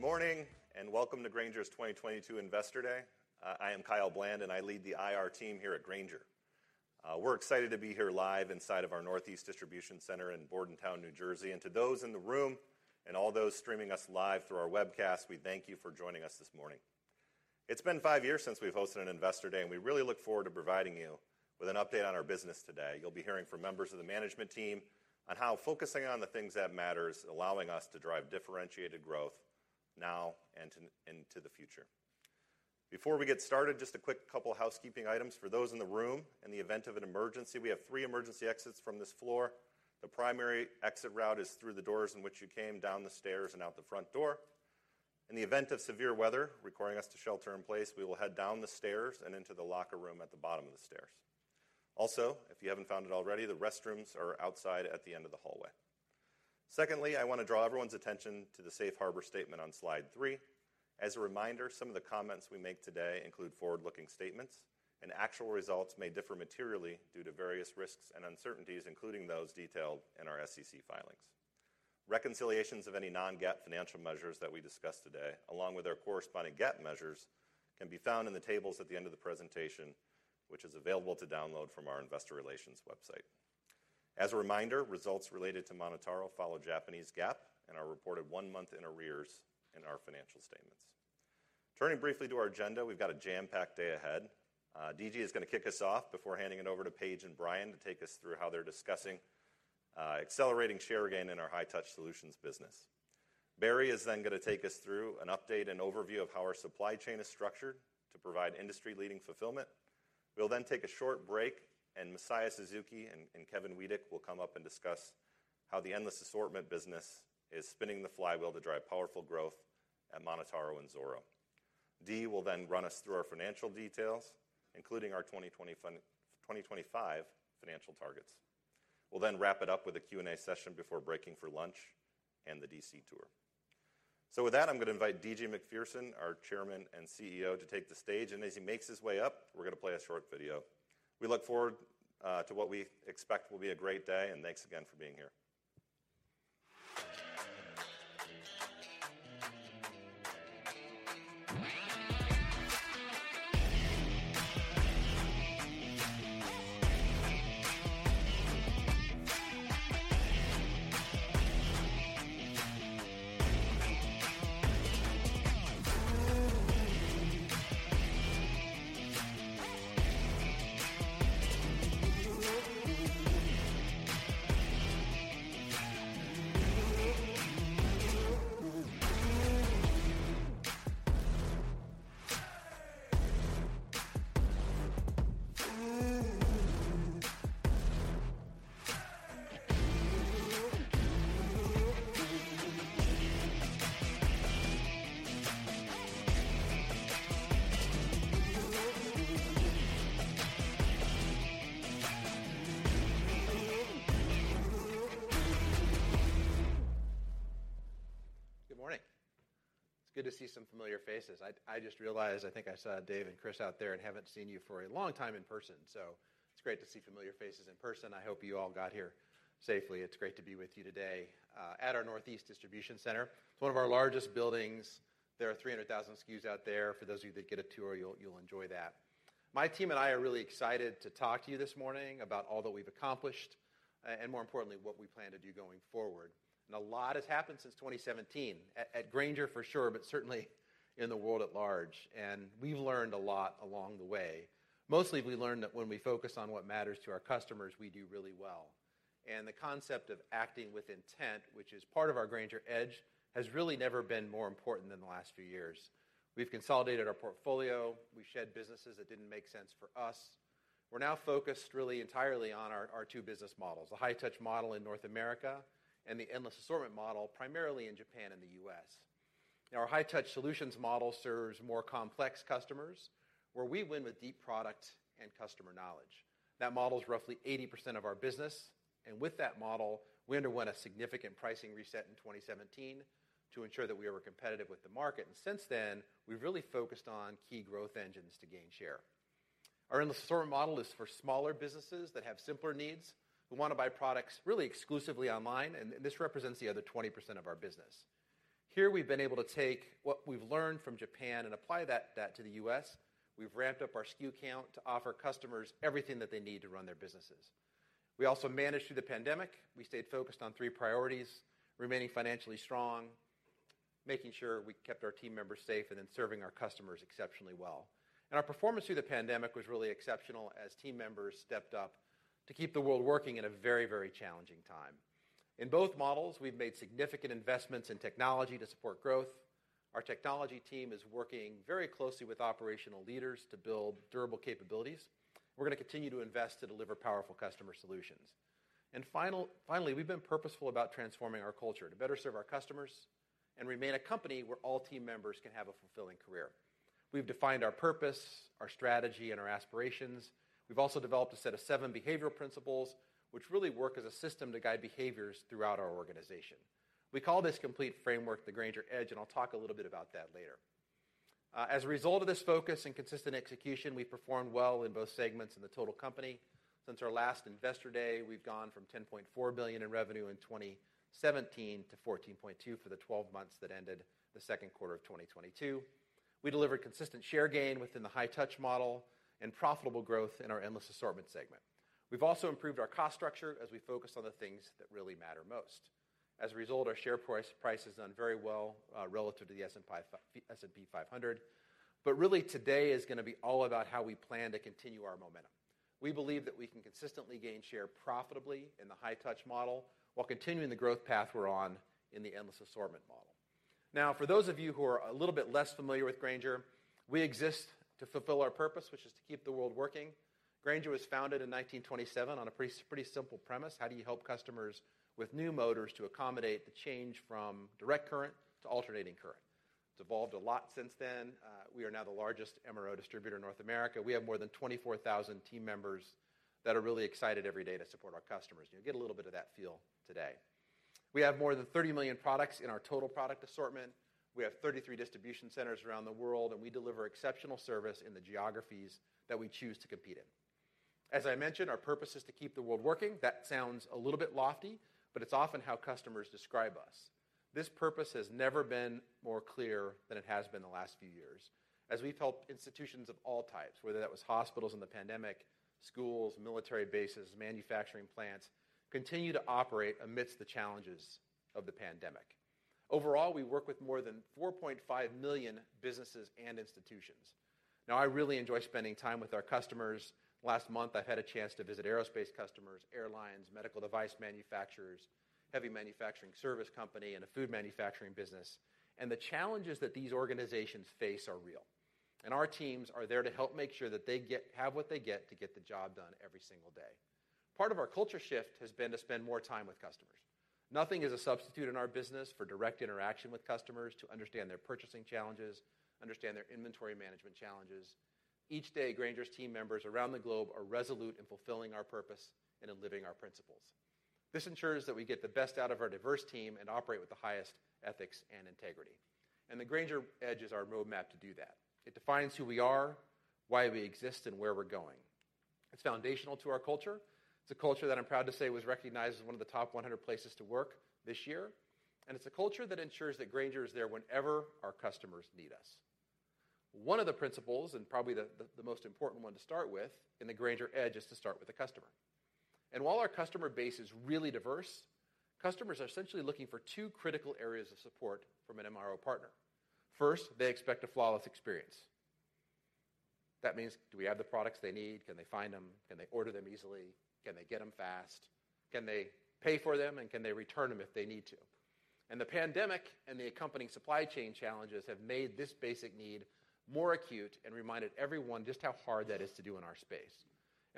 Good morning and welcome to Grainger's 2022 Investor Day. I am Kyle Bland, and I lead the IR team here at Grainger. We're excited to be here live inside of our Northeast Distribution Center in Bordentown, New Jersey. To those in the room and all those streaming us live through our webcast, we thank you for joining us this morning. It's been 5 years since we've hosted an Investor Day, and we really look forward to providing you with an update on our business today. You'll be hearing from members of the management team on how focusing on the things that matters allowing us to drive differentiated growth now and into the future. Before we get started, just a quick couple housekeeping items. For those in the room, in the event of an emergency, we have 3 emergency exits from this floor. The primary exit route is through the doors in which you came, down the stairs, and out the front door. In the event of severe weather requiring us to shelter in place, we will head down the stairs and into the locker room at the bottom of the stairs. Also, if you haven't found it already, the restrooms are outside at the end of the hallway. Secondly, I wanna draw everyone's attention to the safe harbor statement on slide 3. As a reminder, some of the comments we make today include forward-looking statements, and actual results may differ materially due to various risks and uncertainties, including those detailed in our SEC filings. Reconciliations of any non-GAAP financial measures that we discuss today, along with their corresponding GAAP measures, can be found in the tables at the end of the presentation, which is available to download from our investor relations website. As a reminder, results related to MonotaRO follow Japanese GAAP and are reported one month in arrears in our financial statements. Turning briefly to our agenda, we've got a jam-packed day ahead. D.G. is gonna kick us off before handing it over to Paige and Brian to take us through how they're discussing accelerating share gain in our high-touch solutions business. Barry is then gonna take us through an update and overview of how our supply chain is structured to provide industry-leading fulfillment. We'll then take a short break, and Masaya Suzuki and Kevin Weadick will come up and discuss how the endless assortment business is spinning the flywheel to drive powerful growth at MonotaRO and Zoro. Dee will then run us through our financial details, including our 2025 financial targets. We'll then wrap it up with a Q&A session before breaking for lunch and the D.C. tour. With that, I'm gonna invite D.G. Macpherson, our Chairman and CEO, to take the stage. As he makes his way up, we're gonna play a short video. We look forward to what we expect will be a great day, and thanks again for being here. Good morning. It's good to see some familiar faces. I just realized, I think I saw Dave and Chris out there and haven't seen you for a long time in person, so it's great to see familiar faces in person. I hope you all got here safely. It's great to be with you today at our northeast distribution center. It's one of our largest buildings. There are 300,000 SKUs out there. For those of you that get a tour, you'll enjoy that. My team and I are really excited to talk to you this morning about all that we've accomplished, and more importantly, what we plan to do going forward. A lot has happened since 2017 at Grainger for sure, but certainly in the world at large, and we've learned a lot along the way. Mostly, we learned that when we focus on what matters to our customers, we do really well. The concept of acting with intent, which is part of our Grainger Edge, has really never been more important than the last few years. We've consolidated our portfolio. We shed businesses that didn't make sense for us. We're now focused really entirely on our two business models, the high-touch model in North America and the endless assortment model, primarily in Japan and the US. Now, our high-touch solutions model serves more complex customers, where we win with deep product and customer knowledge. That model is roughly 80% of our business, and with that model, we underwent a significant pricing reset in 2017 to ensure that we were competitive with the market. Since then, we've really focused on key growth engines to gain share. Our endless assortment model is for smaller businesses that have simpler needs, who wanna buy products really exclusively online, and this represents the other 20% of our business. Here, we've been able to take what we've learned from Japan and apply that to the US. We've ramped up our SKU count to offer customers everything that they need to run their businesses. We also managed through the pandemic. We stayed focused on three priorities, remaining financially strong, making sure we kept our team members safe, and then serving our customers exceptionally well. Our performance through the pandemic was really exceptional as team members stepped up to keep the world working in a very, very challenging time. In both models, we've made significant investments in technology to support growth. Our technology team is working very closely with operational leaders to build durable capabilities. We're gonna continue to invest to deliver powerful customer solutions. Finally, we've been purposeful about transforming our culture to better serve our customers and remain a company where all team members can have a fulfilling career. We've defined our purpose, our strategy, and our aspirations. We've also developed a set of seven behavioral principles which really work as a system to guide behaviors throughout our organization. We call this complete framework the Grainger Edge, and I'll talk a little bit about that later. As a result of this focus and consistent execution, we've performed well in both segments in the total company. Since our last investor day, we've gone from $10.4 billion in revenue in 2017 to $14.2 billion for the twelve months that ended the second quarter of 2022. We delivered consistent share gain within the high-touch model and profitable growth in our endless assortment segment. We've also improved our cost structure as we focus on the things that really matter most. As a result, our share price has done very well relative to the S&P 500. Really today is gonna be all about how we plan to continue our momentum. We believe that we can consistently gain share profitably in the high-touch model while continuing the growth path we're on in the endless assortment model. Now, for those of you who are a little bit less familiar with Grainger, we exist to fulfill our purpose, which is to keep the world working. Grainger was founded in 1927 on a pretty simple premise: how do you help customers with new motors to accommodate the change from direct current to alternating current? It's evolved a lot since then. We are now the largest MRO distributor in North America. We have more than 24,000 team members that are really excited every day to support our customers, and you'll get a little bit of that feel today. We have more than 30 million products in our total product assortment. We have 33 distribution centers around the world, and we deliver exceptional service in the geographies that we choose to compete in. As I mentioned, our purpose is to keep the world working. That sounds a little bit lofty, but it's often how customers describe us. This purpose has never been more clear than it has been the last few years as we've helped institutions of all types, whether that was hospitals in the pandemic, schools, military bases, manufacturing plants, continue to operate amidst the challenges of the pandemic. Overall, we work with more than 4.5 million businesses and institutions. Now, I really enjoy spending time with our customers. Last month, I had a chance to visit aerospace customers, airlines, medical device manufacturers, heavy manufacturing service company, and a food manufacturing business, and the challenges that these organizations face are real. Our teams are there to help make sure that they have what it takes to get the job done every single day. Part of our culture shift has been to spend more time with customers. Nothing is a substitute in our business for direct interaction with customers to understand their purchasing challenges, understand their inventory management challenges. Each day, Grainger's team members around the globe are resolute in fulfilling our purpose and in living our principles. This ensures that we get the best out of our diverse team and operate with the highest ethics and integrity. The Grainger Edge is our roadmap to do that. It defines who we are, why we exist, and where we're going. It's foundational to our culture. It's a culture that I'm proud to say was recognized as one of the top 100 places to work this year, and it's a culture that ensures that Grainger is there whenever our customers need us. One of the principles, and probably the most important one to start with in the Grainger Edge, is to start with the customer. While our customer base is really diverse, customers are essentially looking for two critical areas of support from an MRO partner. First, they expect a flawless experience. That means, do we have the products they need? Can they find them? Can they order them easily? Can they get them fast? Can they pay for them, and can they return them if they need to? The pandemic and the accompanying supply chain challenges have made this basic need more acute and reminded everyone just how hard that is to do in our space.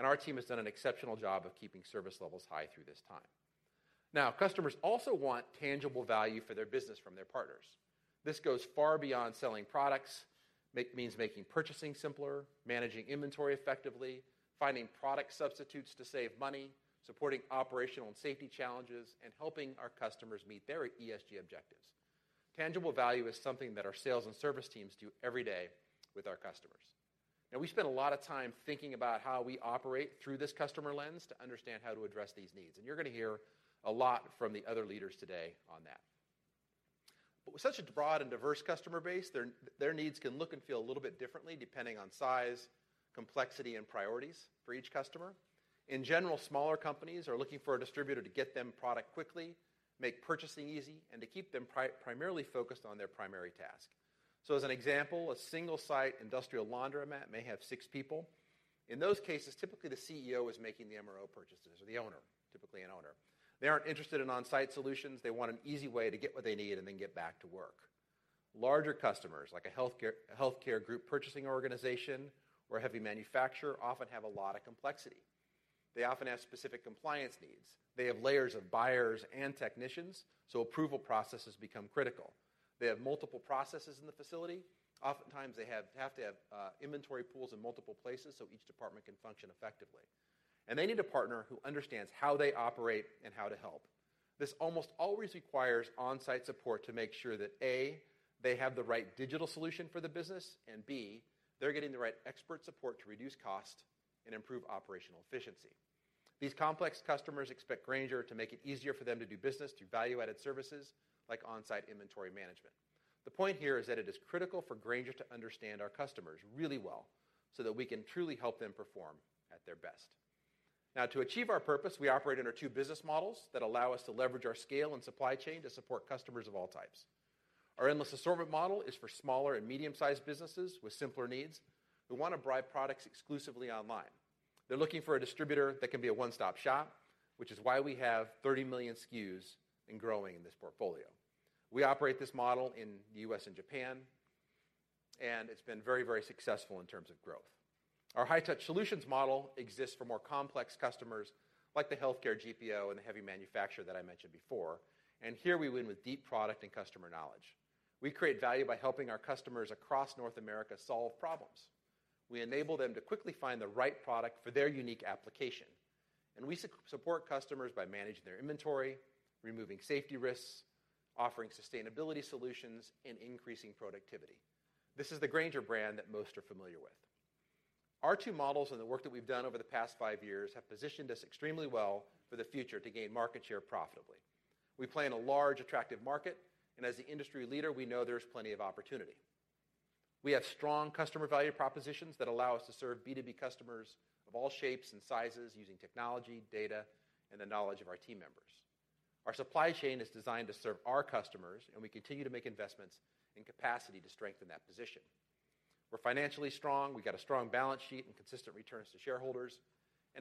Our team has done an exceptional job of keeping service levels high through this time. Now, customers also want tangible value for their business from their partners. This goes far beyond selling products. Means making purchasing simpler, managing inventory effectively, finding product substitutes to save money, supporting operational and safety challenges, and helping our customers meet their ESG objectives. Tangible value is something that our sales and service teams do every day with our customers. Now, we spend a lot of time thinking about how we operate through this customer lens to understand how to address these needs, and you're gonna hear a lot from the other leaders today on that. But with such a broad and diverse customer base, their needs can look and feel a little bit differently depending on size, complexity, and priorities for each customer. In general, smaller companies are looking for a distributor to get them product quickly, make purchasing easy, and to keep them primarily focused on their primary task. As an example, a single-site industrial laundromat may have six people. In those cases, typically, the CEO is making the MRO purchases, or the owner, typically an owner. They aren't interested in on-site solutions. They want an easy way to get what they need and then get back to work. Larger customers, like a healthcare group purchasing organization or a heavy manufacturer, often have a lot of complexity. They often have specific compliance needs. They have layers of buyers and technicians, so approval processes become critical. They have multiple processes in the facility. Oftentimes they have to have inventory pools in multiple places so each department can function effectively. They need a partner who understands how they operate and how to help. This almost always requires on-site support to make sure that, A, they have the right digital solution for the business, and B, they're getting the right expert support to reduce cost and improve operational efficiency. These complex customers expect Grainger to make it easier for them to do business through value-added services like on-site inventory management. The point here is that it is critical for Grainger to understand our customers really well so that we can truly help them perform at their best. Now, to achieve our purpose, we operate under two business models that allow us to leverage our scale and supply chain to support customers of all types. Our endless assortment model is for smaller and medium-sized businesses with simpler needs who wanna buy products exclusively online. They're looking for a distributor that can be a one-stop shop, which is why we have 30 million SKUs and growing in this portfolio. We operate this model in the U.S. and Japan, and it's been very, very successful in terms of growth. Our high-touch solutions model exists for more complex customers like the healthcare GPO and the heavy manufacturer that I mentioned before, and here we win with deep product and customer knowledge We create value by helping our customers across North America solve problems. We enable them to quickly find the right product for their unique application. We support customers by managing their inventory, removing safety risks, offering sustainability solutions, and increasing productivity. This is the Grainger brand that most are familiar with. Our two models and the work that we've done over the past five years have positioned us extremely well for the future to gain market share profitably. We play in a large, attractive market, and as the industry leader, we know there's plenty of opportunity. We have strong customer value propositions that allow us to serve B2B customers of all shapes and sizes using technology, data, and the knowledge of our team members. Our supply chain is designed to serve our customers, and we continue to make investments in capacity to strengthen that position. We're financially strong. We got a strong balance sheet and consistent returns to shareholders.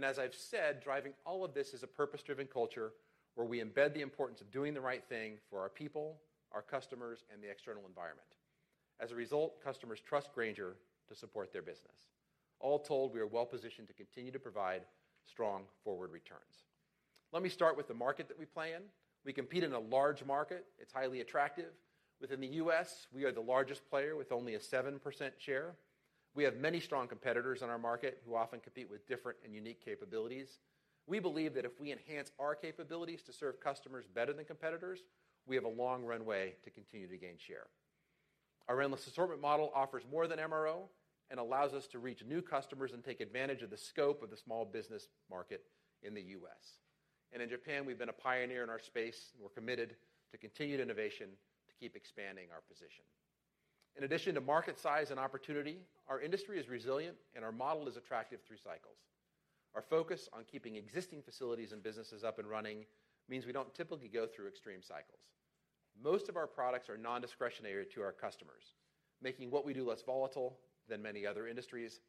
As I've said, driving all of this is a purpose-driven culture where we embed the importance of doing the right thing for our people, our customers, and the external environment. As a result, customers trust Grainger to support their business. All told, we are well-positioned to continue to provide strong forward returns. Let me start with the market that we play in. We compete in a large market. It's highly attractive. Within the U.S., we are the largest player with only a 7% share. We have many strong competitors in our market who often compete with different and unique capabilities. We believe that if we enhance our capabilities to serve customers better than competitors, we have a long runway to continue to gain share. Our endless assortment model offers more than MRO and allows us to reach new customers and take advantage of the scope of the small business market in the U.S. In Japan, we've been a pioneer in our space, and we're committed to continued innovation to keep expanding our position. In addition to market size and opportunity, our industry is resilient, and our model is attractive through cycles. Our focus on keeping existing facilities and businesses up and running means we don't typically go through extreme cycles. Most of our products are nondiscretionary to our customers, making what we do less volatile than many other industries.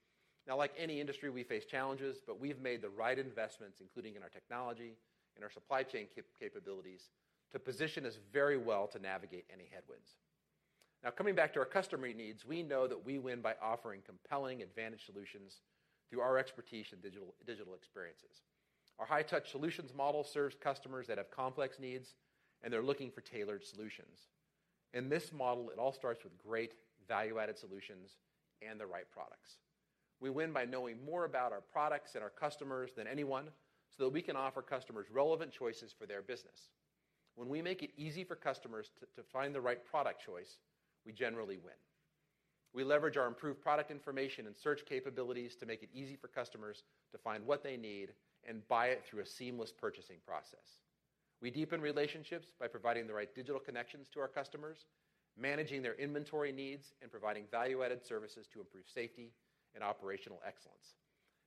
Now, like any industry, we face challenges, but we've made the right investments, including in our technology and our supply chain capabilities, to position us very well to navigate any headwinds. Now, coming back to our customer needs, we know that we win by offering compelling advantage solutions through our expertise in digital experiences. Our high-touch solutions model serves customers that have complex needs, and they're looking for tailored solutions. In this model, it all starts with great value-added solutions and the right products. We win by knowing more about our products and our customers than anyone, so that we can offer customers relevant choices for their business. When we make it easy for customers to find the right product choice, we generally win. We leverage our improved product information and search capabilities to make it easy for customers to find what they need and buy it through a seamless purchasing process. We deepen relationships by providing the right digital connections to our customers, managing their inventory needs, and providing value-added services to improve safety and operational excellence.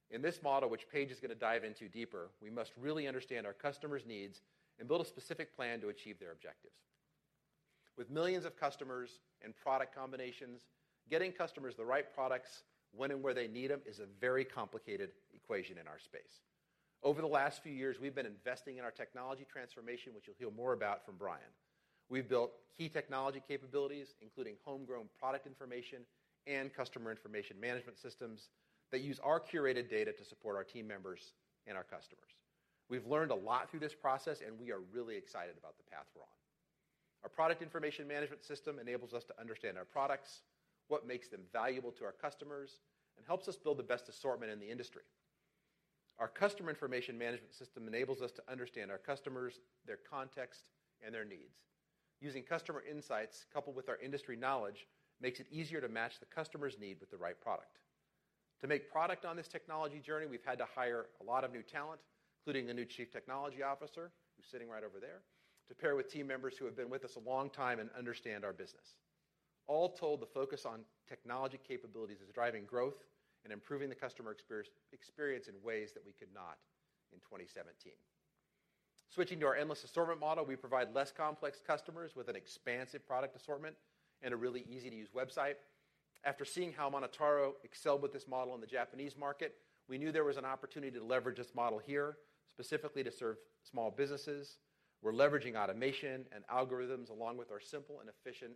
In this model, which Paige is gonna dive into deeper, we must really understand our customers' needs and build a specific plan to achieve their objectives. With millions of customers and product combinations, getting customers the right products when and where they need them is a very complicated equation in our space. Over the last few years, we've been investing in our technology transformation, which you'll hear more about from Brian. We've built key technology capabilities, including homegrown product information and customer information management systems that use our curated data to support our team members and our customers. We've learned a lot through this process, and we are really excited about the path we're on. Our product information management system enables us to understand our products, what makes them valuable to our customers, and helps us build the best assortment in the industry. Our customer information management system enables us to understand our customers, their context, and their needs. Using customer insights coupled with our industry knowledge makes it easier to match the customer's need with the right product. To make progress on this technology journey, we've had to hire a lot of new talent, including a new chief technology officer, who's sitting right over there, to pair with team members who have been with us a long time and understand our business. All told, the focus on technology capabilities is driving growth and improving the customer experience in ways that we could not in 2017. Switching to our endless assortment model, we provide less complex customers with an expansive product assortment and a really easy-to-use website. After seeing how MonotaRO excelled with this model in the Japanese market, we knew there was an opportunity to leverage this model here, specifically to serve small businesses. We're leveraging automation and algorithms along with our simple and efficient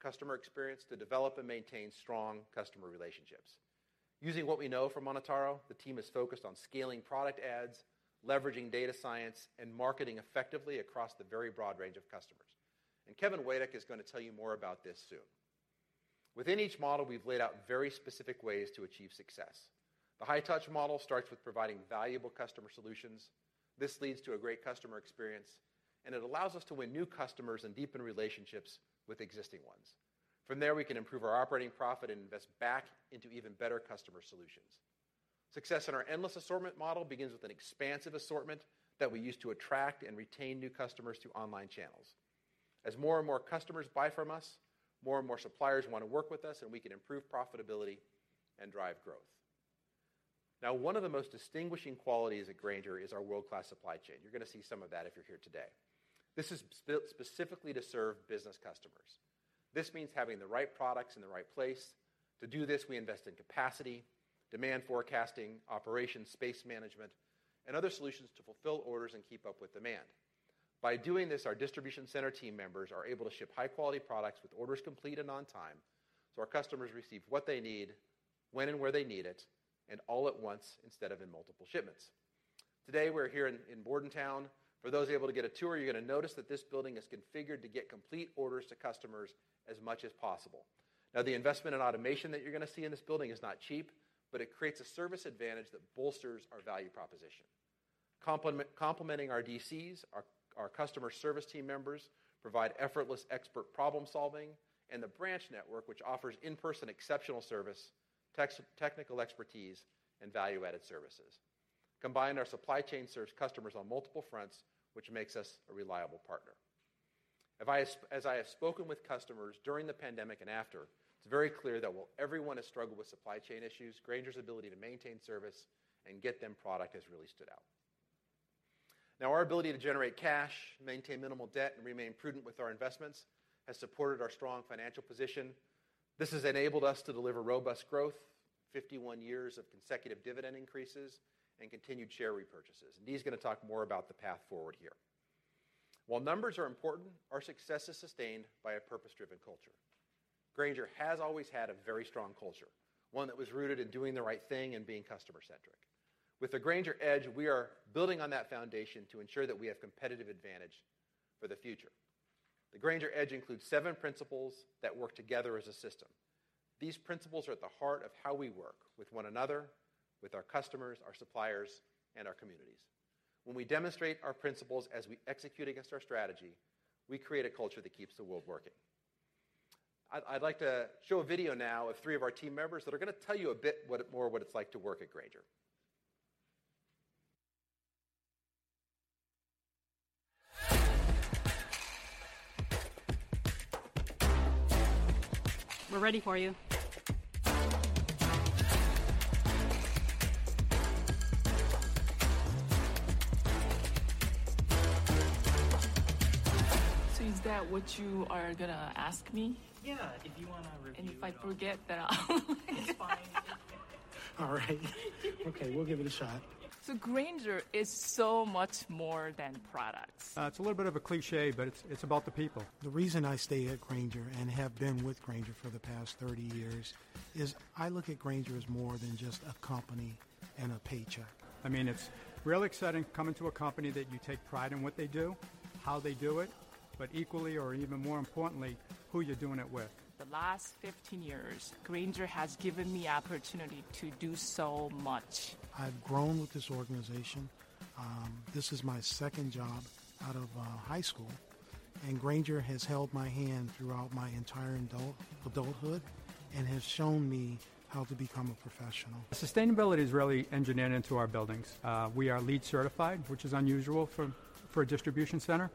customer experience to develop and maintain strong customer relationships. Using what we know from MonotaRO, the team is focused on scaling product ads, leveraging data science, and marketing effectively across the very broad range of customers, and Kevin Weadick is gonna tell you more about this soon. Within each model, we've laid out very specific ways to achieve success. The high-touch model starts with providing valuable customer solutions. This leads to a great customer experience, and it allows us to win new customers and deepen relationships with existing ones. From there, we can improve our operating profit and invest back into even better customer solutions. Success in our endless assortment model begins with an expansive assortment that we use to attract and retain new customers through online channels. As more and more customers buy from us, more and more suppliers wanna work with us, and we can improve profitability and drive growth. Now, one of the most distinguishing qualities at Grainger is our world-class supply chain. You're gonna see some of that if you're here today. This is specifically to serve business customers. This means having the right products in the right place. To do this, we invest in capacity, demand forecasting, operation space management, and other solutions to fulfill orders and keep up with demand. By doing this, our distribution center team members are able to ship high-quality products with orders complete and on time, so our customers receive what they need, when and where they need it, and all at once instead of in multiple shipments. Today, we're here in Bordentown. For those able to get a tour, you're gonna notice that this building is configured to get complete orders to customers as much as possible. Now, the investment in automation that you're gonna see in this building is not cheap, but it creates a service advantage that bolsters our value proposition. Complementing our DCs, our customer service team members provide effortless expert problem-solving, and the branch network, which offers in-person exceptional service, technical expertise, and value-added services. Combined, our supply chain serves customers on multiple fronts, which makes us a reliable partner. As I have spoken with customers during the pandemic and after, it's very clear that while everyone has struggled with supply chain issues, Grainger's ability to maintain service and get them product has really stood out. Now, our ability to generate cash, maintain minimal debt, and remain prudent with our investments has supported our strong financial position. This has enabled us to deliver robust growth, 51 years of consecutive dividend increases, and continued share repurchases. D.G.'s gonna talk more about the path forward here. While numbers are important, our success is sustained by a purpose-driven culture. Grainger has always had a very strong culture, one that was rooted in doing the right thing and being customer-centric. With the Grainger Edge, we are building on that foundation to ensure that we have competitive advantage for the future. The Grainger Edge includes seven principles that work together as a system. These principles are at the heart of how we work with one another, with our customers, our suppliers, and our communities. When we demonstrate our principles as we execute against our strategy, we create a culture that keeps the world working. I'd like to show a video now of three of our team members that are gonna tell you a bit more about what it's like to work at Grainger. We're ready for you. Is that what you are gonna ask me? Yeah. If I forget, then I'll, it's fine. All right. Okay, we'll give it a shot. Grainger is so much more than products. It's a little bit of a cliché, but it's about the people. The reason I stay at Grainger and have been with Grainger for the past 30 years is I look at Grainger as more than just a company and a paycheck. I mean, it's real exciting coming to a company that you take pride in what they do, how they do it, but equally or even more importantly, who you're doing it with. The last 15 years, Grainger has given me opportunity to do so much. I've grown with this organization. This is my second job out of high school, and Grainger has held my hand throughout my entire adulthood and has shown me how to become a professional. Sustainability is really engineered into our buildings. We are LEED certified, which is unusual for a distribution center.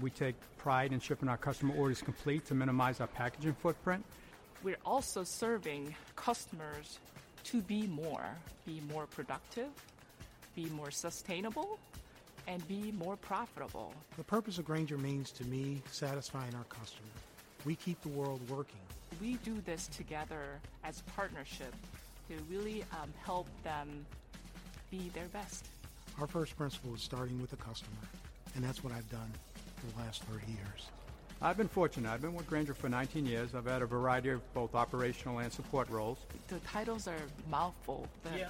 We take pride in shipping our customer orders complete to minimize our packaging footprint. We're also serving customers to be more productive, be more sustainable, and be more profitable. The purpose of Grainger means to me satisfying our customer. We keep the world working. We do this together as a partnership to really help them be their best. Our first principle is starting with the customer, and that's what I've done for the last 30 years. I've been fortunate. I've been with Grainger for 19 years. I've had a variety of both operational and support roles. The titles are a mouthful, but Yeah.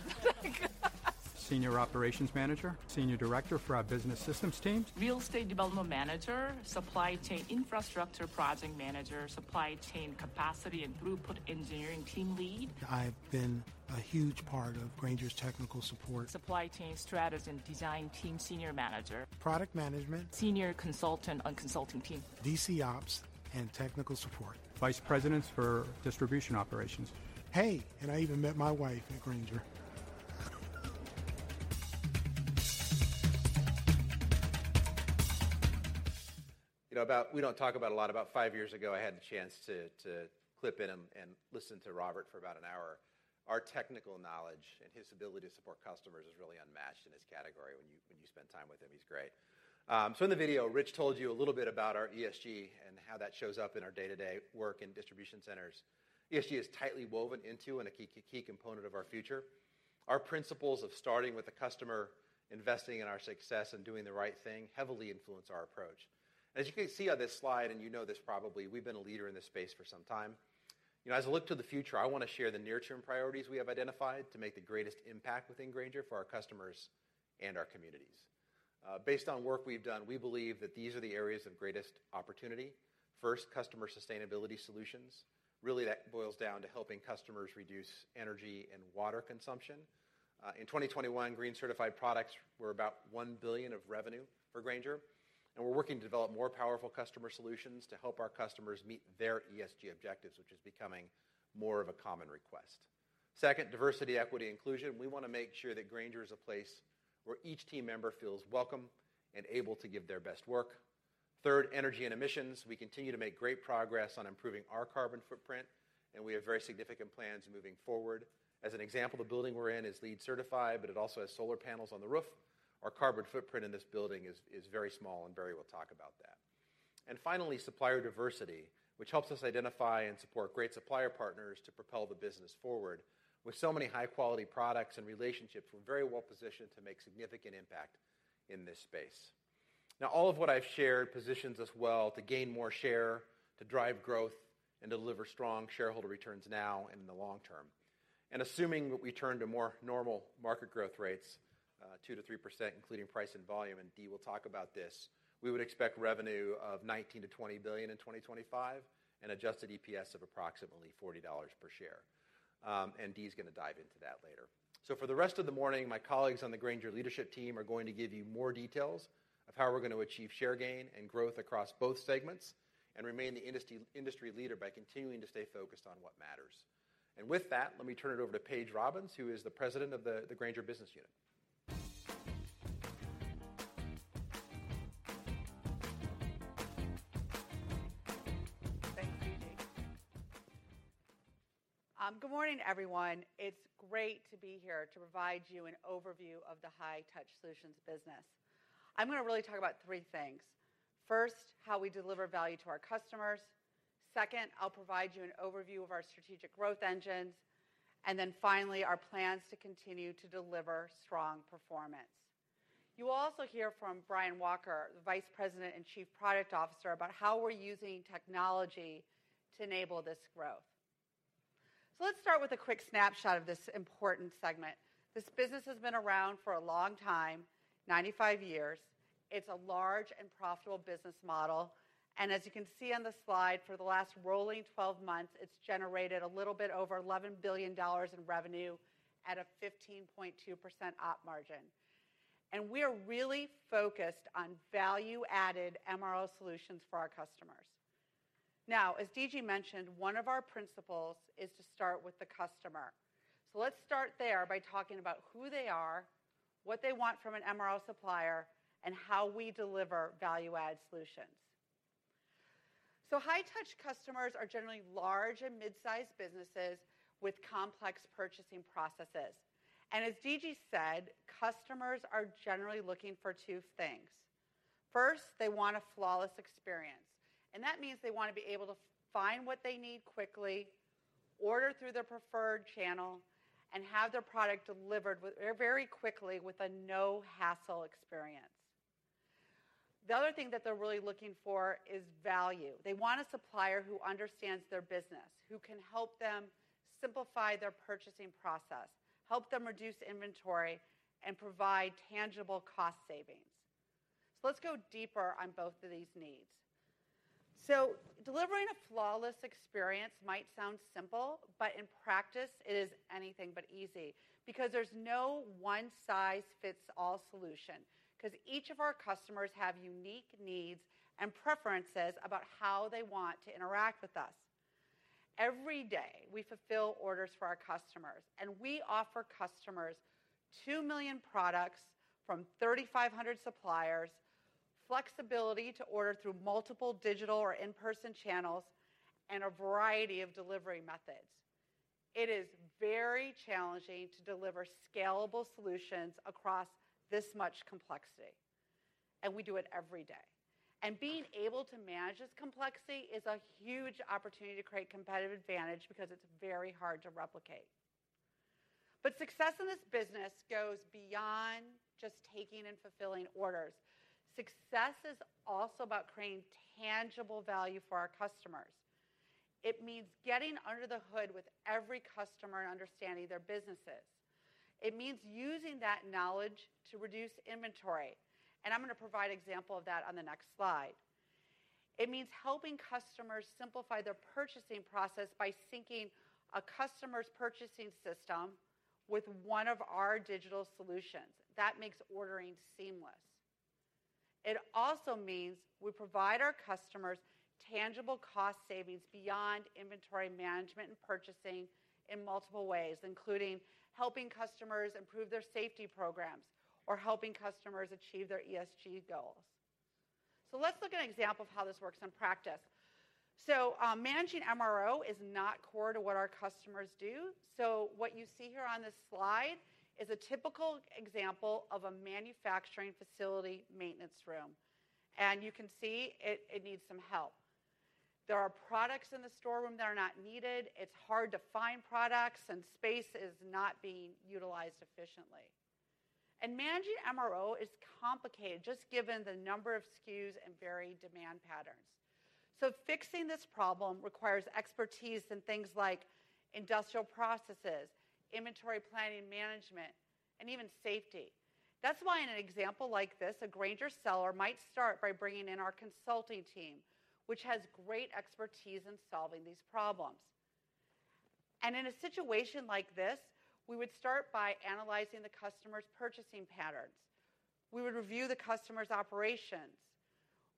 Senior Operations Manager, Senior Director for our business systems teams. Real Estate Development Manager, Supply Chain Infrastructure Project Manager, Supply Chain Capacity and Throughput Engineering Team Lead. I've been a huge part of Grainger's technical support. Supply Chain Strategy and Design Team Senior Manager. Product Management. Senior Consultant on Consulting Team. DC Ops and Technical Support. Vice President for Distribution Operations. Hey, I even met my wife at Grainger. You know, we don't talk a lot about five years ago. I had the chance to clip in and listen to Robert for about an hour. Our technical knowledge and his ability to support customers is really unmatched in his category. When you spend time with him, he's great. So in the video, Rich told you a little bit about our ESG and how that shows up in our day-to-day work in distribution centers. ESG is tightly woven into and a key component of our future. Our principles of starting with the customer, investing in our success, and doing the right thing heavily influence our approach. As you can see on this slide, and you know this probably, we've been a leader in this space for some time. You know, as I look to the future, I wanna share the near-term priorities we have identified to make the greatest impact within Grainger for our customers and our communities. Based on work we've done, we believe that these are the areas of greatest opportunity. First, customer sustainability solutions. Really, that boils down to helping customers reduce energy and water consumption. In 2021, green certified products were about $1 billion of revenue for Grainger, and we're working to develop more powerful customer solutions to help our customers meet their ESG objectives, which is becoming more of a common request. Second, diversity, equity, inclusion. We wanna make sure that Grainger is a place where each team member feels welcome and able to give their best work. Third, energy and emissions. We continue to make great progress on improving our carbon footprint, and we have very significant plans moving forward. As an example, the building we're in is LEED certified, but it also has solar panels on the roof. Our carbon footprint in this building is very small and Barry will talk about that. Finally, supplier diversity, which helps us identify and support great supplier partners to propel the business forward. With so many high-quality products and relationships, we're very well positioned to make significant impact in this space. Now, all of what I've shared positions us well to gain more share, to drive growth, and deliver strong shareholder returns now and in the long term. Assuming we turn to more normal market growth rates, 2%-3% including price and volume, and Dee will talk about this. We would expect revenue of $19 billion-$20 billion in 2025 and adjusted EPS of approximately $40 per share. Dee's gonna dive into that later. For the rest of the morning, my colleagues on the Grainger leadership team are going to give you more details of how we're gonna achieve share gain and growth across both segments and remain the industry leader by continuing to stay focused on what matters. With that, let me turn it over to Paige Robbins, who is the president of the Grainger Business Unit. Thanks, D.G.. Good morning, everyone. It's great to be here to provide you an overview of the High Touch Solutions business. I'm gonna really talk about three things. First, how we deliver value to our customers. Second, I'll provide you an overview of our strategic growth engines, and then finally, our plans to continue to deliver strong performance. You will also hear from Brian Walker, the Vice President and Chief Product Officer, about how we're using technology to enable this growth. Let's start with a quick snapshot of this important segment. This business has been around for a long time, 95 years. It's a large and profitable business model, and as you can see on the slide, for the last rolling twelve months, it's generated a little bit over $11 billion in revenue at a 15.2% op margin. We are really focused on value-added MRO solutions for our customers. Now, as D.G. mentioned, one of our principles is to start with the customer. Let's start there by talking about who they are, what they want from an MRO supplier, and how we deliver value add solutions. High Touch customers are generally large and mid-sized businesses with complex purchasing processes. As D.G. said, customers are generally looking for two things. First, they want a flawless experience, and that means they wanna be able to find what they need quickly, order through their preferred channel, and have their product delivered very quickly with a no hassle experience. The other thing that they're really looking for is value. They want a supplier who understands their business, who can help them simplify their purchasing process, help them reduce inventory, and provide tangible cost savings. Let's go deeper on both of these needs. Delivering a flawless experience might sound simple, but in practice it is anything but easy, because there's no one size fits all solution, 'cause each of our customers have unique needs and preferences about how they want to interact with us. Every day, we fulfill orders for our customers, and we offer customers 2 million products from 3,500 suppliers, flexibility to order through multiple digital or in-person channels, and a variety of delivery methods. It is very challenging to deliver scalable solutions across this much complexity, and we do it every day. Being able to manage this complexity is a huge opportunity to create competitive advantage because it's very hard to replicate. Success in this business goes beyond just taking and fulfilling orders. Success is also about creating tangible value for our customers. It means getting under the hood with every customer and understanding their businesses. It means using that knowledge to reduce inventory, and I'm gonna provide example of that on the next slide. It means helping customers simplify their purchasing process by syncing a customer's purchasing system with one of our digital solutions. That makes ordering seamless. It also means we provide our customers tangible cost savings beyond inventory management and purchasing in multiple ways, including helping customers improve their safety programs or helping customers achieve their ESG goals. Let's look at an example of how this works in practice. Managing MRO is not core to what our customers do. What you see here on this slide is a typical example of a manufacturing facility maintenance room. You can see it needs some help. There are products in the storeroom that are not needed, it's hard to find products, and space is not being utilized efficiently. Managing MRO is complicated just given the number of SKUs and varied demand patterns. Fixing this problem requires expertise in things like industrial processes, inventory planning management, and even safety. That's why in an example like this, a Grainger seller might start by bringing in our consulting team, which has great expertise in solving these problems. In a situation like this, we would start by analyzing the customer's purchasing patterns. We would review the customer's operations.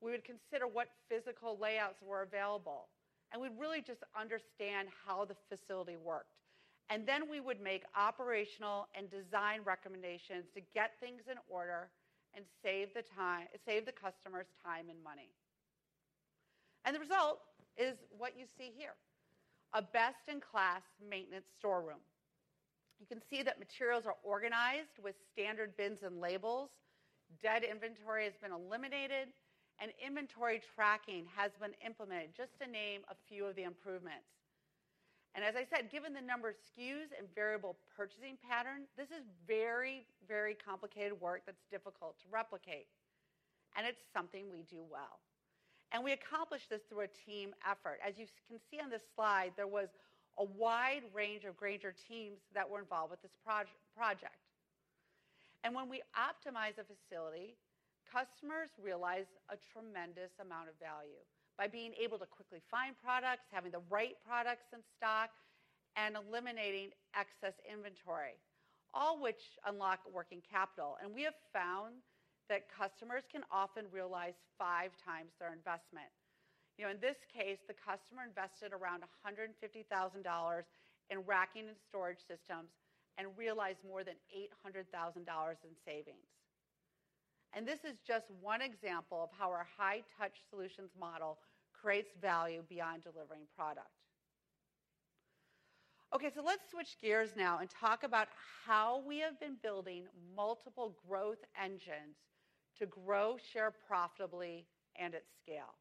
We would consider what physical layouts were available, and we'd really just understand how the facility worked. Then we would make operational and design recommendations to get things in order and save the customer's time and money. The result is what you see here, a best-in-class maintenance storeroom. You can see that materials are organized with standard bins and labels, dead inventory has been eliminated, and inventory tracking has been implemented, just to name a few of the improvements. As I said, given the number of SKUs and variable purchasing pattern, this is very, very complicated work that's difficult to replicate. It's something we do well. We accomplish this through a team effort. As you can see on this slide, there was a wide range of Grainger teams that were involved with this project. When we optimize a facility, customers realize a tremendous amount of value by being able to quickly find products, having the right products in stock, and eliminating excess inventory, all which unlock working capital. We have found that customers can often realize five times their investment. You know, in this case, the customer invested around $150,000 in racking and storage systems and realized more than $800,000 in savings. This is just one example of how our high-touch solutions model creates value beyond delivering product. Okay, let's switch gears now and talk about how we have been building multiple growth engines to grow share profitably and at scale.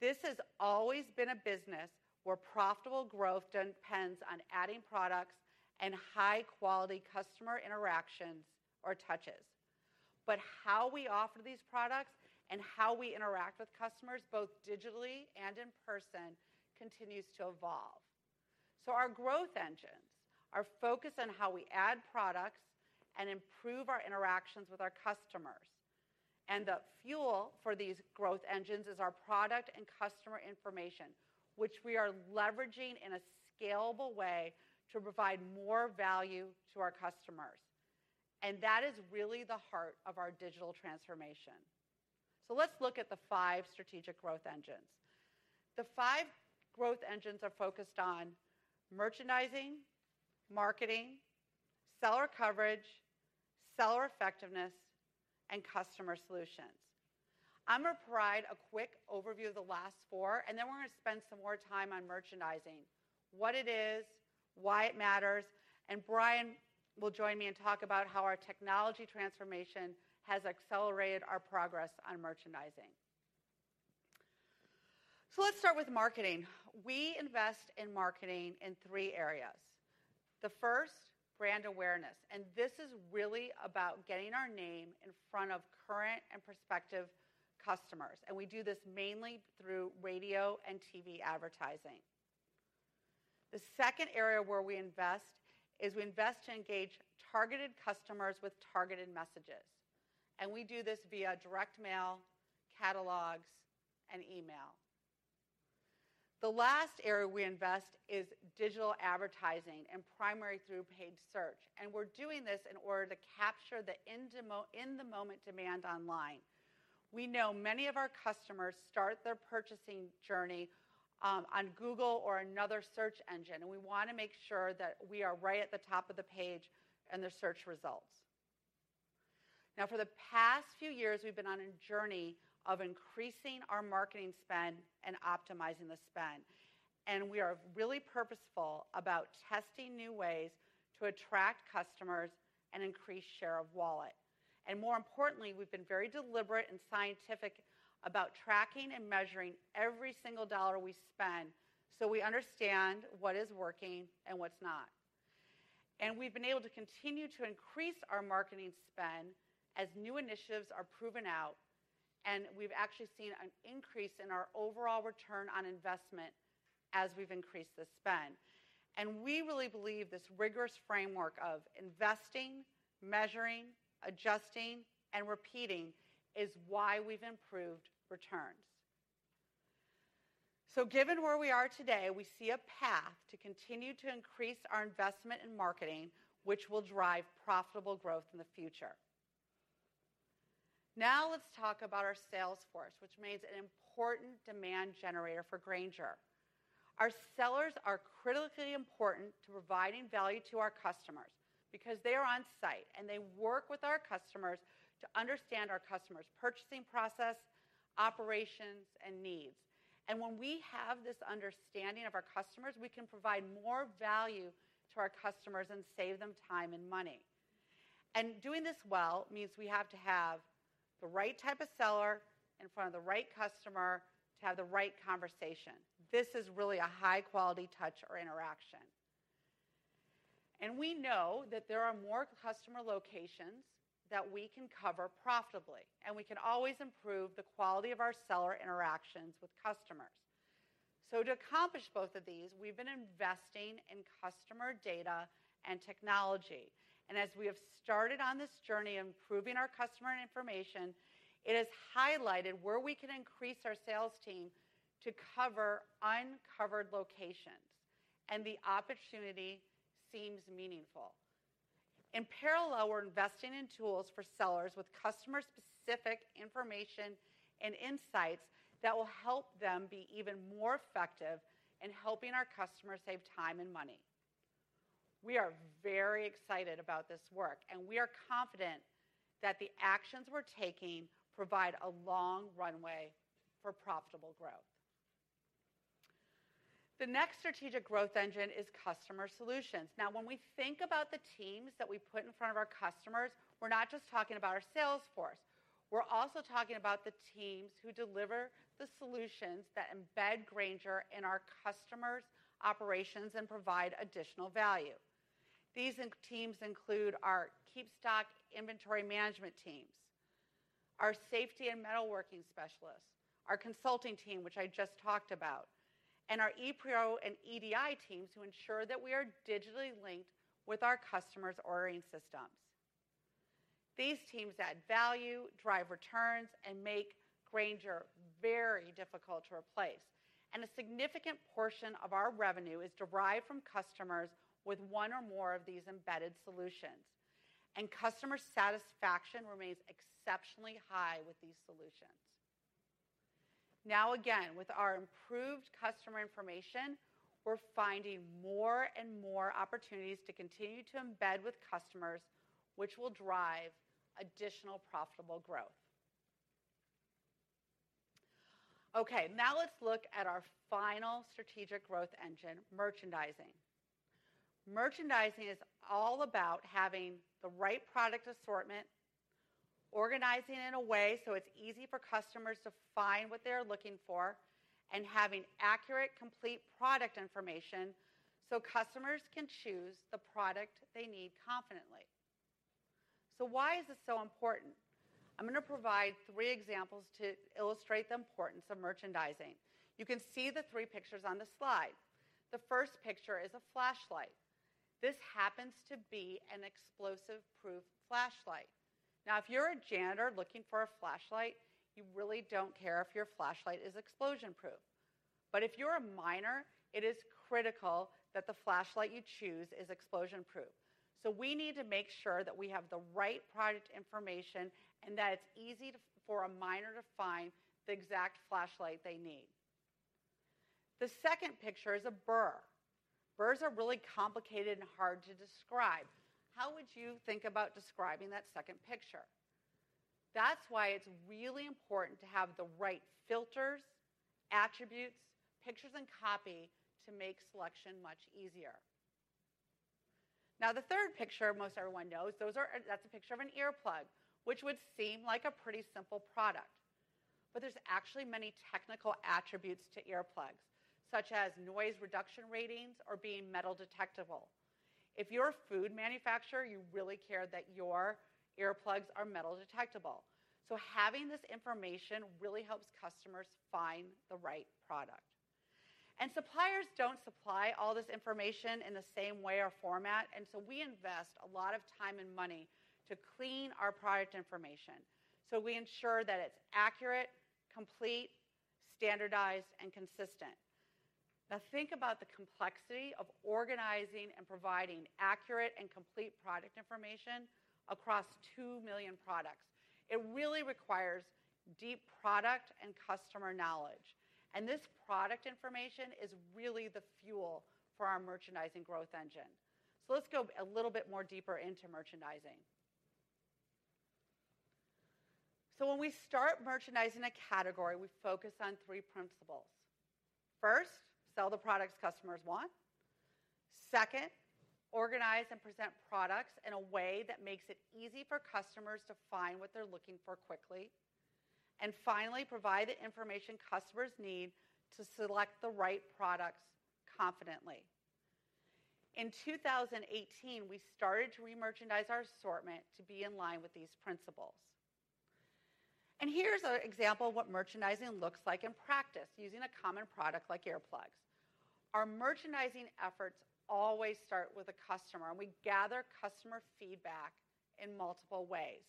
This has always been a business where profitable growth depends on adding products and high-quality customer interactions or touches. how we offer these products and how we interact with customers, both digitally and in person, continues to evolve. our growth engines are focused on how we add products and improve our interactions with our customers. The fuel for these growth engines is our product and customer information, which we are leveraging in a scalable way to provide more value to our customers. That is really the heart of our digital transformation. Let's look at the five strategic growth engines. The five growth engines are focused on merchandising, marketing, seller coverage, seller effectiveness, and customer solutions. I'm gonna provide a quick overview of the last four, and then we're gonna spend some more time on merchandising, what it is, why it matters, and Brian will join me and talk about how our technology transformation has accelerated our progress on merchandising. Let's start with marketing. We invest in marketing in three areas. The first, brand awareness, and this is really about getting our name in front of current and prospective customers, and we do this mainly through radio and TV advertising. The second area where we invest is we invest to engage targeted customers with targeted messages, and we do this via direct mail, catalogs, and email. The last area we invest is digital advertising and primarily through paid search, and we're doing this in order to capture the in the moment demand online. We know many of our customers start their purchasing journey on Google or another search engine, and we wanna make sure that we are right at the top of the page in their search results. Now, for the past few years, we've been on a journey of increasing our marketing spend and optimizing the spend, and we are really purposeful about testing new ways to attract customers and increase share of wallet. More importantly, we've been very deliberate and scientific about tracking and measuring every single dollar we spend so we understand what is working and what's not. We've been able to continue to increase our marketing spend as new initiatives are proven out, and we've actually seen an increase in our overall return on investment as we've increased the spend. We really believe this rigorous framework of investing, measuring, adjusting, and repeating is why we've improved returns. Given where we are today, we see a path to continue to increase our investment in marketing, which will drive profitable growth in the future. Now let's talk about our sales force, which remains an important demand generator for Grainger. Our sellers are critically important to providing value to our customers because they are on-site, and they work with our customers to understand our customers' purchasing process, operations, and needs. When we have this understanding of our customers, we can provide more value to our customers and save them time and money. Doing this well means we have to have the right type of seller in front of the right customer to have the right conversation. This is really a high-quality touch or interaction. We know that there are more customer locations that we can cover profitably, and we can always improve the quality of our seller interactions with customers. To accomplish both of these, we've been investing in customer data and technology. As we have started on this journey improving our customer information, it has highlighted where we can increase our sales team to cover uncovered locations, and the opportunity seems meaningful. In parallel, we're investing in tools for sellers with customer-specific information and insights that will help them be even more effective in helping our customers save time and money. We are very excited about this work, and we are confident that the actions we're taking provide a long runway for profitable growth. The next strategic growth engine is customer solutions. Now, when we think about the teams that we put in front of our customers, we're not just talking about our sales force. We're also talking about the teams who deliver the solutions that embed Grainger in our customers' operations and provide additional value. These in-house teams include our KeepStock inventory management teams, our safety and metalworking specialists, our consulting team, which I just talked about, and our ePro and EDI teams who ensure that we are digitally linked with our customers' ordering systems. These teams add value, drive returns, and make Grainger very difficult to replace. A significant portion of our revenue is derived from customers with one or more of these embedded solutions. Customer satisfaction remains exceptionally high with these solutions. Now again, with our improved customer information, we're finding more and more opportunities to continue to embed with customers, which will drive additional profitable growth. Okay, now let's look at our final strategic growth engine, merchandising. Merchandising is all about having the right product assortment, organizing in a way so it's easy for customers to find what they are looking for and having accurate, complete product information so customers can choose the product they need confidently. Why is this so important? I'm gonna provide three examples to illustrate the importance of merchandising. You can see the three pictures on the slide. The first picture is a flashlight. This happens to be an explosion-proof flashlight. Now, if you're a janitor looking for a flashlight, you really don't care if your flashlight is explosion-proof. If you're a miner, it is critical that the flashlight you choose is explosion-proof. We need to make sure that we have the right product information and that it's easy for a miner to find the exact flashlight they need. The second picture is a bur. Burs are really complicated and hard to describe. How would you think about describing that second picture? That's why it's really important to have the right filters, attributes, pictures, and copy to make selection much easier. Now, the third picture most everyone knows. That's a picture of an earplug, which would seem like a pretty simple product, but there's actually many technical attributes to earplugs, such as noise reduction ratings or being metal detectable. If you're a food manufacturer, you really care that your earplugs are metal detectable. Having this information really helps customers find the right product. Suppliers don't supply all this information in the same way or format, and so we invest a lot of time and money to clean our product information. We ensure that it's accurate, complete, standardized, and consistent. Now, think about the complexity of organizing and providing accurate and complete product information across 2 million products. It really requires deep product and customer knowledge, and this product information is really the fuel for our merchandising growth engine. Let's go a little bit more deeper into merchandising. When we start merchandising a category, we focus on three principles. First, sell the products customers want. Second, organize and present products in a way that makes it easy for customers to find what they're looking for quickly. Finally, provide the information customers need to select the right products confidently. In 2018, we started to remerchandise our assortment to be in line with these principles. Here's an example of what merchandising looks like in practice using a common product like earplugs. Our merchandising efforts always start with a customer, and we gather customer feedback in multiple ways.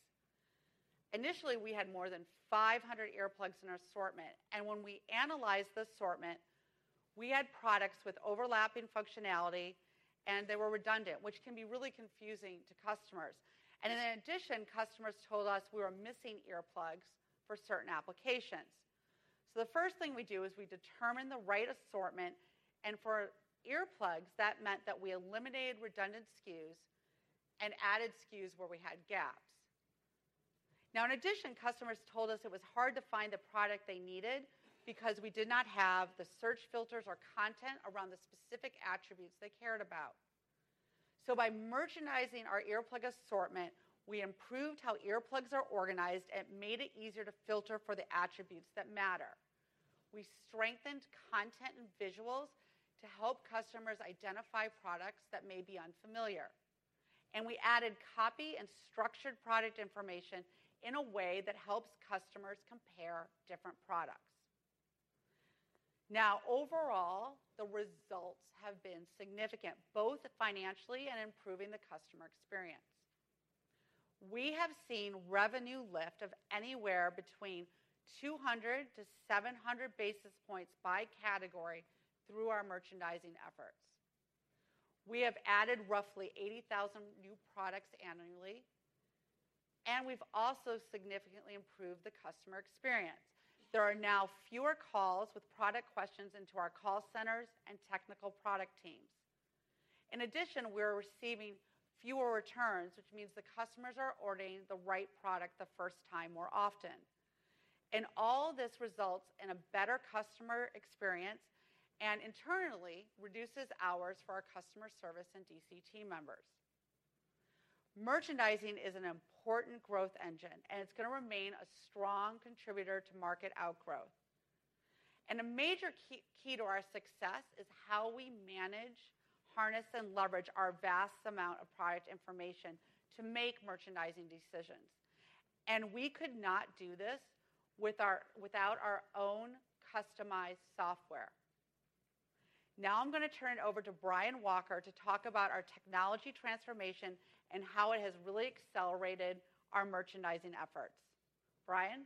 Initially, we had more than 500 earplugs in our assortment, and when we analyzed the assortment, we had products with overlapping functionality, and they were redundant, which can be really confusing to customers. In addition, customers told us we were missing earplugs for certain applications. The first thing we do is we determine the right assortment. For earplugs, that meant that we eliminated redundant SKUs and added SKUs where we had gaps. Now, in addition, customers told us it was hard to find the product they needed because we did not have the search filters or content around the specific attributes they cared about. By merchandising our earplug assortment, we improved how earplugs are organized and made it easier to filter for the attributes that matter. We strengthened content and visuals to help customers identify products that may be unfamiliar, and we added copy and structured product information in a way that helps customers compare different products. Now, overall, the results have been significant, both financially and improving the customer experience. We have seen revenue lift of anywhere between 200-700 basis points by category through our merchandising efforts. We have added roughly 80,000 new products annually, and we've also significantly improved the customer experience. There are now fewer calls with product questions into our call centers and technical product teams. In addition, we're receiving fewer returns, which means the customers are ordering the right product the first time more often. All this results in a better customer experience and internally reduces hours for our customer service and DCT members. Merchandising is an important growth engine, and it's gonna remain a strong contributor to market outgrowth. A major key to our success is how we manage, harness, and leverage our vast amount of product information to make merchandising decisions. We could not do this without our own customized software. Now I'm gonna turn it over to Brian Walker to talk about our technology transformation and how it has really accelerated our merchandising efforts. Brian?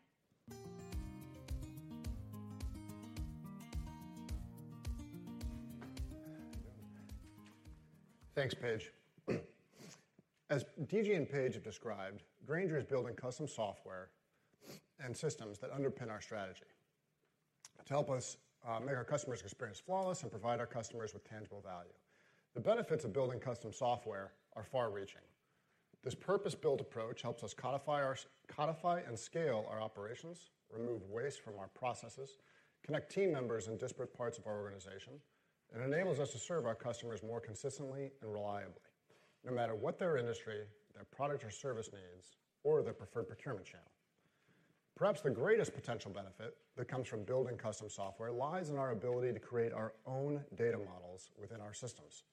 Thanks, Paige. As D.G. and Paige have described, Grainger is building custom software and systems that underpin our strategy to help us make our customers' experience flawless and provide our customers with tangible value. The benefits of building custom software are far-reaching. This purpose-built approach helps us codify and scale our operations, remove waste from our processes, connect team members in disparate parts of our organization, and enables us to serve our customers more consistently and reliably, no matter what their industry, their product or service needs, or their preferred procurement channel. Perhaps the greatest potential benefit that comes from building custom software lies in our ability to create our own data models within our systems.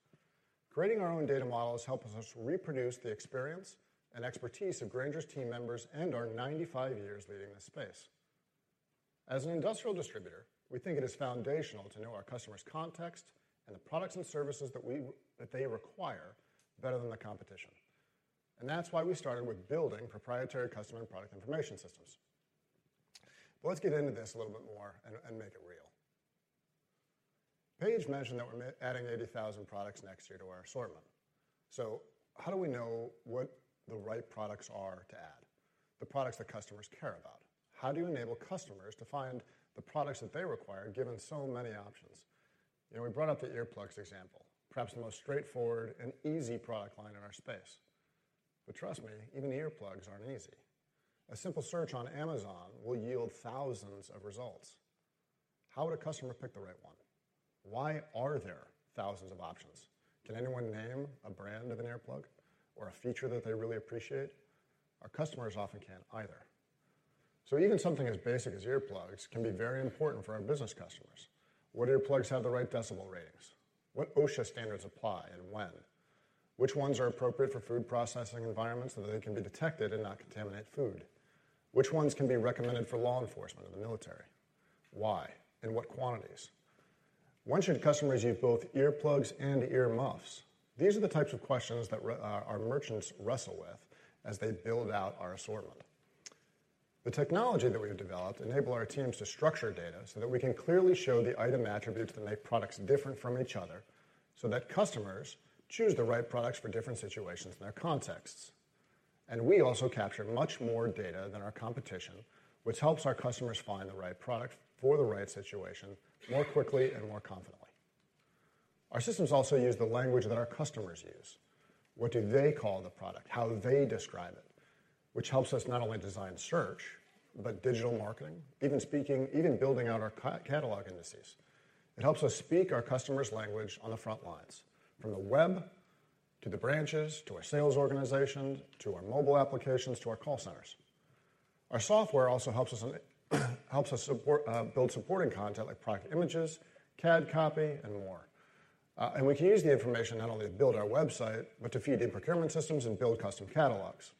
Creating our own data models helps us reproduce the experience and expertise of Grainger's team members and our 95 years leading this space. As an industrial distributor, we think it is foundational to know our customer's context and the products and services that they require better than the competition, and that's why we started with building proprietary customer and product information systems. Let's get into this a little bit more and make it real. Paige mentioned that we're adding 80,000 products next year to our assortment. How do we know what the right products are to add, the products that customers care about? How do you enable customers to find the products that they require, given so many options? You know, we brought up the earplugs example, perhaps the most straightforward and easy product line in our space. Trust me, even earplugs aren't easy. A simple search on Amazon will yield thousands of results. How would a customer pick the right one? Why are there thousands of options? Can anyone name a brand of an earplug or a feature that they really appreciate? Our customers often can't either. So even something as basic as earplugs can be very important for our business customers. What earplugs have the right decibel ratings? What OSHA standards apply and when? Which ones are appropriate for food processing environments, so that they can be detected and not contaminate food? Which ones can be recommended for law enforcement or the military? Why? In what quantities? When should customers use both earplugs and ear muffs? These are the types of questions that our merchants wrestle with as they build out our assortment. The technology that we've developed enable our teams to structure data so that we can clearly show the item attributes that make products different from each other, so that customers choose the right products for different situations in their contexts. We also capture much more data than our competition, which helps our customers find the right product for the right situation more quickly and more confidently. Our systems also use the language that our customers use. What do they call the product? How they describe it, which helps us not only design search, but digital marketing, even speaking, even building out our catalog indices. It helps us speak our customer's language on the front lines, from the web, to the branches, to our sales organization, to our mobile applications, to our call centers. Our software also helps us support, build supporting content like product images, CAD copy, and more. We can use the information not only to build our website, but to feed in procurement systems and build custom catalogs.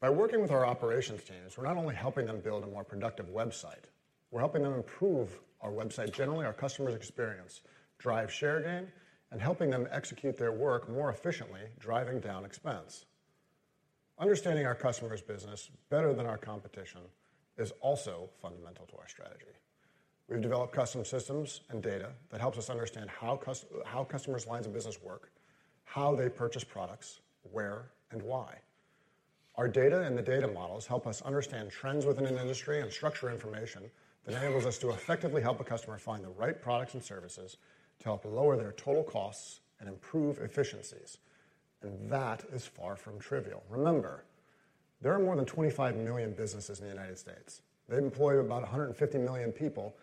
By working with our operations teams, we're not only helping them build a more productive website, we're helping them improve our website, generally our customers' experience, drive share gain, and helping them execute their work more efficiently, driving down expense. Understanding our customer's business better than our competition is also fundamental to our strategy. We've developed custom systems and data that helps us understand how customers' lines of business work, how they purchase products, where and why. Our data and the data models help us understand trends within an industry and structure information that enables us to effectively help a customer find the right products and services to help lower their total costs and improve efficiencies, and that is far from trivial. Remember, there are more than 25 million businesses in the United States. They employ about 150 million people,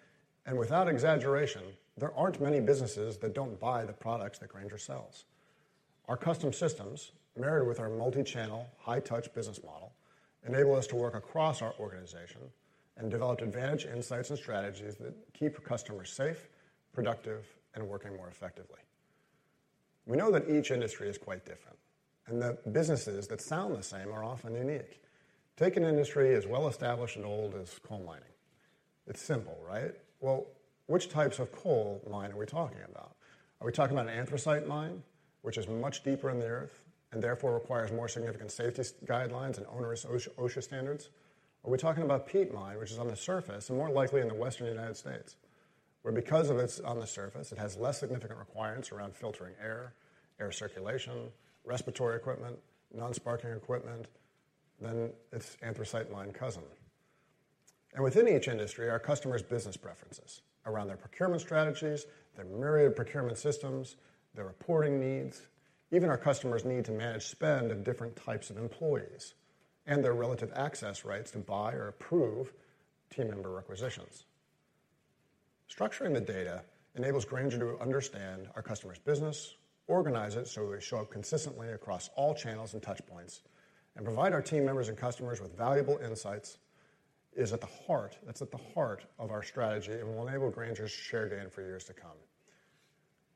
and without exaggeration, there aren't many businesses that don't buy the products that Grainger sells. Our custom systems, married with our multi-channel, high-touch business model, enable us to work across our organization and develop advantage, insights, and strategies that keep customers safe, productive, and working more effectively. We know that each industry is quite different, and that businesses that sound the same are often unique. Take an industry as well established and old as coal mining. It's simple, right? Well, which types of coal mine are we talking about? Are we talking about an anthracite mine, which is much deeper in the earth and therefore requires more significant safety guidelines and onerous OSHA standards? Are we talking about a peat mine, which is on the surface and more likely in the Western United States, where because of its on the surface, it has less significant requirements around filtering air circulation, respiratory equipment, non-sparking equipment than its anthracite mine cousin. Within each industry are customers' business preferences around their procurement strategies, their myriad procurement systems, their reporting needs, even our customers' need to manage spend and different types of employees, and their relative access rights to buy or approve team member requisitions. Structuring the data enables Grainger to understand our customer's business, organize it so they show up consistently across all channels and touchpoints, and provide our team members and customers with valuable insights is at the heart, that's at the heart of our strategy and will enable Grainger's shared data for years to come.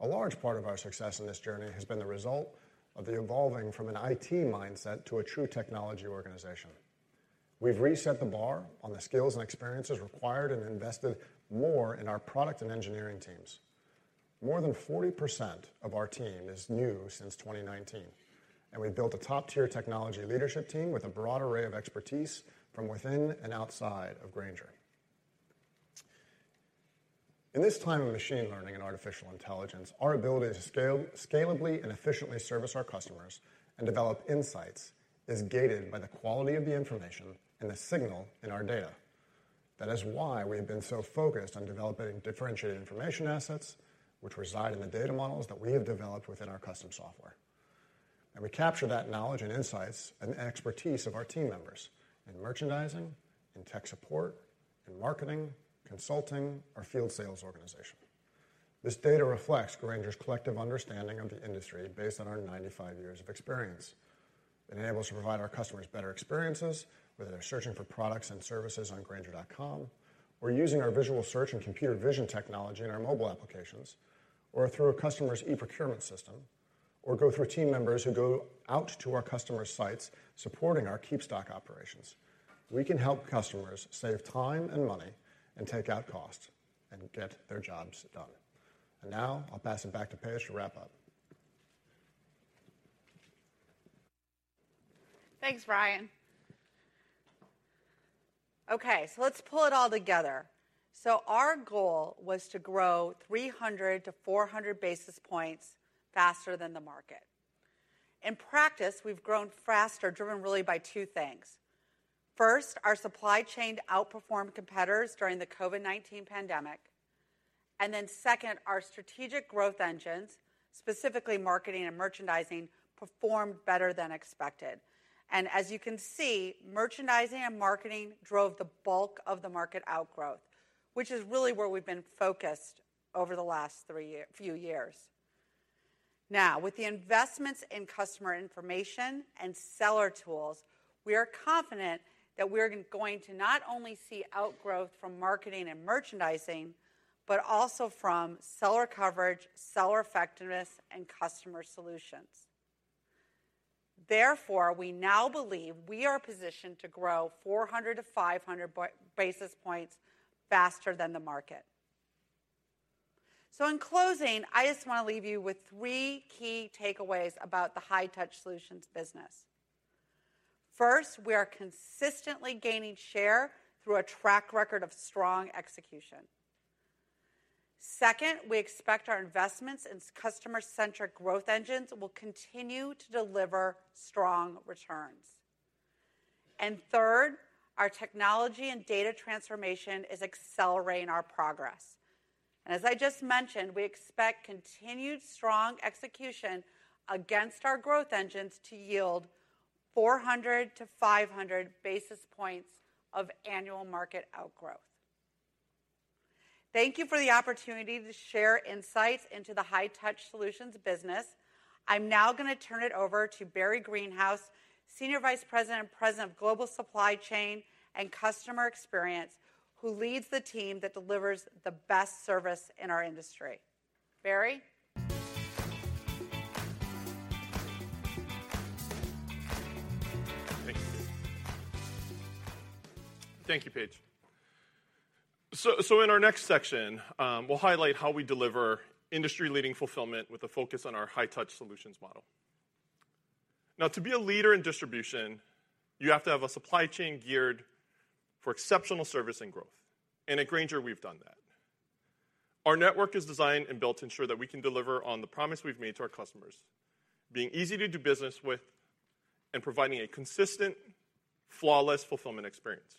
A large part of our success in this journey has been the result of the evolving from an IT mindset to a true technology organization. We've reset the bar on the skills and experiences required and invested more in our product and engineering teams. More than 40% of our team is new since 2019, and we've built a top-tier technology leadership team with a broad array of expertise from within and outside of Grainger. In this time of machine learning and artificial intelligence, our ability to scale, scalably and efficiently service our customers and develop insights is gated by the quality of the information and the signal in our data. That is why we have been so focused on developing differentiated information assets which reside in the data models that we have developed within our custom software. We capture that knowledge and insights and expertise of our team members in merchandising, in tech support, in marketing, consulting, our field sales organization. This data reflects Grainger's collective understanding of the industry based on our 95 years of experience. It enables to provide our customers better experiences, whether they're searching for products and services on Grainger.com, or using our visual search and computer vision technology in our mobile applications, or through a customer's e-procurement system, or go through team members who go out to our customers' sites supporting our KeepStock operations. We can help customers save time and money and take out costs and get their jobs done. Now I'll pass it back to Paige to wrap up. Thanks, Brian. Okay, let's pull it all together. Our goal was to grow 300-400 basis points faster than the market. In practice, we've grown faster, driven really by two things. First, our supply chain outperformed competitors during the COVID-19 pandemic. Then second, our strategic growth engines, specifically marketing and merchandising, performed better than expected. As you can see, merchandising and marketing drove the bulk of the market outgrowth, which is really where we've been focused over the last few years. Now, with the investments in customer information and seller tools, we are confident that we're going to not only see outgrowth from marketing and merchandising, but also from seller coverage, seller effectiveness, and customer solutions. Therefore, we now believe we are positioned to grow 400-500 basis points faster than the market. In closing, I just wanna leave you with three key takeaways about the high-touch solutions business. First, we are consistently gaining share through a track record of strong execution. Second, we expect our investments in customer-centric growth engines will continue to deliver strong returns. Third, our technology and data transformation is accelerating our progress. As I just mentioned, we expect continued strong execution against our growth engines to yield 400-500 basis points of annual market outgrowth. Thank you for the opportunity to share insights into the high-touch solutions business. I'm now gonna turn it over to Barry Greenhouse, Senior Vice President and President of Global Supply Chain and Customer Experience, who leads the team that delivers the best service in our industry. Barry? Thank you. Thank you, Paige. In our next section, we'll highlight how we deliver industry-leading fulfillment with a focus on our high-touch solutions model. Now, to be a leader in distribution, you have to have a supply chain geared for exceptional service and growth, and at Grainger, we've done that. Our network is designed and built to ensure that we can deliver on the promise we've made to our customers, being easy to do business with and providing a consistent, flawless fulfillment experience.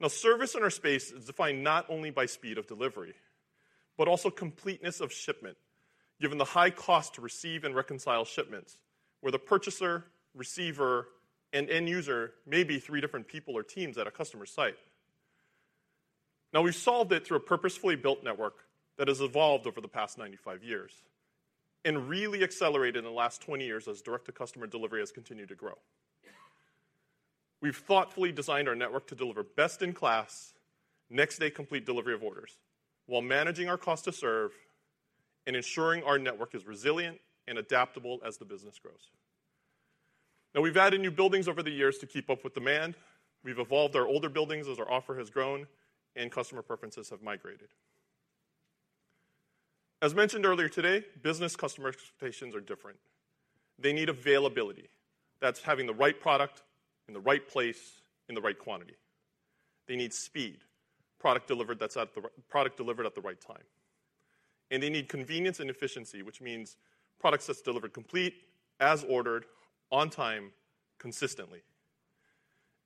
Now, service in our space is defined not only by speed of delivery but also completeness of shipment, given the high cost to receive and reconcile shipments where the purchaser, receiver, and end user may be three different people or teams at a customer site. Now, we've solved it through a purposefully built network that has evolved over the past 95 years and really accelerated in the last 20 years as direct-to-customer delivery has continued to grow. We've thoughtfully designed our network to deliver best-in-class, next-day complete delivery of orders while managing our cost to serve and ensuring our network is resilient and adaptable as the business grows. Now, we've added new buildings over the years to keep up with demand. We've evolved our older buildings as our offer has grown and customer preferences have migrated. As mentioned earlier today, business customer expectations are different. They need availability. That's having the right product in the right place in the right quantity. They need speed, product delivered at the right time. They need convenience and efficiency, which means products that's delivered complete as ordered, on time, consistently.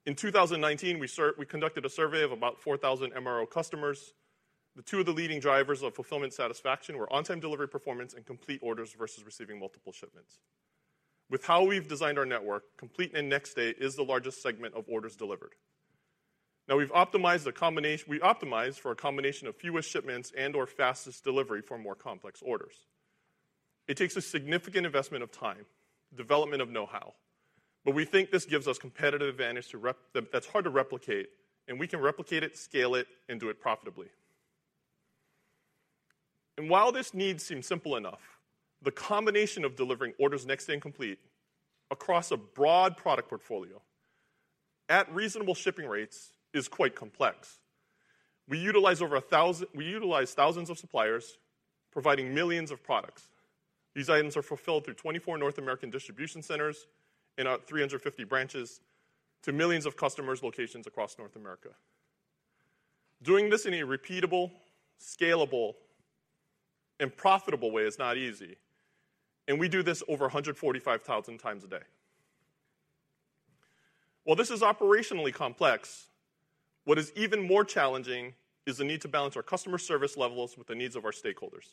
In 2019, we conducted a survey of about 4,000 MRO customers. Two of the leading drivers of fulfillment satisfaction were on-time delivery performance and complete orders versus receiving multiple shipments. With how we've designed our network, complete and next day is the largest segment of orders delivered. Now we optimize for a combination of fewest shipments and/or fastest delivery for more complex orders. It takes a significant investment of time, development of know-how, but we think this gives us competitive advantage that's hard to replicate, and we can replicate it, scale it, and do it profitably. While this need seems simple enough, the combination of delivering orders next day and complete across a broad product portfolio at reasonable shipping rates is quite complex. We utilize thousands of suppliers providing millions of products. These items are fulfilled through 24 North American distribution centers in our 350 branches to millions of customers' locations across North America. Doing this in a repeatable, scalable, and profitable way is not easy, and we do this over 145,000 times a day. While this is operationally complex, what is even more challenging is the need to balance our customer service levels with the needs of our stakeholders.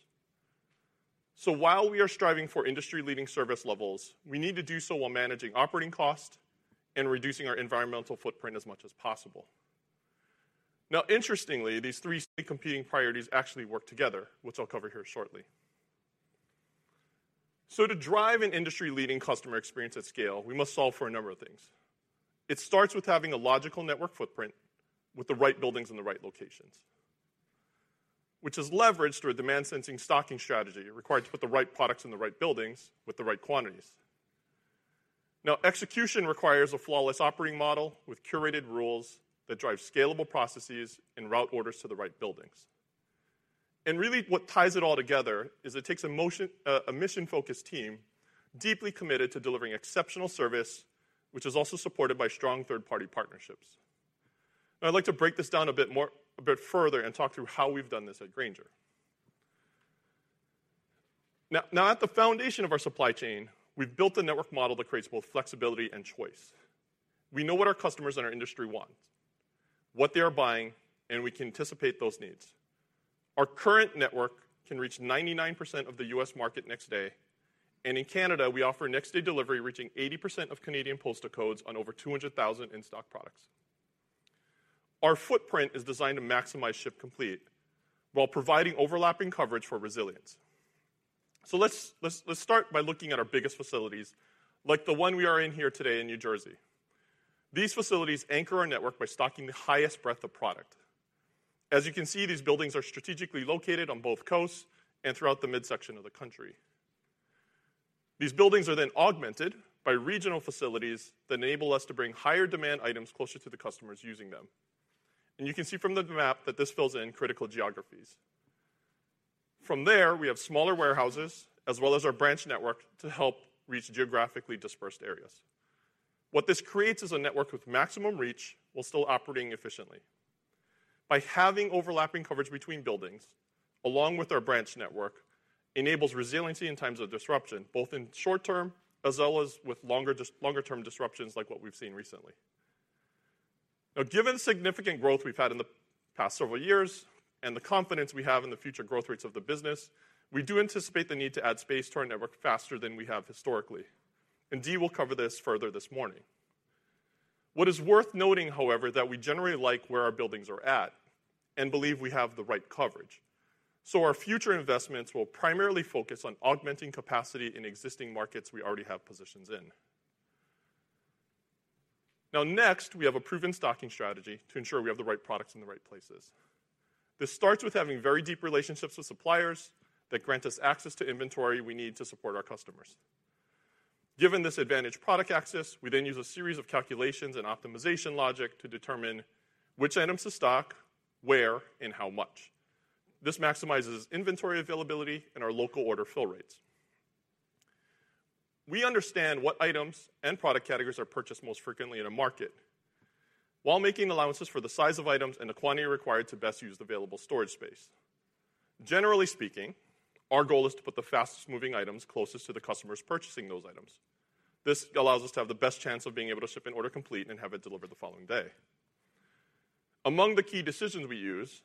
While we are striving for industry-leading service levels, we need to do so while managing operating cost and reducing our environmental footprint as much as possible. Now interestingly, these 3 competing priorities actually work together, which I'll cover here shortly. To drive an industry-leading customer experience at scale, we must solve for a number of things. It starts with having a logical network footprint with the right buildings in the right locations, which is leveraged through a demand sensing stocking strategy required to put the right products in the right buildings with the right quantities. Now, execution requires a flawless operating model with curated rules that drive scalable processes and route orders to the right buildings. Really what ties it all together is it takes a mission-focused team deeply committed to delivering exceptional service, which is also supported by strong third-party partnerships. I'd like to break this down a bit further and talk through how we've done this at Grainger. Now at the foundation of our supply chain, we've built a network model that creates both flexibility and choice. We know what our customers in our industry want, what they are buying, and we can anticipate those needs. Our current network can reach 99% of the U.S. market next day, and in Canada, we offer next day delivery reaching 80% of Canadian postal codes on over 200,000 in-stock products. Our footprint is designed to maximize ship complete while providing overlapping coverage for resilience. Let's start by looking at our biggest facilities, like the one we are in here today in New Jersey. These facilities anchor our network by stocking the highest breadth of product. As you can see, these buildings are strategically located on both coasts and throughout the midsection of the country. These buildings are then augmented by regional facilities that enable us to bring higher demand items closer to the customers using them. You can see from the map that this fills in critical geographies. From there, we have smaller warehouses as well as our branch network to help reach geographically dispersed areas. What this creates is a network with maximum reach while still operating efficiently. By having overlapping coverage between buildings, along with our branch network, enables resiliency in times of disruption, both in short term as well as with longer-term disruptions like what we've seen recently. Now, given the significant growth we've had in the past several years and the confidence we have in the future growth rates of the business, we do anticipate the need to add space to our network faster than we have historically. Dee will cover this further this morning. What is worth noting, however, that we generally like where our buildings are at and believe we have the right coverage. Our future investments will primarily focus on augmenting capacity in existing markets we already have positions in. Now, next, we have a proven stocking strategy to ensure we have the right products in the right places. This starts with having very deep relationships with suppliers that grant us access to inventory we need to support our customers. Given this advantage product access, we then use a series of calculations and optimization logic to determine which items to stock, where, and how much. This maximizes inventory availability and our local order fill rates. We understand what items and product categories are purchased most frequently in a market while making allowances for the size of items and the quantity required to best use available storage space. Generally speaking, our goal is to put the fastest-moving items closest to the customers purchasing those items. This allows us to have the best chance of being able to ship an order complete and have it delivered the following day. Among the key decisions we use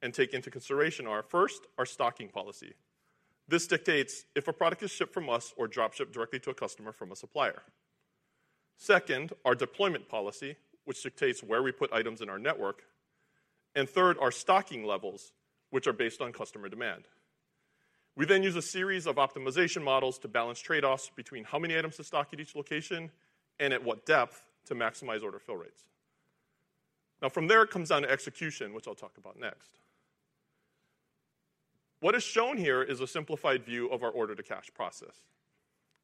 and take into consideration are, first, our stocking policy. This dictates if a product is shipped from us or drop-shipped directly to a customer from a supplier. Second, our deployment policy, which dictates where we put items in our network. Third, our stocking levels, which are based on customer demand. We then use a series of optimization models to balance trade-offs between how many items to stock at each location and at what depth to maximize order fill rates. Now, from there, it comes down to execution, which I'll talk about next. What is shown here is a simplified view of our order-to-cash process,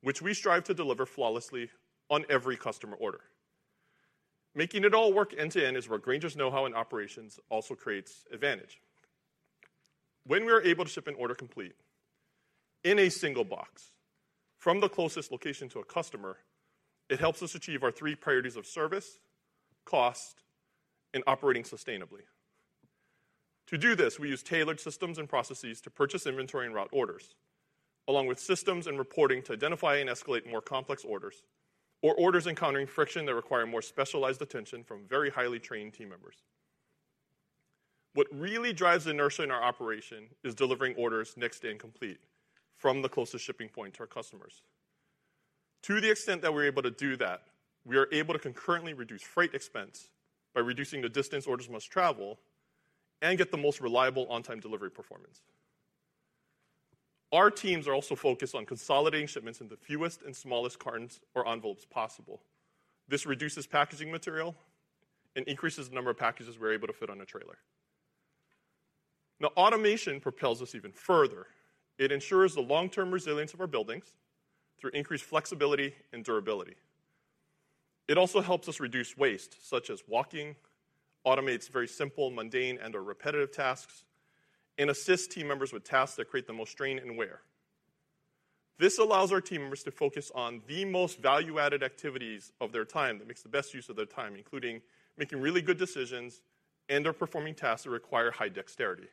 which we strive to deliver flawlessly on every customer order. Making it all work end to end is where Grainger's know-how and operations also creates advantage. When we are able to ship an order complete in a single box from the closest location to a customer, it helps us achieve our three priorities of service, cost, and operating sustainably. To do this, we use tailored systems and processes to purchase inventory and route orders, along with systems and reporting to identify and escalate more complex orders or orders encountering friction that require more specialized attention from very highly trained team members. What really drives inertia in our operation is delivering orders next day and complete from the closest shipping point to our customers. To the extent that we're able to do that, we are able to concurrently reduce freight expense by reducing the distance orders must travel and get the most reliable on-time delivery performance. Our teams are also focused on consolidating shipments in the fewest and smallest cartons or envelopes possible. This reduces packaging material and increases the number of packages we're able to fit on a trailer. Now, automation propels us even further. It ensures the long-term resilience of our buildings through increased flexibility and durability. It also helps us reduce waste, such as walking, automates very simple, mundane, and/or repetitive tasks, and assists team members with tasks that create the most strain and wear. This allows our team members to focus on the most value-added activities of their time, that makes the best use of their time, including making really good decisions and/or performing tasks that require high dexterity.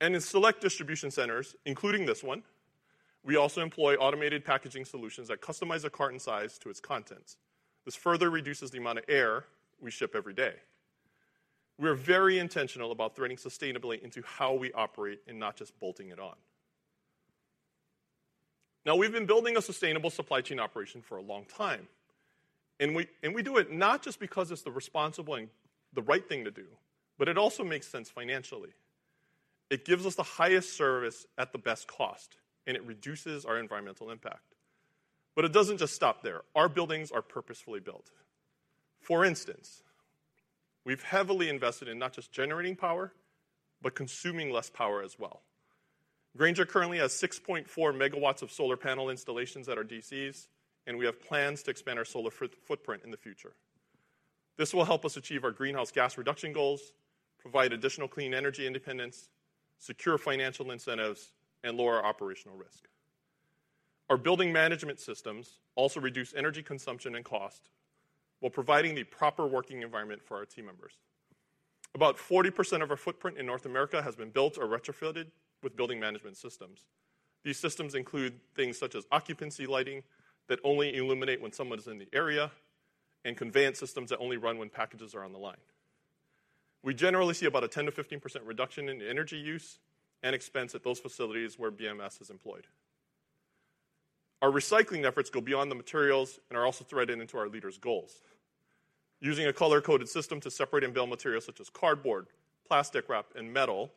In select distribution centers, including this one, we also employ automated packaging solutions that customize a carton size to its contents. This further reduces the amount of air we ship every day. We're very intentional about threading sustainability into how we operate and not just bolting it on. Now, we've been building a sustainable supply chain operation for a long time, and we do it not just because it's the responsible and the right thing to do, but it also makes sense financially. It gives us the highest service at the best cost, and it reduces our environmental impact. It doesn't just stop there. Our buildings are purposefully built. For instance, we've heavily invested in not just generating power, but consuming less power as well. Grainger currently has 6.4 megawatts of solar panel installations at our DCs, and we have plans to expand our solar footprint in the future. This will help us achieve our greenhouse gas reduction goals, provide additional clean energy independence, secure financial incentives, and lower operational risk. Our building management systems also reduce energy consumption and cost while providing the proper working environment for our team members. About 40% of our footprint in North America has been built or retrofitted with building management systems. These systems include things such as occupancy lighting that only illuminate when someone is in the area and conveyance systems that only run when packages are on the line. We generally see about a 10%-15% reduction in energy use and expense at those facilities where BMS is employed. Our recycling efforts go beyond the materials and are also threaded into our leaders' goals. Using a color-coded system to separate inbound materials such as cardboard, plastic wrap, and metal,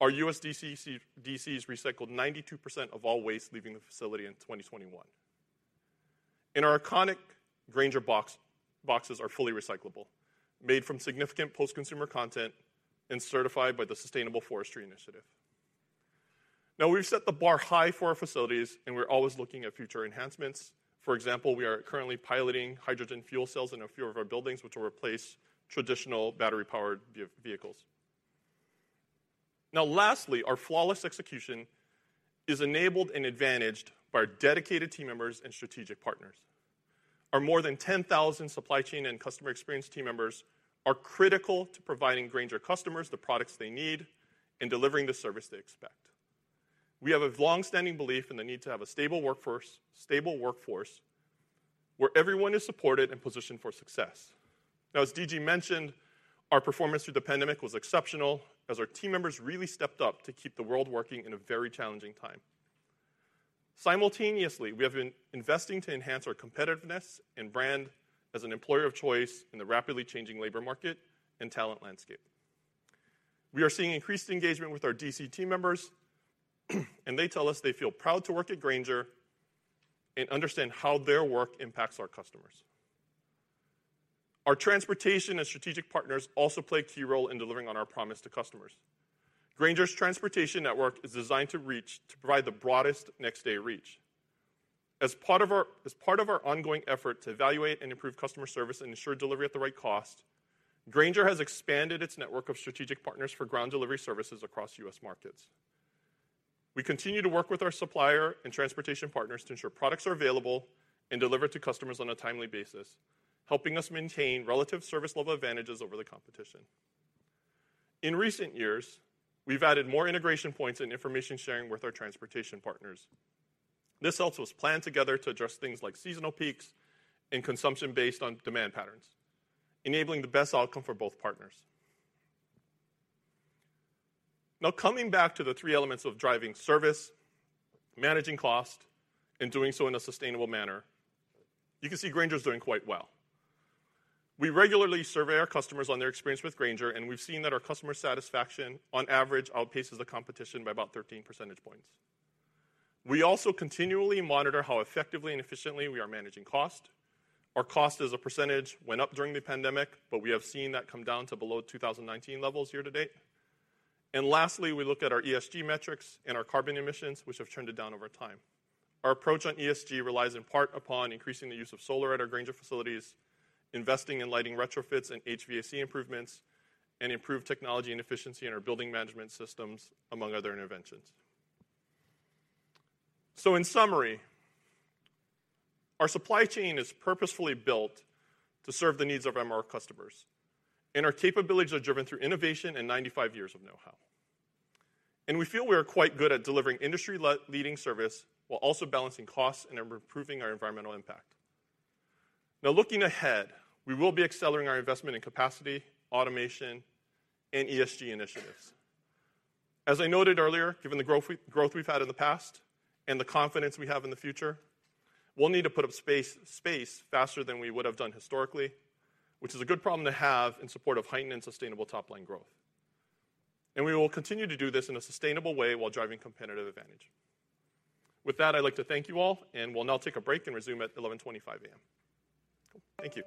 our US DCs recycled 92% of all waste leaving the facility in 2021. Our iconic Grainger box, boxes are fully recyclable, made from significant post-consumer content, and certified by the Sustainable Forestry Initiative. Now, we've set the bar high for our facilities, and we're always looking at future enhancements. For example, we are currently piloting hydrogen fuel cells in a few of our buildings, which will replace traditional battery-powered vehicles. Now, lastly, our flawless execution is enabled and advantaged by our dedicated team members and strategic partners. Our more than 10,000 supply chain and customer experience team members are critical to providing Grainger customers the products they need and delivering the service they expect. We have a long-standing belief in the need to have a stable workforce where everyone is supported and positioned for success. Now, as D.G. mentioned, our performance through the pandemic was exceptional as our team members really stepped up to keep the world working in a very challenging time. Simultaneously, we have been investing to enhance our competitiveness and brand as an employer of choice in the rapidly changing labor market and talent landscape. We are seeing increased engagement with our DC team members and they tell us they feel proud to work at Grainger and understand how their work impacts our customers. Our transportation and strategic partners also play a key role in delivering on our promise to customers. Grainger's transportation network is designed to provide the broadest next-day reach. As part of our ongoing effort to evaluate and improve customer service and ensure delivery at the right cost, Grainger has expanded its network of strategic partners for ground delivery services across U.S. markets. We continue to work with our supplier and transportation partners to ensure products are available and delivered to customers on a timely basis, helping us maintain relative service level advantages over the competition. In recent years, we've added more integration points and information sharing with our transportation partners. This helps us plan together to address things like seasonal peaks and consumption based on demand patterns, enabling the best outcome for both partners. Now, coming back to the three elements of driving service, managing cost, and doing so in a sustainable manner, you can see Grainger is doing quite well. We regularly survey our customers on their experience with Grainger, and we've seen that our customer satisfaction, on average, outpaces the competition by about 13 percentage points. We also continually monitor how effectively and efficiently we are managing cost. Our cost as a percentage went up during the pandemic, but we have seen that come down to below 2019 levels year to date. Lastly, we look at our ESG metrics and our carbon emissions, which have trended down over time. Our approach on ESG relies in part upon increasing the use of solar at our Grainger facilities, investing in lighting retrofits and HVAC improvements, and improved technology and efficiency in our building management systems, among other interventions. In summary, our supply chain is purposefully built to serve the needs of our customers, and our capabilities are driven through innovation and 95 years of know-how. We feel we are quite good at delivering industry leading service while also balancing costs and improving our environmental impact. Now, looking ahead, we will be accelerating our investment in capacity, automation, and ESG initiatives. As I noted earlier, given the growth we've had in the past and the confidence we have in the future, we'll need to put up space faster than we would have done historically, which is a good problem to have in support of heightened and sustainable top-line growth. We will continue to do this in a sustainable way while driving competitive advantage. With that, I'd like to thank you all, and we'll now take a break and resume at 11:25 A.M. Thank you.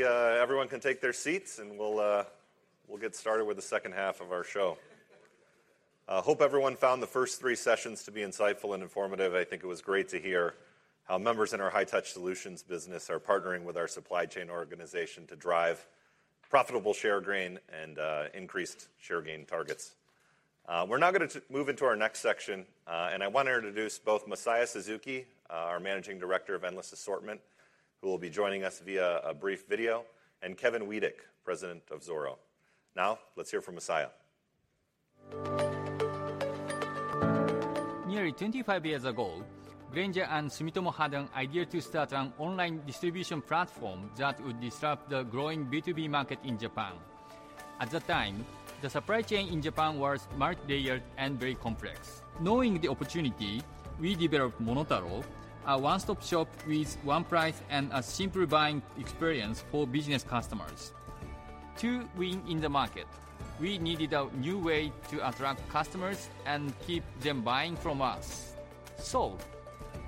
Hopefully, everyone can take their seats and we'll get started with the second half of our show. I hope everyone found the first three sessions to be insightful and informative. I think it was great to hear how members in our high-touch solutions business are partnering with our supply chain organization to drive profitable share gain and increased share gain targets. We're now gonna move into our next section, and I wanna introduce both Masaya Suzuki, our Managing Director of Endless Assortment, who will be joining us via a brief video, and Kevin Weadick, President of Zoro. Now, let's hear from Masaya. Nearly 25 years ago, Grainger and Sumitomo Corporation had an idea to start an online distribution platform that would disrupt the growing B2B market in Japan. At the time, the supply chain in Japan was multi-layered and very complex. Knowing the opportunity, we developed MonotaRO, a one-stop shop with one price and a simple buying experience for business customers. To win in the market, we needed a new way to attract customers and keep them buying from us.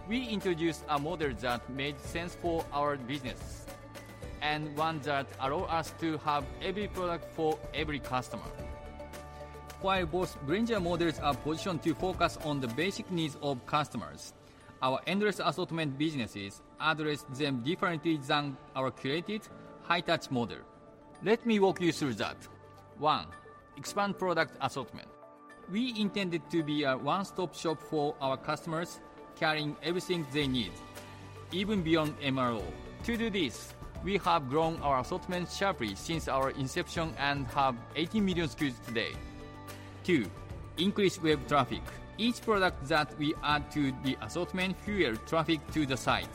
We introduced a model that made sense for our business. One that allow us to have every product for every customer. While both Grainger models are positioned to focus on the basic needs of customers, our endless assortment businesses address them differently than our curated high-touch model. Let me walk you through that. One, expand product assortment. We intended to be a one-stop shop for our customers, carrying everything they need, even beyond MRO. To do this, we have grown our assortment sharply since our inception and have 80 million SKUs today. Two, increase web traffic. Each product that we add to the assortment fuels traffic to the site,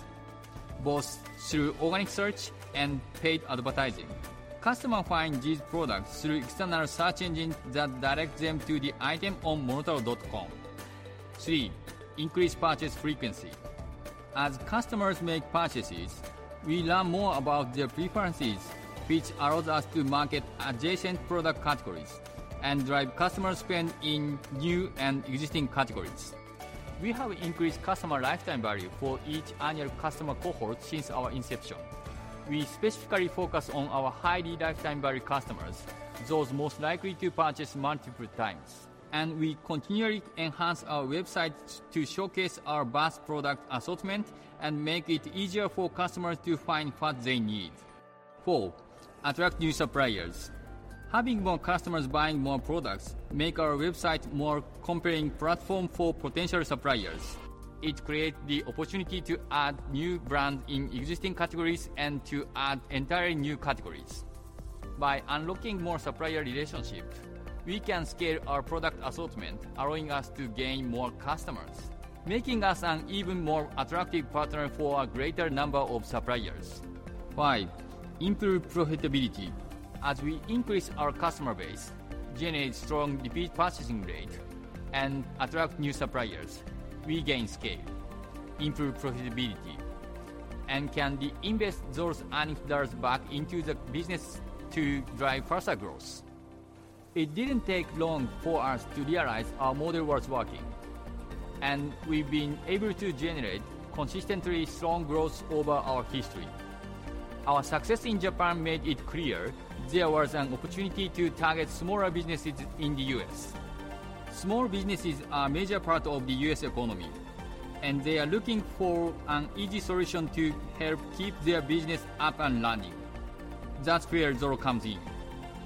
both through organic search and paid advertising. Customers find these products through external search engines that direct them to the item on MonotaRO.com. Three, increase purchase frequency. As customers make purchases, we learn more about their preferences, which allows us to market adjacent product categories and drive customer spend in new and existing categories. We have increased customer lifetime value for each annual customer cohort since our inception. We specifically focus on our high lifetime value customers, those most likely to purchase multiple times, and we continually enhance our websites to showcase our vast product assortment and make it easier for customers to find what they need. 4, attract new suppliers. Having more customers buying more products makes our website more compelling platform for potential suppliers. It creates the opportunity to add new brands in existing categories and to add entirely new categories. By unlocking more supplier relationships, we can scale our product assortment, allowing us to gain more customers, making us an even more attractive partner for a greater number of suppliers. 5, improve profitability. As we increase our customer base, generate strong repeat purchasing rate, and attract new suppliers, we gain scale, improve profitability, and can re-invest those earned dollars back into the business to drive faster growth. It didn't take long for us to realize our model was working, and we've been able to generate consistently strong growth over our history. Our success in Japan made it clear there was an opportunity to target smaller businesses in the U.S. Small businesses are a major part of the U.S. economy, and they are looking for an easy solution to help keep their business up and running. That's where Zoro comes in.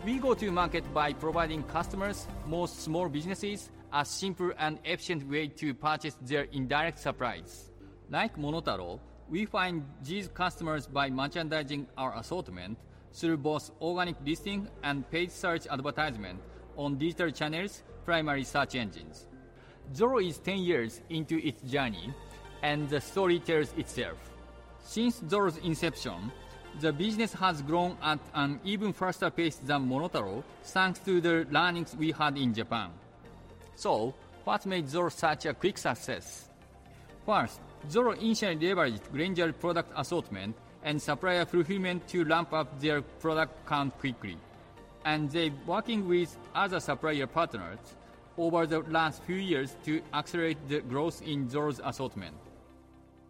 We go to market by providing customers, more small businesses, a simple and efficient way to purchase their indirect supplies. Like MonotaRO, we find these customers by merchandising our assortment through both organic listing and paid search advertisement on digital channels, primary search engines. Zoro is 10 years into its journey, and the story tells itself. Since Zoro's inception, the business has grown at an even faster pace than MonotaRO, thanks to the learnings we had in Japan. What made Zoro such a quick success? First, Zoro initially leveraged Grainger product assortment and supplier fulfillment to ramp up their product count quickly. They're working with other supplier partners over the last few years to accelerate the growth in Zoro's assortment.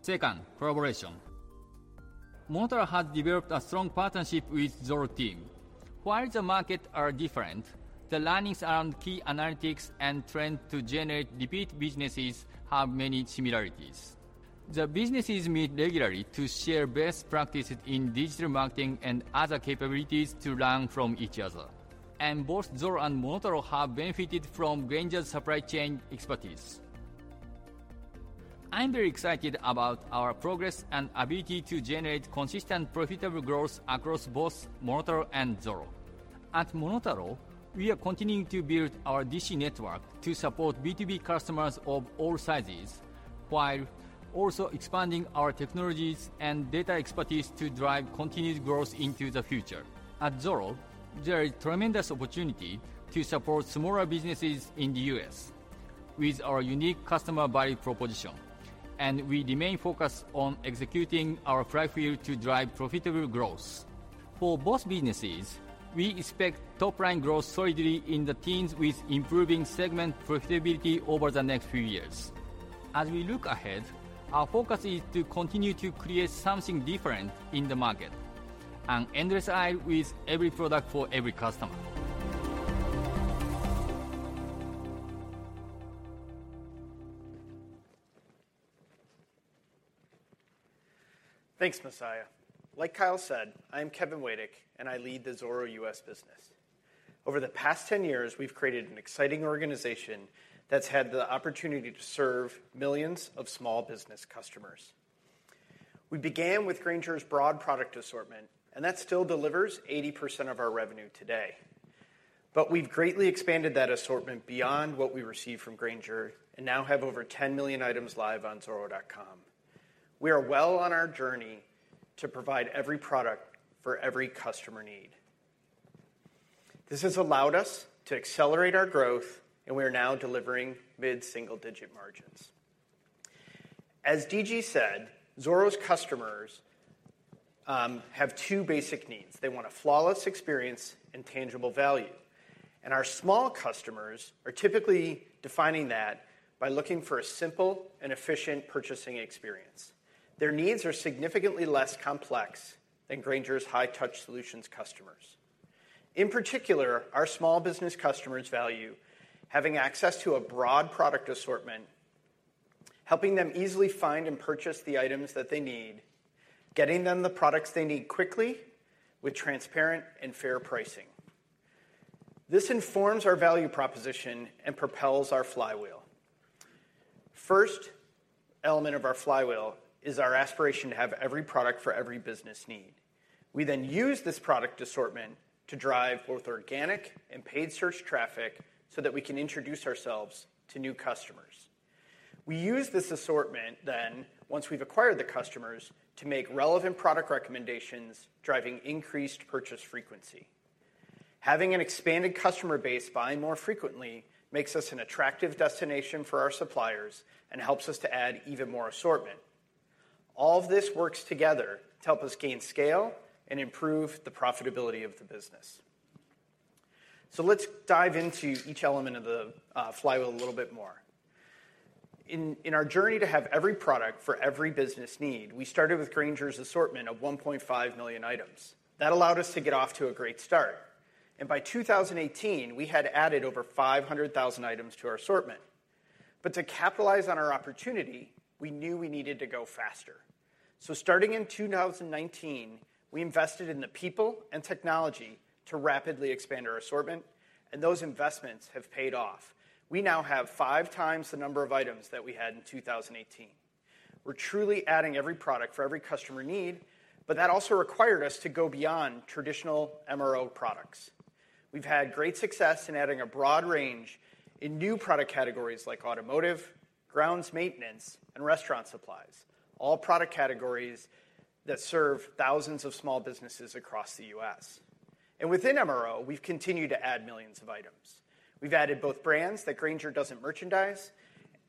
Second, collaboration. MonotaRO has developed a strong partnership with Zoro team. While the markets are different, the learnings around key analytics and trends to generate repeat businesses have many similarities. The businesses meet regularly to share best practices in digital marketing and other capabilities to learn from each other. Both Zoro and MonotaRO have benefited from Grainger's supply chain expertise. I'm very excited about our progress and ability to generate consistent profitable growth across both MonotaRO and Zoro. At MonotaRO, we are continuing to build our DC network to support B2B customers of all sizes, while also expanding our technologies and data expertise to drive continued growth into the future. At Zoro, there is tremendous opportunity to support smaller businesses in the U.S. with our unique customer value proposition, and we remain focused on executing our flywheel to drive profitable growth. For both businesses, we expect top line growth solidly in the teens with improving segment profitability over the next few years. As we look ahead, our focus is to continue to create something different in the market, an endless aisle with every product for every customer. Thanks, Masaya. Like Kyle said, I'm Kevin Weadick, and I lead the Zoro U.S. business. Over the past 10 years, we've created an exciting organization that's had the opportunity to serve millions of small business customers. We began with Grainger's broad product assortment, and that still delivers 80% of our revenue today. We've greatly expanded that assortment beyond what we receive from Grainger and now have over 10 million items live on Zoro.com. We are well on our journey to provide every product for every customer need. This has allowed us to accelerate our growth, and we are now delivering mid-single-digit margins. As D.G. said, Zoro's customers have two basic needs. They want a flawless experience and tangible value, and our small customers are typically defining that by looking for a simple and efficient purchasing experience. Their needs are significantly less complex than Grainger's high-touch solutions customers. In particular, our small business customers value having access to a broad product assortment, helping them easily find and purchase the items that they need, getting them the products they need quickly with transparent and fair pricing. This informs our value proposition and propels our flywheel. First element of our flywheel is our aspiration to have every product for every business need. We then use this product assortment to drive both organic and paid search traffic so that we can introduce ourselves to new customers. We use this assortment then, once we've acquired the customers, to make relevant product recommendations, driving increased purchase frequency. Having an expanded customer base buy more frequently makes us an attractive destination for our suppliers and helps us to add even more assortment. All of this works together to help us gain scale and improve the profitability of the business. Let's dive into each element of the flywheel a little bit more. In our journey to have every product for every business need, we started with Grainger's assortment of 1.5 million items. That allowed us to get off to a great start. By 2018, we had added over 500,000 items to our assortment. To capitalize on our opportunity, we knew we needed to go faster. Starting in 2019, we invested in the people and technology to rapidly expand our assortment, and those investments have paid off. We now have 5 times the number of items that we had in 2018. We're truly adding every product for every customer need, but that also required us to go beyond traditional MRO products. We've had great success in adding a broad range in new product categories like automotive, grounds maintenance, and restaurant supplies, all product categories that serve thousands of small businesses across the U.S. Within MRO, we've continued to add millions of items. We've added both brands that Grainger doesn't merchandise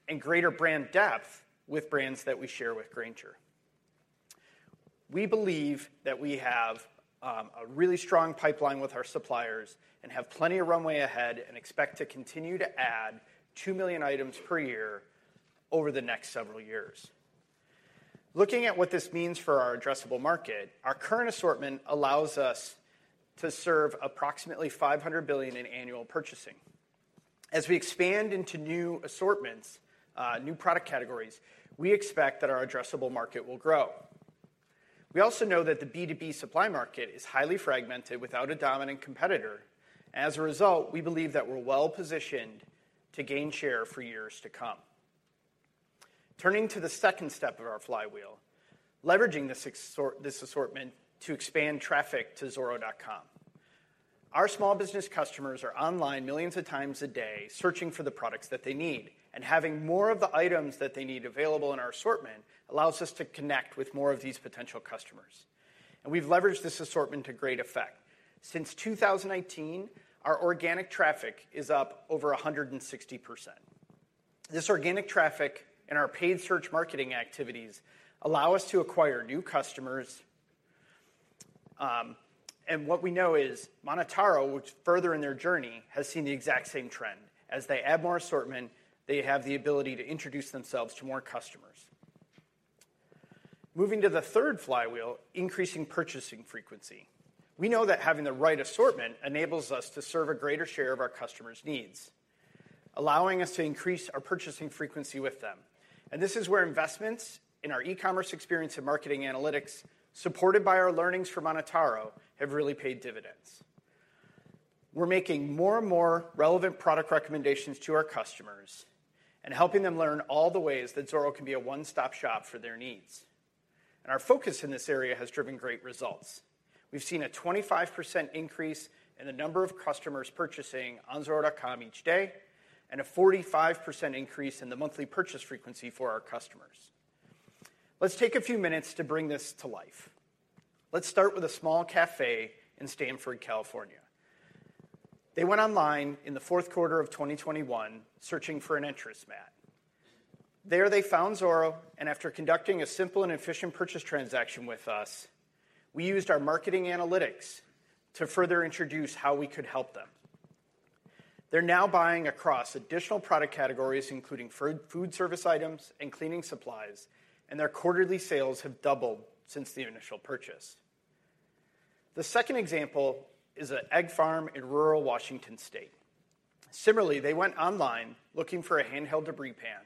and greater brand depth with brands that we share with Grainger. We believe that we have a really strong pipeline with our suppliers and have plenty of runway ahead and expect to continue to add 2 million items per year over the next several years. Looking at what this means for our addressable market, our current assortment allows us to serve approximately $500 billion in annual purchasing. As we expand into new assortments, new product categories, we expect that our addressable market will grow. We also know that the B2B supply market is highly fragmented without a dominant competitor. As a result, we believe that we're well-positioned to gain share for years to come. Turning to the second step of our flywheel, leveraging this assortment to expand traffic to Zoro.com. Our small business customers are online millions of times a day searching for the products that they need, and having more of the items that they need available in our assortment allows us to connect with more of these potential customers. We've leveraged this assortment to great effect. Since 2018, our organic traffic is up over 160%. This organic traffic and our paid search marketing activities allow us to acquire new customers, and what we know is MonotaRO, which further in their journey, has seen the exact same trend. As they add more assortment, they have the ability to introduce themselves to more customers. Moving to the third flywheel, increasing purchasing frequency. We know that having the right assortment enables us to serve a greater share of our customers' needs, allowing us to increase our purchasing frequency with them. This is where investments in our e-commerce experience and marketing analytics, supported by our learnings from MonotaRO, have really paid dividends. We're making more and more relevant product recommendations to our customers and helping them learn all the ways that Zoro can be a one-stop shop for their needs. Our focus in this area has driven great results. We've seen a 25% increase in the number of customers purchasing on Zoro.com each day and a 45% increase in the monthly purchase frequency for our customers. Let's take a few minutes to bring this to life. Let's start with a small cafe in Stanford, California. They went online in the fourth quarter of 2021 searching for an entrance mat. There they found Zoro, and after conducting a simple and efficient purchase transaction with us, we used our marketing analytics to further introduce how we could help them. They're now buying across additional product categories, including food service items and cleaning supplies, and their quarterly sales have doubled since the initial purchase. The second example is an egg farm in rural Washington state. Similarly, they went online looking for a handheld debris pan.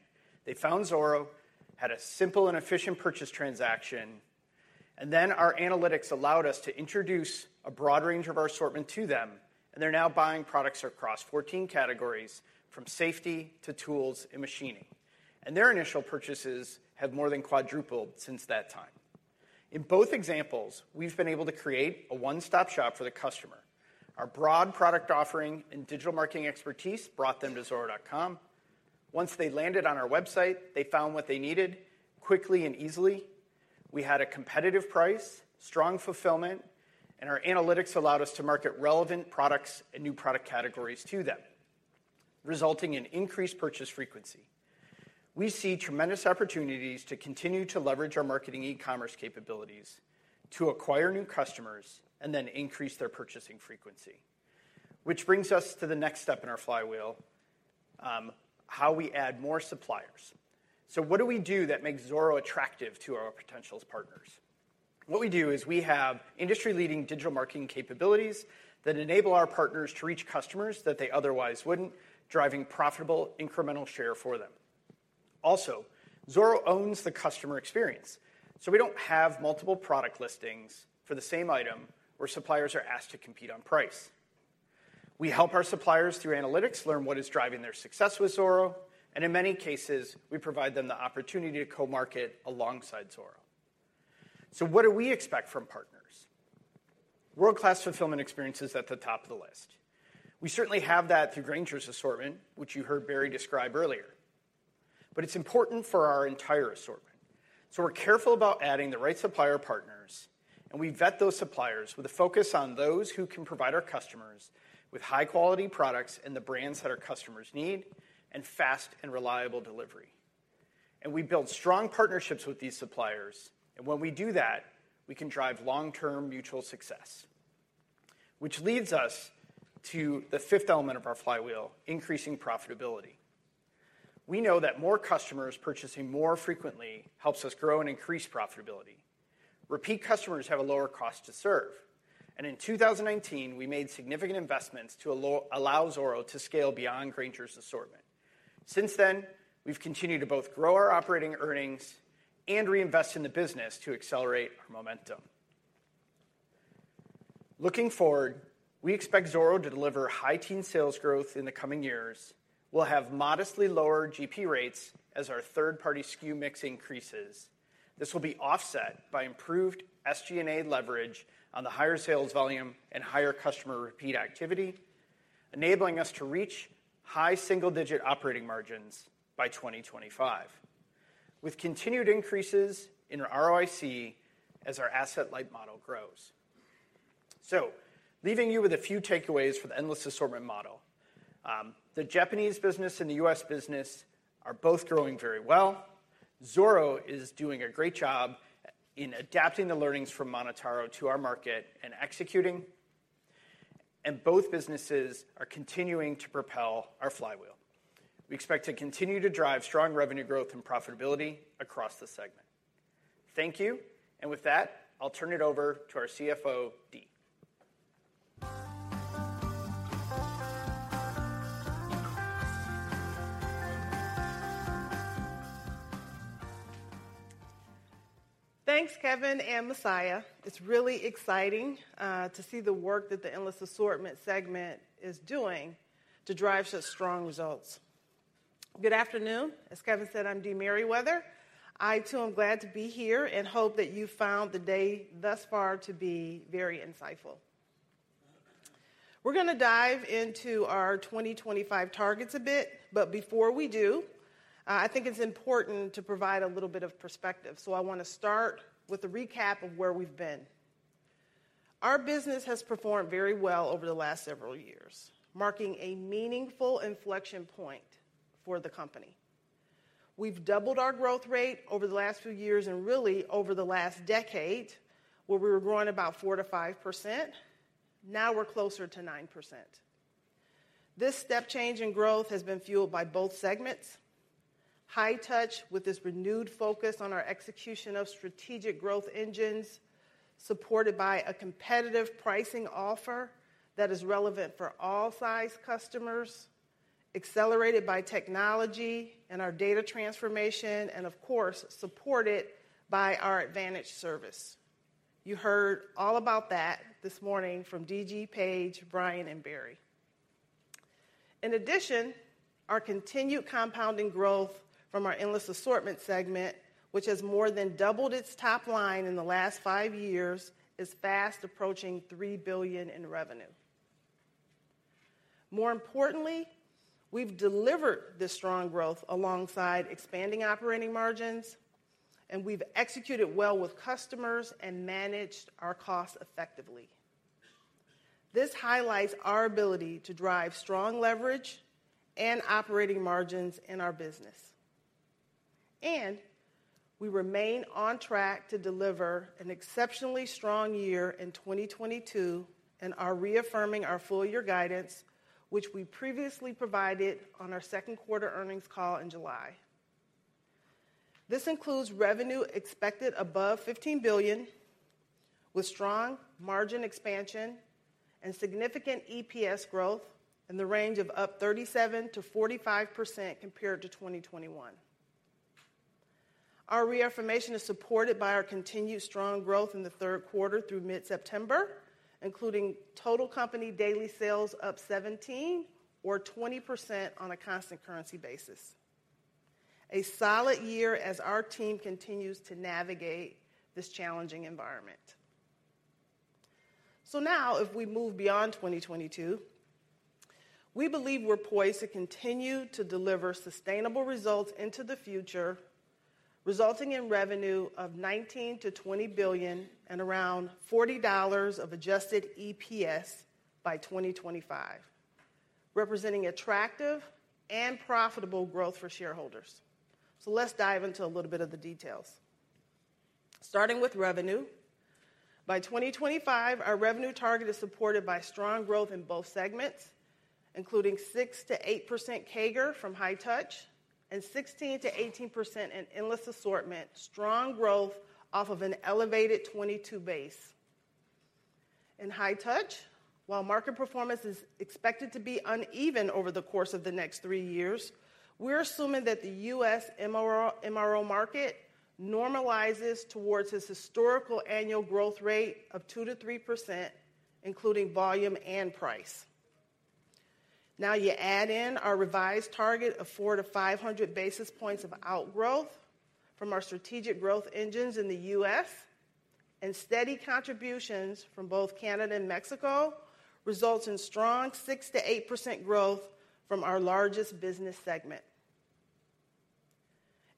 They found Zoro had a simple and efficient purchase transaction, and then our analytics allowed us to introduce a broad range of our assortment to them, and they're now buying products across 14 categories from safety to tools and machining. Their initial purchases have more than quadrupled since that time. In both examples, we've been able to create a one-stop shop for the customer. Our broad product offering and digital marketing expertise brought them to Zoro.com. Once they landed on our website, they found what they needed quickly and easily. We had a competitive price, strong fulfillment, and our analytics allowed us to market relevant products and new product categories to them, resulting in increased purchase frequency. We see tremendous opportunities to continue to leverage our marketing e-commerce capabilities to acquire new customers and then increase their purchasing frequency. Which brings us to the next step in our flywheel, how we add more suppliers. What do we do that makes Zoro attractive to our potential partners? What we do is we have industry-leading digital marketing capabilities that enable our partners to reach customers that they otherwise wouldn't, driving profitable incremental share for them. Also, Zoro owns the customer experience, so we don't have multiple product listings for the same item where suppliers are asked to compete on price. We help our suppliers through analytics learn what is driving their success with Zoro, and in many cases, we provide them the opportunity to co-market alongside Zoro. What do we expect from partners? World-class fulfillment experience is at the top of the list. We certainly have that through Grainger's assortment, which you heard Barry describe earlier. It's important for our entire assortment. We're careful about adding the right supplier partners, and we vet those suppliers with a focus on those who can provide our customers with high-quality products and the brands that our customers need and fast and reliable delivery. We build strong partnerships with these suppliers, and when we do that, we can drive long-term mutual success. Which leads us to the fifth element of our flywheel, increasing profitability. We know that more customers purchasing more frequently helps us grow and increase profitability. Repeat customers have a lower cost to serve. In 2019, we made significant investments to allow Zoro to scale beyond Grainger's assortment. Since then, we've continued to both grow our operating earnings and reinvest in the business to accelerate our momentum. Looking forward, we expect Zoro to deliver high-teen sales growth in the coming years. We'll have modestly lower GP rates as our third-party SKU mix increases. This will be offset by improved SG&A leverage on the higher sales volume and higher customer repeat activity, enabling us to reach high single-digit operating margins by 2025, with continued increases in our ROIC as our asset-light model grows. Leaving you with a few takeaways for the endless assortment model. The Japanese business and the US business are both growing very well. Zoro is doing a great job in adapting the learnings from MonotaRO to our market and executing. Both businesses are continuing to propel our flywheel. We expect to continue to drive strong revenue growth and profitability across the segment. Thank you. With that, I'll turn it over to our CFO, Dee. Thanks, Kevin and Masaya. It's really exciting to see the work that the endless assortment segment is doing to drive such strong results. Good afternoon. As Kevin said, I'm Dee Merriwether. I, too, am glad to be here and hope that you found the day thus far to be very insightful. We're gonna dive into our 2025 targets a bit, but before we do, I think it's important to provide a little bit of perspective. I wanna start with a recap of where we've been. Our business has performed very well over the last several years, marking a meaningful inflection point for the company. We've doubled our growth rate over the last few years and really over the last decade, where we were growing about 4%-5%. Now we're closer to 9%. This step change in growth has been fueled by both segments. High touch with this renewed focus on our execution of strategic growth engines, supported by a competitive pricing offer that is relevant for all size customers, accelerated by technology and our data transformation, and of course, supported by our advantage service. You heard all about that this morning from D.G., Paige, Brian, and Barry. In addition, our continued compounding growth from our endless assortment segment, which has more than doubled its top line in the last five years, is fast approaching $3 billion in revenue. More importantly, we've delivered this strong growth alongside expanding operating margins, and we've executed well with customers and managed our costs effectively. This highlights our ability to drive strong leverage and operating margins in our business. We remain on track to deliver an exceptionally strong year in 2022 and are reaffirming our full year guidance, which we previously provided on our second quarter earnings call in July. This includes revenue expected above $15 billion with strong margin expansion and significant EPS growth in the range of up 37%-45% compared to 2021. Our reaffirmation is supported by our continued strong growth in the third quarter through mid-September, including total company daily sales up 17% or 20% on a constant currency basis. A solid year as our team continues to navigate this challenging environment. Now if we move beyond 2022, we believe we're poised to continue to deliver sustainable results into the future, resulting in revenue of $19 billion-$20 billion and around $40 of adjusted EPS by 2025, representing attractive and profitable growth for shareholders. Let's dive into a little bit of the details. Starting with revenue, by 2025, our revenue target is supported by strong growth in both segments, including 6%-8% CAGR from high touch and 16%-18% in endless assortment. Strong growth off of an elevated 2022 base. In high touch, while market performance is expected to be uneven over the course of the next three years, we're assuming that the US MRO market normalizes towards its historical annual growth rate of 2%-3%, including volume and price. Now you add in our revised target of 400-500 basis points of outgrowth from our strategic growth engines in the US and steady contributions from both Canada and Mexico results in strong 6%-8% growth from our largest business segment.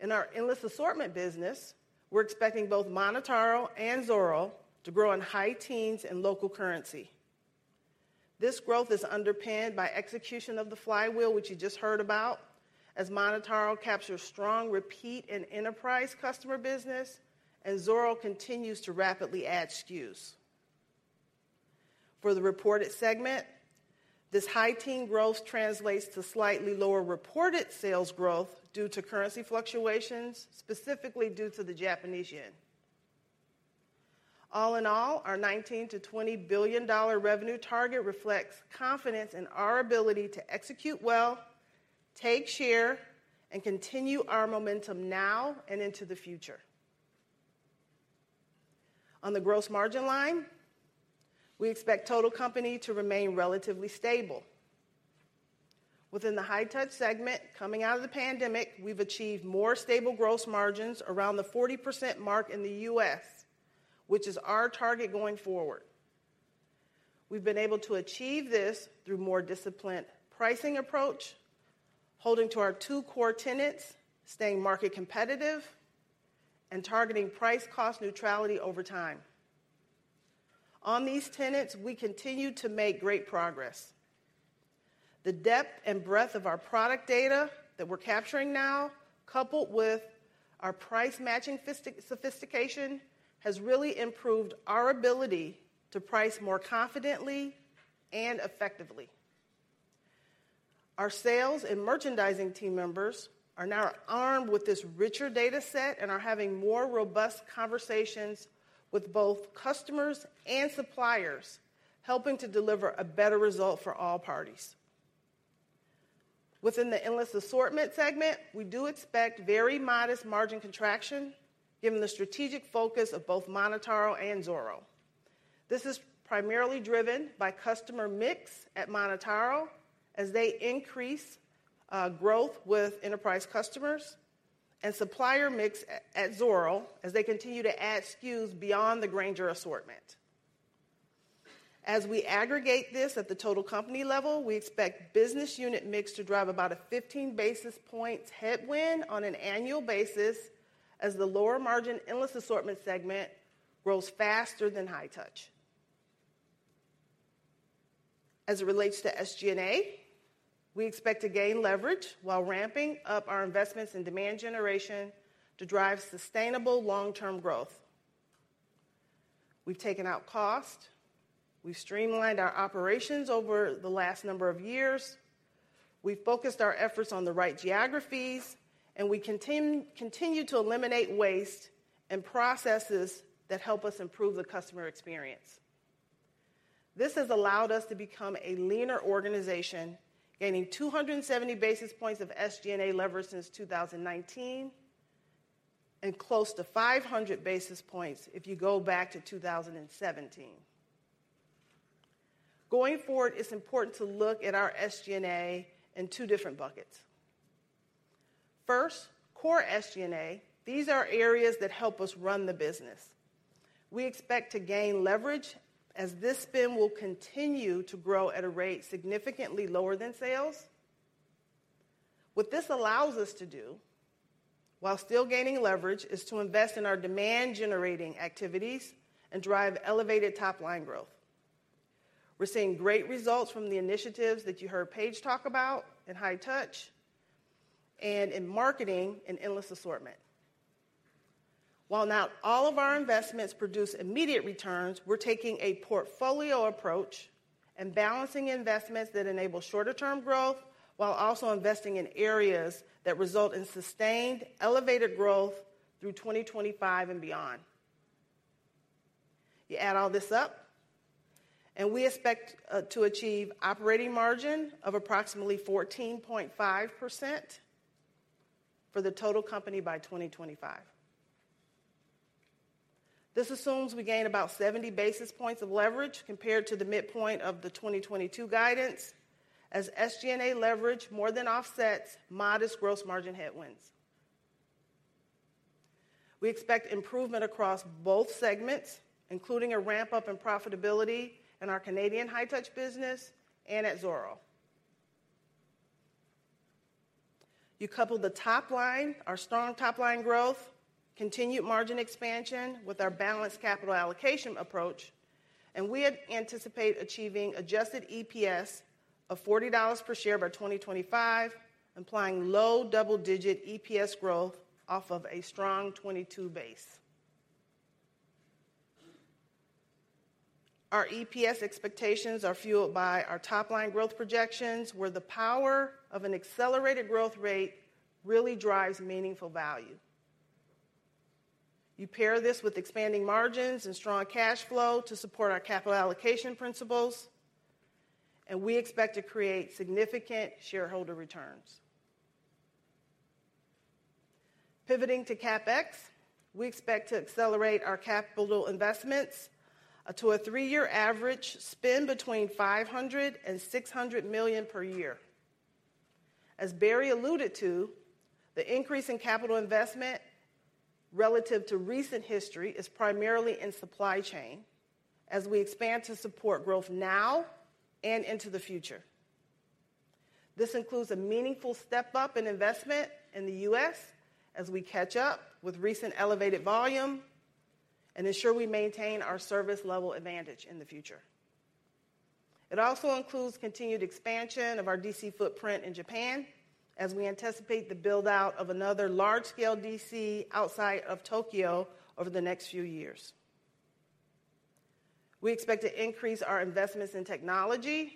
In our endless assortment business, we're expecting both MonotaRO and Zoro to grow in high teens in local currency. This growth is underpinned by execution of the flywheel, which you just heard about, as MonotaRO captures strong repeat and enterprise customer business and Zoro continues to rapidly add SKUs. For the reported segment, this high teen growth translates to slightly lower reported sales growth due to currency fluctuations, specifically due to the Japanese yen. All in all, our $19 billion-$20 billion revenue target reflects confidence in our ability to execute well, take share, and continue our momentum now and into the future. On the gross margin line, we expect total company to remain relatively stable. Within the high touch segment coming out of the pandemic, we've achieved more stable gross margins around the 40% mark in the U.S., which is our target going forward. We've been able to achieve this through more disciplined pricing approach, holding to our two core tenets, staying market competitive, and targeting price cost neutrality over time. On these tenets, we continue to make great progress. The depth and breadth of our product data that we're capturing now, coupled with our price matching sophistication, has really improved our ability to price more confidently and effectively. Our sales and merchandising team members are now armed with this richer dataset and are having more robust conversations with both customers and suppliers, helping to deliver a better result for all parties. Within the endless assortment segment, we do expect very modest margin contraction given the strategic focus of both MonotaRO and Zoro. This is primarily driven by customer mix at MonotaRO as they increase growth with enterprise customers and supplier mix at Zoro as they continue to add SKUs beyond the Grainger assortment. As we aggregate this at the total company level, we expect business unit mix to drive about a 15 basis points headwind on an annual basis as the lower margin endless assortment segment grows faster than high touch. As it relates to SG&A, we expect to gain leverage while ramping up our investments in demand generation to drive sustainable long-term growth. We've taken out cost. We've streamlined our operations over the last number of years. We've focused our efforts on the right geographies, and we continue to eliminate waste and processes that help us improve the customer experience. This has allowed us to become a leaner organization, gaining 270 basis points of SG&A leverage since 2019, and close to 500 basis points if you go back to 2017. Going forward, it's important to look at our SG&A in two different buckets. First, core SG&A. These are areas that help us run the business. We expect to gain leverage as this spend will continue to grow at a rate significantly lower than sales. What this allows us to do, while still gaining leverage, is to invest in our demand generating activities and drive elevated top-line growth. We're seeing great results from the initiatives that you heard Paige talk about in high touch and in marketing and endless assortment. While not all of our investments produce immediate returns, we're taking a portfolio approach and balancing investments that enable shorter term growth while also investing in areas that result in sustained elevated growth through 2025 and beyond. You add all this up, and we expect to achieve operating margin of approximately 14.5% for the total company by 2025. This assumes we gain about 70 basis points of leverage compared to the midpoint of the 2022 guidance as SG&A leverage more than offsets modest gross margin headwinds. We expect improvement across both segments, including a ramp up in profitability in our Canadian high touch business and at Zoro. You couple the top line, our strong top-line growth, continued margin expansion with our balanced capital allocation approach. We had anticipated achieving adjusted EPS of $40 per share by 2025, implying low double-digit EPS growth off of a strong 2022 base. Our EPS expectations are fueled by our top-line growth projections, where the power of an accelerated growth rate really drives meaningful value. You pair this with expanding margins and strong cash flow to support our capital allocation principles, and we expect to create significant shareholder returns. Pivoting to CapEx, we expect to accelerate our capital investments to a three-year average spend between $500 and $600 million per year. As Barry alluded to, the increase in capital investment relative to recent history is primarily in supply chain as we expand to support growth now and into the future. This includes a meaningful step-up in investment in the U.S. as we catch up with recent elevated volume and ensure we maintain our service level advantage in the future. It also includes continued expansion of our DC footprint in Japan as we anticipate the build-out of another large-scale DC outside of Tokyo over the next few years. We expect to increase our investments in technology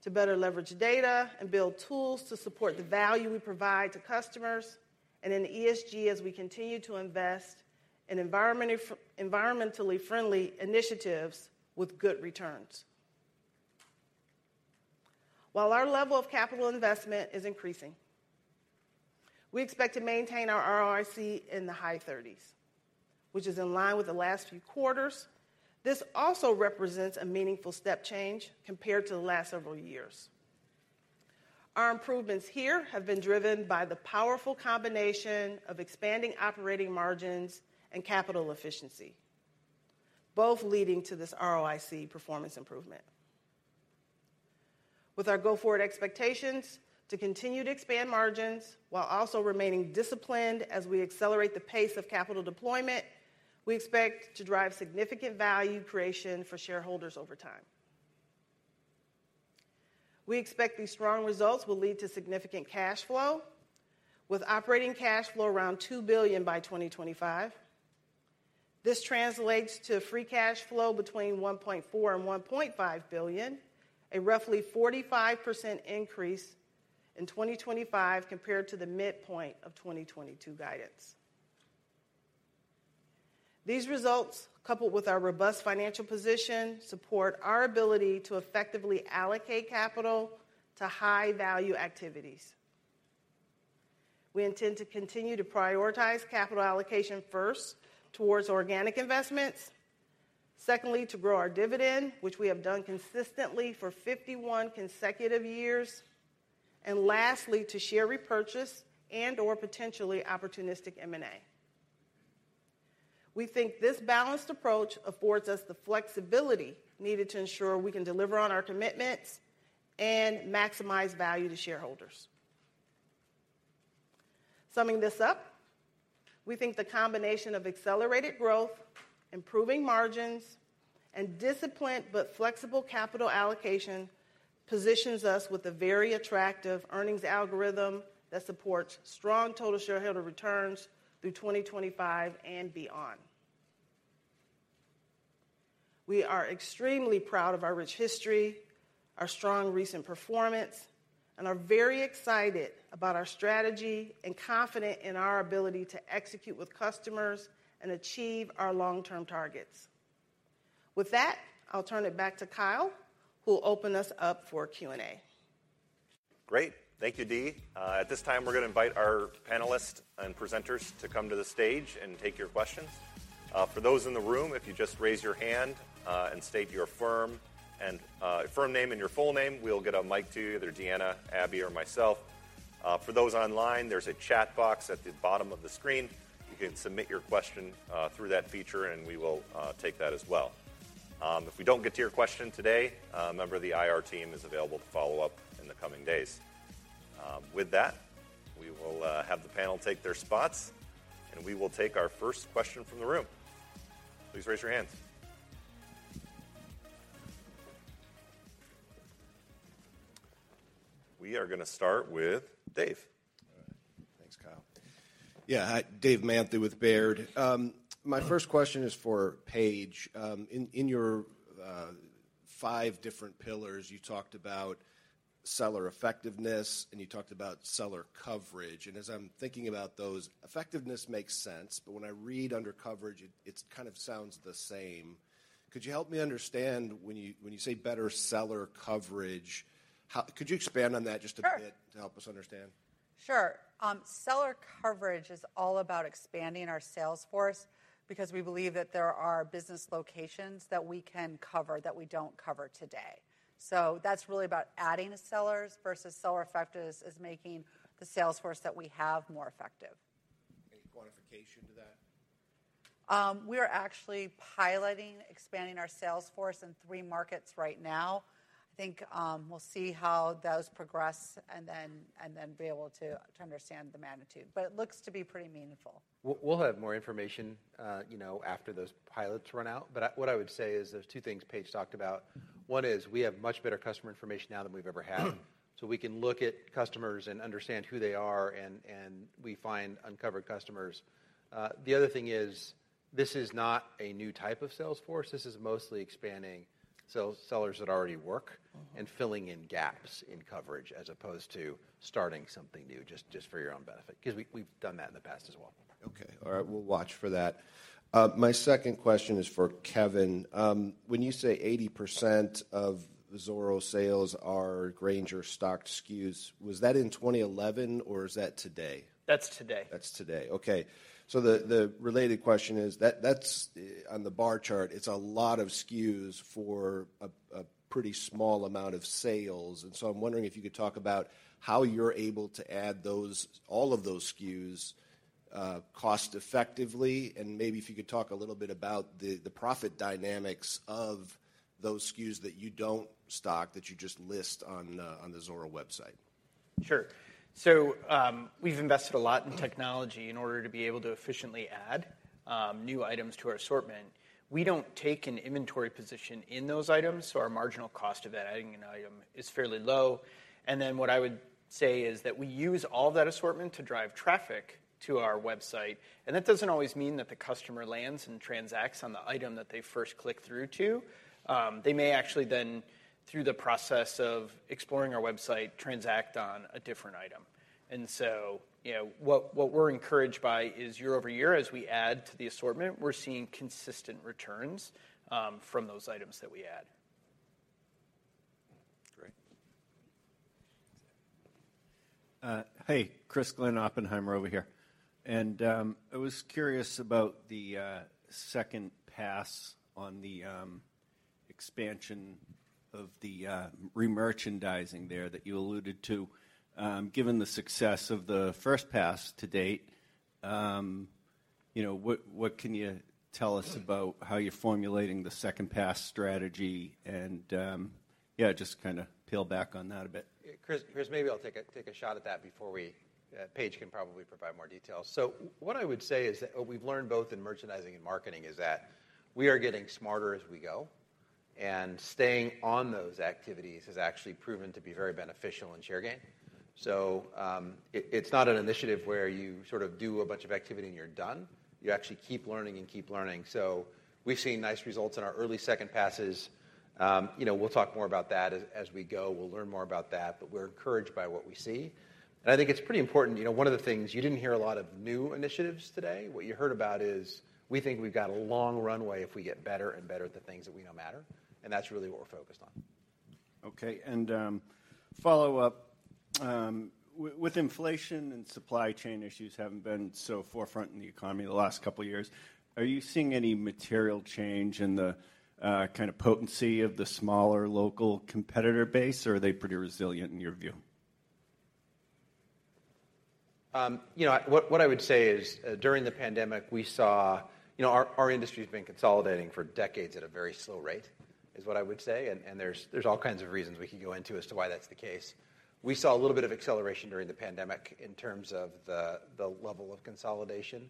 to better leverage data and build tools to support the value we provide to customers and in ESG as we continue to invest in environmentally friendly initiatives with good returns. While our level of capital investment is increasing, we expect to maintain our ROIC in the high thirties, which is in line with the last few quarters. This also represents a meaningful step change compared to the last several years. Our improvements here have been driven by the powerful combination of expanding operating margins and capital efficiency, both leading to this ROIC performance improvement. With our go-forward expectations to continue to expand margins while also remaining disciplined as we accelerate the pace of capital deployment, we expect to drive significant value creation for shareholders over time. We expect these strong results will lead to significant cash flow, with operating cash flow around $2 billion by 2025. This translates to free cash flow between $1.4 billion and $1.5 billion, a roughly 45% increase in 2025 compared to the midpoint of 2022 guidance. These results, coupled with our robust financial position, support our ability to effectively allocate capital to high-value activities. We intend to continue to prioritize capital allocation first towards organic investments, secondly, to grow our dividend, which we have done consistently for 51 consecutive years, and lastly, to share repurchase and/or potentially opportunistic M&A. We think this balanced approach affords us the flexibility needed to ensure we can deliver on our commitments and maximize value to shareholders. Summing this up, we think the combination of accelerated growth, improving margins, and disciplined but flexible capital allocation positions us with a very attractive earnings algorithm that supports strong total shareholder returns through 2025 and beyond. We are extremely proud of our rich history, our strong recent performance, and are very excited about our strategy and confident in our ability to execute with customers and achieve our long-term targets. With that, I'll turn it back to Kyle, who will open us up for Q&A. Great. Thank you, Dee. At this time, we're gonna invite our panelists and presenters to come to the stage and take your questions. For those in the room, if you just raise your hand and state your firm and firm name and your full name, we'll get a mic to you, either Deanna, Abby, or myself. For those online, there's a chat box at the bottom of the screen. You can submit your question through that feature, and we will take that as well. If we don't get to your question today, a member of the IR team is available to follow up in the coming days. With that, we will have the panel take their spots, and we will take our first question from the room. Please raise your hands. We are gonna start with Dave. All right. Thanks, Kyle. Yeah, hi, David Manthey with Baird. My first question is for Paige. In your five different pillars, you talked about seller effectiveness, and you talked about seller coverage. As I'm thinking about those, effectiveness makes sense, but when I read under coverage, it kind of sounds the same. Could you help me understand when you say better seller coverage? Could you expand on that just a bit? Sure. to help us understand? Sure. Seller coverage is all about expanding our sales force because we believe that there are business locations that we can cover that we don't cover today. That's really about adding sellers versus seller effectiveness is making the sales force that we have more effective. Any quantification to that? We are actually piloting expanding our sales force in 3 markets right now. I think, we'll see how those progress and then be able to understand the magnitude. It looks to be pretty meaningful. We'll have more information, you know, after those pilots run out. What I would say is there's two things Paige talked about. One is we have much better customer information now than we've ever had. We can look at customers and understand who they are and we find uncovered customers. The other thing is, this is not a new type of sales force, this is mostly expanding sell-sellers that already work and filling in gaps in coverage as opposed to starting something new just for your own benefit. 'Cause we've done that in the past as well. Okay. All right, we'll watch for that. My second question is for Kevin. When you say 80% of Zoro sales are Grainger stocked SKUs, was that in 2011 or is that today? That's today. That's today. Okay. The related question is that's on the bar chart. It's a lot of SKUs for a pretty small amount of sales. I'm wondering if you could talk about how you're able to add those all of those SKUs cost effectively, and maybe if you could talk a little bit about the profit dynamics of those SKUs that you don't stock, that you just list on the Zoro website. Sure. We've invested a lot in technology in order to be able to efficiently add new items to our assortment. We don't take an inventory position in those items, so our marginal cost of adding an item is fairly low. What I would say is that we use all that assortment to drive traffic to our website. That doesn't always mean that the customer lands and transacts on the item that they first clicked through to. They may actually, through the process of exploring our website, transact on a different item. You know, what we're encouraged by is year-over-year, as we add to the assortment, we're seeing consistent returns from those items that we add. Great. Hey, Christopher Glynn, Oppenheimer over here. I was curious about the second pass on the expansion of the remerchandising there that you alluded to. Given the success of the first pass to date, you know, what can you tell us about how you're formulating the second pass strategy and just kinda peel back on that a bit. Chris, maybe I'll take a shot at that before we. Paige can probably provide more details. What I would say is that what we've learned both in merchandising and marketing is that we are getting smarter as we go, and staying on those activities has actually proven to be very beneficial in share gain. It's not an initiative where you sort of do a bunch of activity and you're done. You actually keep learning and keep learning. We've seen nice results in our early second passes. You know, we'll talk more about that as we go. We'll learn more about that, but we're encouraged by what we see. I think it's pretty important, you know, one of the things you didn't hear a lot of new initiatives today. What you heard about is we think we've got a long runway if we get better and better at the things that we know matter, and that's really what we're focused on. Follow up with inflation and supply chain issues haven't been so forefront in the economy the last couple of years, are you seeing any material change in the kind of potency of the smaller local competitor base, or are they pretty resilient in your view? You know, what I would say is during the pandemic, we saw. You know, our industry's been consolidating for decades at a very slow rate, is what I would say. There's all kinds of reasons we could go into as to why that's the case. We saw a little bit of acceleration during the pandemic in terms of the level of consolidation,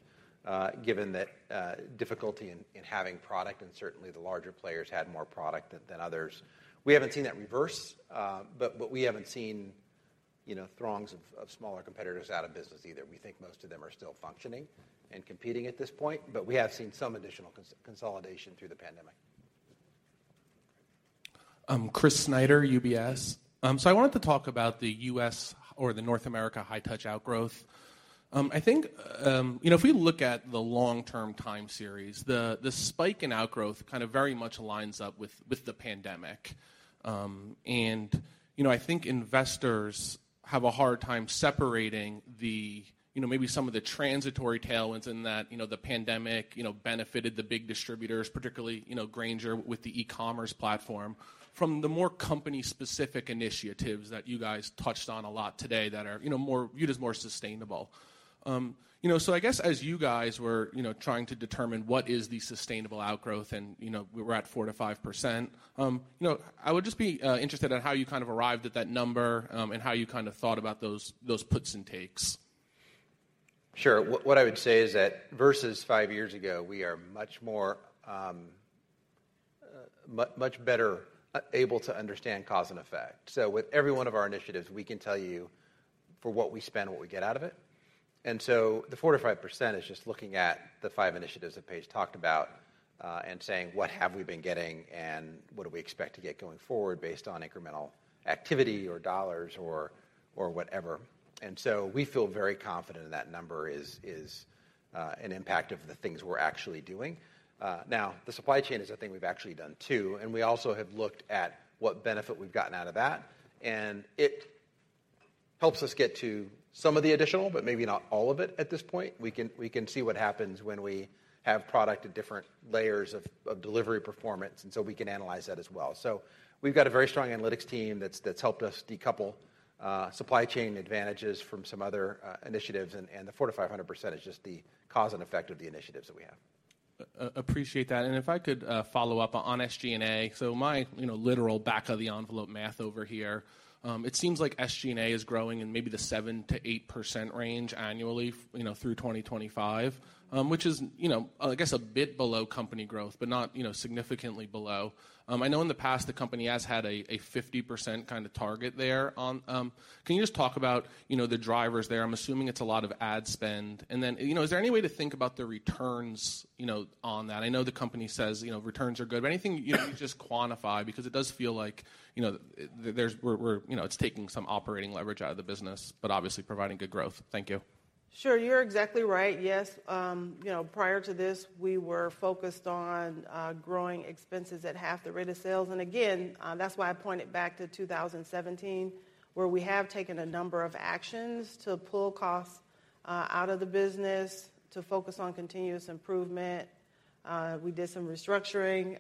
given that difficulty in having product, and certainly the larger players had more product than others. We haven't seen that reverse, but we haven't seen, you know, throngs of smaller competitors out of business either. We think most of them are still functioning and competing at this point, but we have seen some additional consolidation through the pandemic. Chris Snyder, UBS. I wanted to talk about the U.S. or the North America high touch outgrowth. I think, you know, if we look at the long-term time series, the spike in outgrowth kind of very much lines up with the pandemic. You know, I think investors have a hard time separating the, you know, maybe some of the transitory tailwinds in that, you know, the pandemic, you know, benefited the big distributors, particularly, you know, Grainger with the e-commerce platform, from the more company-specific initiatives that you guys touched on a lot today that are, you know, more viewed as more sustainable. You know, I guess as you guys were, you know, trying to determine what is the sustainable outgrowth and, you know, we're at 4%-5%, you know, I would just be interested in how you kind of arrived at that number, and how you kind of thought about those puts and takes. Sure. What I would say is that versus five years ago, we are much better able to understand cause and effect. With every one of our initiatives, we can tell you for what we spend, what we get out of it. The 4%-5% is just looking at the 5 initiatives that Paige talked about, and saying, what have we been getting, and what do we expect to get going forward based on incremental activity or dollars or whatever. We feel very confident that number is an impact of the things we're actually doing. Now the supply chain is a thing we've actually done, too, and we also have looked at what benefit we've gotten out of that. It helps us get to some of the additional, but maybe not all of it at this point. We can see what happens when we have product at different layers of delivery performance, and so we can analyze that as well. We've got a very strong analytics team that's helped us decouple supply chain advantages from some other initiatives. The 400%-500% is just the cause and effect of the initiatives that we have. Appreciate that. If I could follow up on SG&A. My, you know, literal back of the envelope math over here, it seems like SG&A is growing in maybe the 7%-8% range annually, you know, through 2025, which is, you know, I guess a bit below company growth, but not, you know, significantly below. I know in the past, the company has had a 50% kinda target there on. Can you just talk about, you know, the drivers there? I'm assuming it's a lot of ad spend. Then, you know, is there any way to think about the returns, you know, on that? I know the company says, you know, returns are good, but anything, you know, you can just quantify because it does feel like, you know, we're, you know, it's taking some operating leverage out of the business, but obviously providing good growth. Thank you. Sure. You're exactly right. Yes, you know, prior to this, we were focused on growing expenses at half the rate of sales. Again, that's why I pointed back to 2017, where we have taken a number of actions to pull costs out of the business to focus on continuous improvement. We did some restructuring,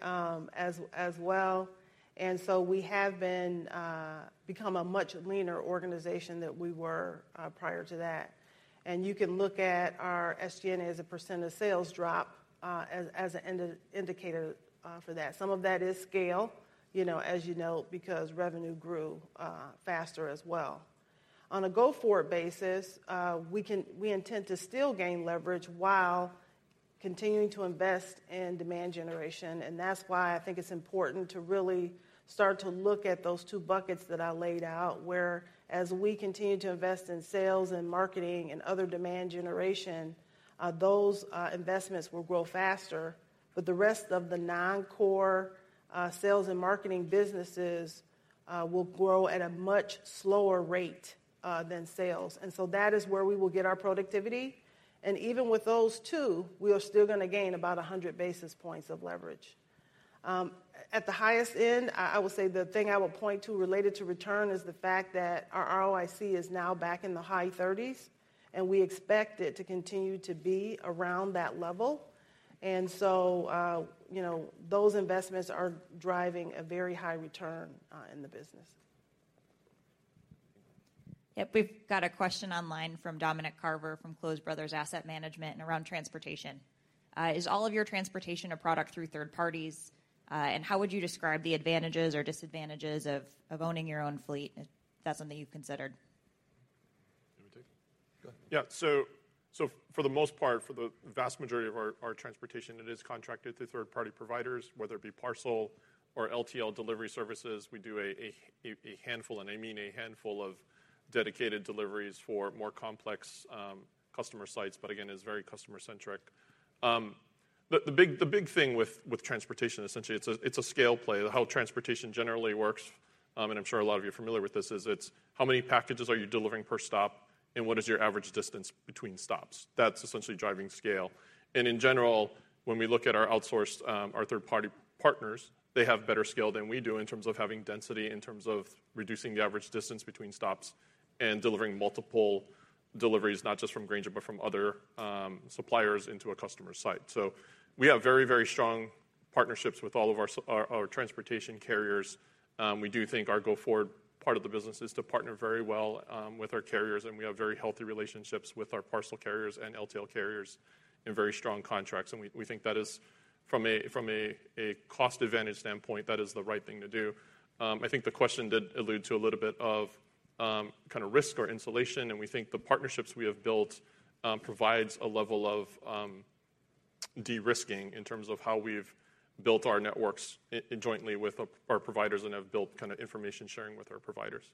as well. We have become a much leaner organization than we were prior to that. You can look at our SG&A as a % of sales drop, as an indicator for that. Some of that is scale, you know, as you know, because revenue grew faster as well. On a go-forward basis, we intend to still gain leverage while continuing to invest in demand generation. That's why I think it's important to really start to look at those two buckets that I laid out, whereas we continue to invest in sales and marketing and other demand generation, those investments will grow faster, but the rest of the non-core sales and marketing businesses will grow at a much slower rate than sales. That is where we will get our productivity. Even with those two, we are still gonna gain about 100 basis points of leverage. At the highest end, I would say the thing I would point to related to return is the fact that our ROIC is now back in the high thirties, and we expect it to continue to be around that level. You know, those investments are driving a very high return in the business. Yep. We've got a question online from Dominic Carver from Close Brothers Asset Management and around transportation. Is all of your transportation procured through third parties? And how would you describe the advantages or disadvantages of owning your own fleet, if that's something you've considered? You want me to take it? Go ahead. For the most part, for the vast majority of our transportation, it is contracted through third-party providers, whether it be parcel or LTL delivery services. We do a handful, and I mean a handful of dedicated deliveries for more complex customer sites, but again, it is very customer-centric. The big thing with transportation, essentially, it's a scale play. How transportation generally works, and I'm sure a lot of you are familiar with this, is it's how many packages are you delivering per stop, and what is your average distance between stops? That's essentially driving scale. In general, when we look at our outsourced, our third-party partners, they have better scale than we do in terms of having density, in terms of reducing the average distance between stops and delivering multiple deliveries, not just from Grainger, but from other suppliers into a customer site. We have very, very strong partnerships with all of our our transportation carriers. We do think our go-forward part of the business is to partner very well with our carriers, and we have very healthy relationships with our parcel carriers and LTL carriers and very strong contracts. We think that is from a cost advantage standpoint, that is the right thing to do. I think the question did allude to a little bit of kinda risk or insulation, and we think the partnerships we have built provides a level of de-risking in terms of how we've built our networks jointly with our providers and have built kinda information sharing with our providers.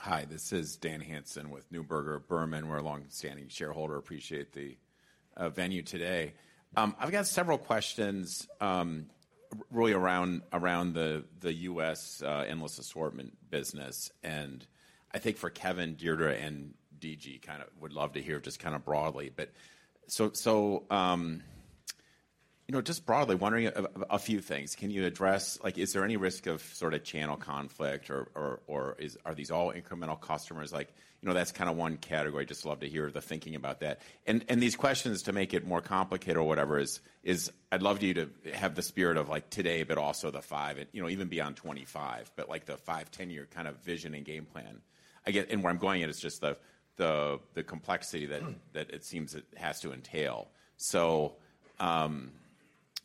Hi, this is Dan Hanson with Neuberger Berman. We're a longstanding shareholder. Appreciate the venue today. I've got several questions, really around the U.S. endless assortment business. I think for Kevin, Deidra, and D.G., kinda would love to hear just kinda broadly. You know, just broadly wondering a few things. Can you address. Like, is there any risk of sorta channel conflict or are these all incremental customers? Like, you know, that's kinda one category. Just love to hear the thinking about that. These questions, to make it more complicated or whatever, I'd love you to have the spirit of like today, but also the 5 and, you know, even beyond 25, but like the 5, 10-year kind of vision and game plan. Where I'm going at is just the complexity that. Hmm that it seems it has to entail.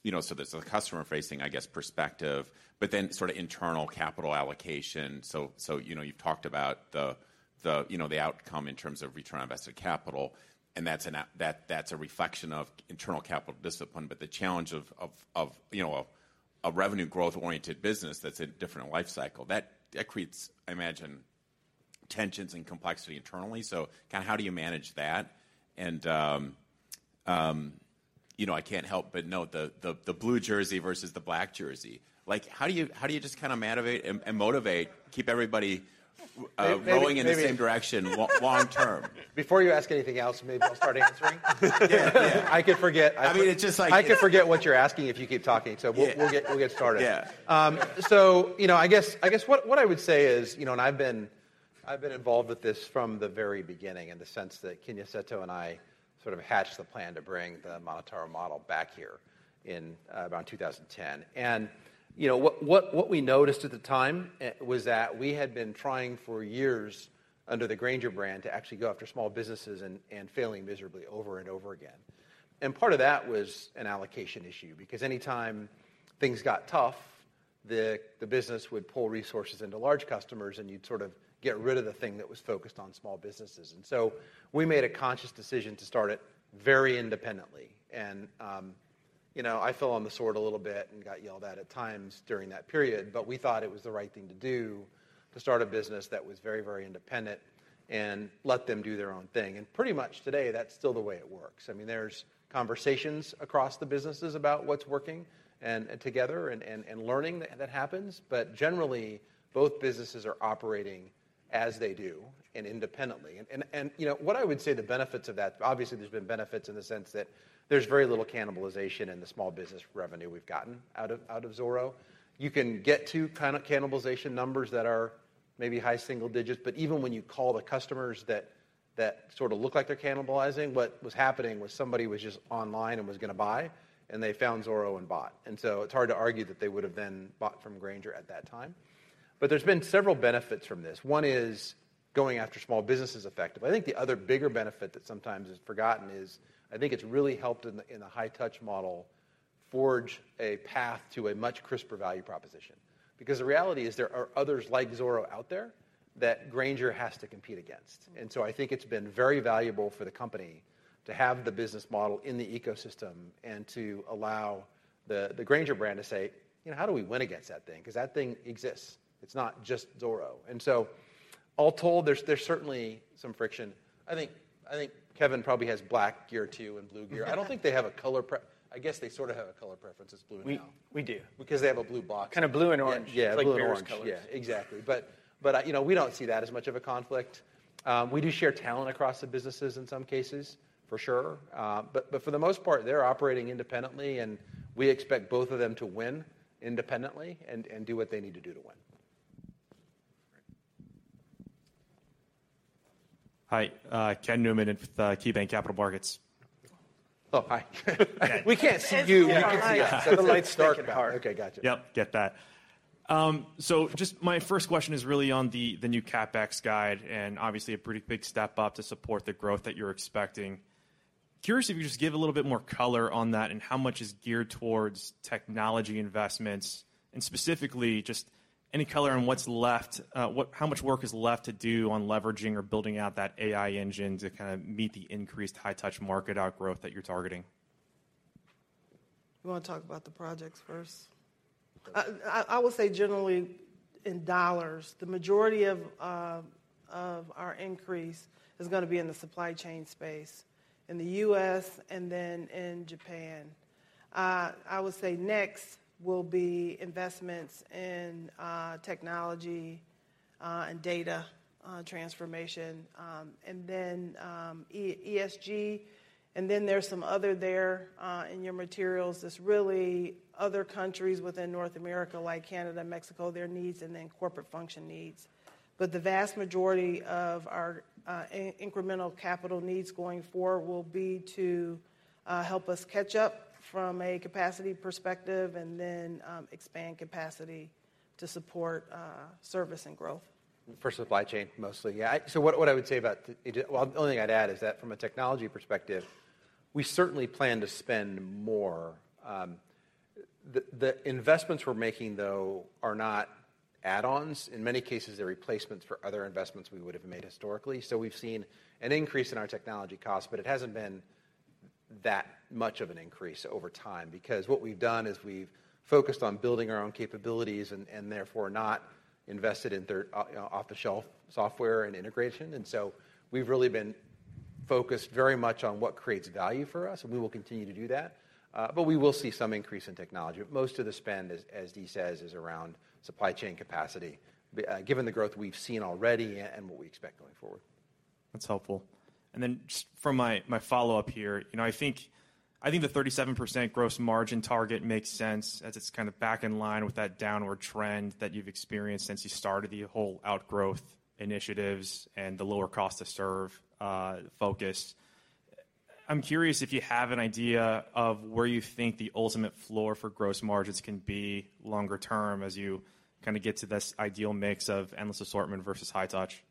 You know, there's the customer-facing, I guess, perspective, but then sorta internal capital allocation. You know, you've talked about the you know, the outcome in terms of return on invested capital, and that's a reflection of internal capital discipline. The challenge of you know, a revenue growth-oriented business that's in a different life cycle, that creates, I imagine, tensions and complexity internally. Kinda how do you manage that? You know, I can't help but note the blue jersey versus the black jersey. Like, how do you just kinda motivate and keep everybody rowing in the same direction long term? Maybe before you ask anything else, maybe I'll start answering. Yeah. Yeah. I could forget- I mean, it's just like. I could forget what you're asking if you keep talking, so we'll get started. Yeah. You know, I guess what I would say is, you know, I've been involved with this from the very beginning in the sense that Kinya Seto and I sort of hatched the plan to bring the MonotaRO model back here in around 2010. You know, what we noticed at the time was that we had been trying for years under the Grainger brand to actually go after small businesses and failing miserably over and over again. Part of that was an allocation issue because anytime things got tough, the business would pull resources into large customers and you'd sort of get rid of the thing that was focused on small businesses. We made a conscious decision to start it very independently. You know, I fell on the sword a little bit and got yelled at times during that period, but we thought it was the right thing to do to start a business that was very, very independent and let them do their own thing. Pretty much today, that's still the way it works. I mean, there's conversations across the businesses about what's working and together and learning that happens. Generally, both businesses are operating as they do and independently. You know, what I would say the benefits of that. Obviously, there's been benefits in the sense that there's very little cannibalization in the small business revenue we've gotten out of Zoro. You can get to cannibalization numbers that are maybe high single digits, but even when you call the customers that sort of look like they're cannibalizing, what was happening was somebody was just online and was gonna buy, and they found Zoro and bought. It's hard to argue that they would have then bought from Grainger at that time. There's been several benefits from this. One is going after small business is effective. I think the other bigger benefit that sometimes is forgotten is, I think it's really helped in the high touch model forge a path to a much crisper value proposition. Because the reality is there are others like Zoro out there that Grainger has to compete against. I think it's been very valuable for the company to have the business model in the ecosystem and to allow the Grainger brand to say, "You know, how do we win against that thing?" Because that thing exists. It's not just Zoro. All told, there's certainly some friction. I think Kevin probably has black gear too and blue gear. I don't think they have a color. I guess they sort of have a color preference. It's blue now. We do. Because they have a blue box. Kind of blue and orange. Yeah, blue and orange. A little orange. Yeah, exactly. You know, we don't see that as much of a conflict. We do share talent across the businesses in some cases, for sure. For the most part, they're operating independently, and we expect both of them to win independently and do what they need to do to win. Hi. Ken Newman with KeyBanc Capital Markets. Oh, hi. We can't see you. We can see us. Yeah. The lights dark. Okay, gotcha. Yep, got that. Just my first question is really on the new CapEx guide, and obviously a pretty big step up to support the growth that you're expecting. Curious if you just give a little bit more color on that and how much is geared towards technology investments, and specifically just any color on what's left, how much work is left to do on leveraging or building out that AI engine to kinda meet the increased high touch market outgrowth that you're targeting? You wanna talk about the projects first? I would say generally in dollars, the majority of our increase is gonna be in the supply chain space in the U.S. and then in Japan. I would say next will be investments in technology and data transformation, and then ESG, and then there's some other there in your materials. There's really other countries within North America, like Canada, Mexico, their needs, and then corporate function needs. The vast majority of our incremental capital needs going forward will be to help us catch up from a capacity perspective and then expand capacity to support service and growth. For supply chain, mostly. The only thing I'd add is that from a technology perspective, we certainly plan to spend more. The investments we're making, though, are not add-ons. In many cases, they're replacements for other investments we would have made historically. We've seen an increase in our technology costs, but it hasn't been that much of an increase over time because what we've done is we've focused on building our own capabilities and therefore not invested in off-the-shelf software and integration. We've really been focused very much on what creates value for us, and we will continue to do that. We will see some increase in technology. Most of the spend, as Dee says, is around supply chain capacity, given the growth we've seen already and what we expect going forward. That's helpful. For my follow-up here, you know, I think the 37% gross margin target makes sense as it's kinda back in line with that downward trend that you've experienced since you started the whole endless assortment initiatives and the lower cost to serve focus. I'm curious if you have an idea of where you think the ultimate floor for gross margins can be longer term as you kinda get to this ideal mix of endless assortment versus high touch.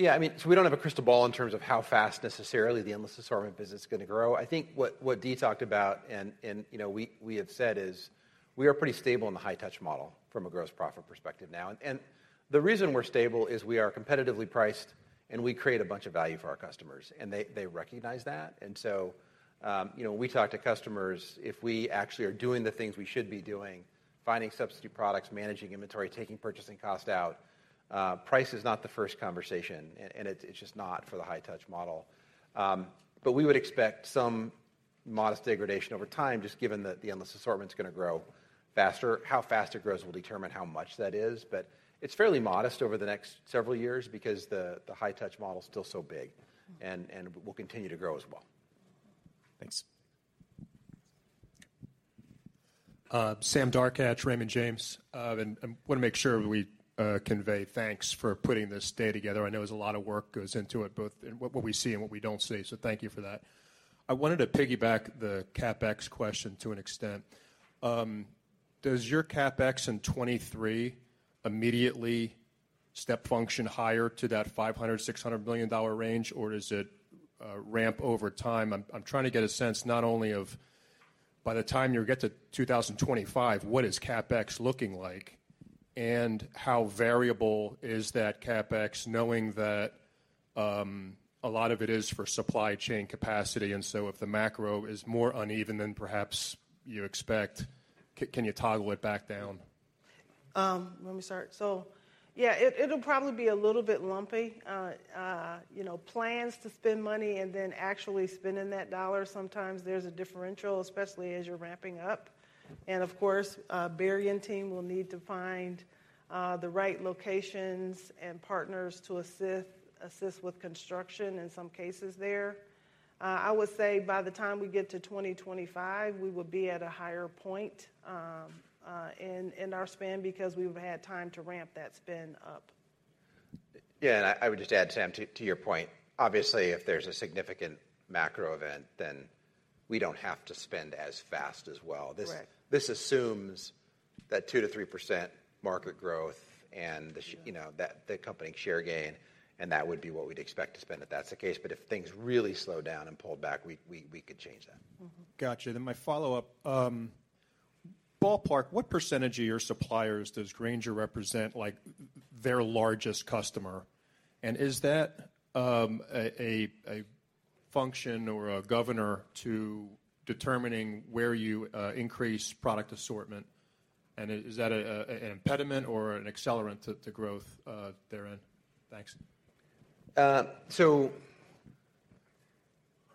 Yeah, I mean, we don't have a crystal ball in terms of how fast necessarily the endless assortment business is gonna grow. I think what Dee talked about and, you know, we have said is we are pretty stable in the high touch model from a gross profit perspective now. The reason we're stable is we are competitively priced, and we create a bunch of value for our customers, and they recognize that. You know, when we talk to customers, if we actually are doing the things we should be doing, finding substitute products, managing inventory, taking purchasing cost out, price is not the first conversation. It's just not for the high touch model. We would expect some modest degradation over time, just given that the endless assortment's gonna grow faster. How fast it grows will determine how much that is, but it's fairly modest over the next several years because the high touch model is still so big and will continue to grow as well. Thanks. Sam Darkatsh, Raymond James. I want to make sure we convey thanks for putting this day together. I know there's a lot of work goes into it, both in what we see and what we don't see. Thank you for that. I wanted to piggyback the CapEx question to an extent. Does your CapEx in 2023 immediately step function higher to that $500-$600 million range, or does it ramp over time? I'm trying to get a sense not only of by the time you get to 2025, what is CapEx looking like and how variable is that CapEx knowing that a lot of it is for supply chain capacity, and so if the macro is more uneven than perhaps you expect, can you toggle it back down? Let me start. Yeah, it'll probably be a little bit lumpy. You know, plans to spend money and then actually spending that dollar, sometimes there's a differential, especially as you're ramping up. Of course, Barry and team will need to find the right locations and partners to assist with construction in some cases there. I would say by the time we get to 2025, we will be at a higher point in our spend because we've had time to ramp that spend up. Yeah, I would just add, Sam, to your point, obviously, if there's a significant macro event, then we don't have to spend as fast as well. Correct. This assumes that 2%-3% market growth and you know, that the company share gain, and that would be what we'd expect to spend if that's the case. If things really slow down and pull back, we could change that. Mm-hmm. Gotcha. My follow-up, ballpark, what percentage of your suppliers does Grainger represent, like, their largest customer? And is that a function or a governor to determining where you increase product assortment? And is that an impediment or an accelerant to growth therein? Thanks.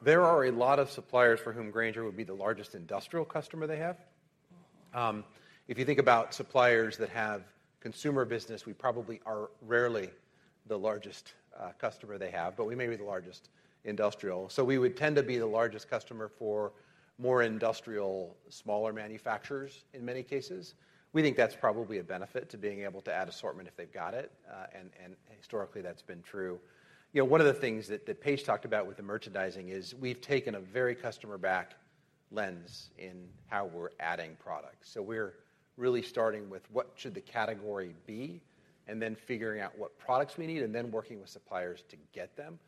There are a lot of suppliers for whom Grainger would be the largest industrial customer they have. If you think about suppliers that have consumer business, we probably are rarely the largest customer they have, but we may be the largest industrial. We would tend to be the largest customer for more industrial, smaller manufacturers in many cases. We think that's probably a benefit to being able to add assortment if they've got it. Historically that's been true. You know, one of the things that Paige talked about with the merchandising is we've taken a very customer-back lens in how we're adding products. We're really starting with what should the category be and then figuring out what products we need and then working with suppliers to get them.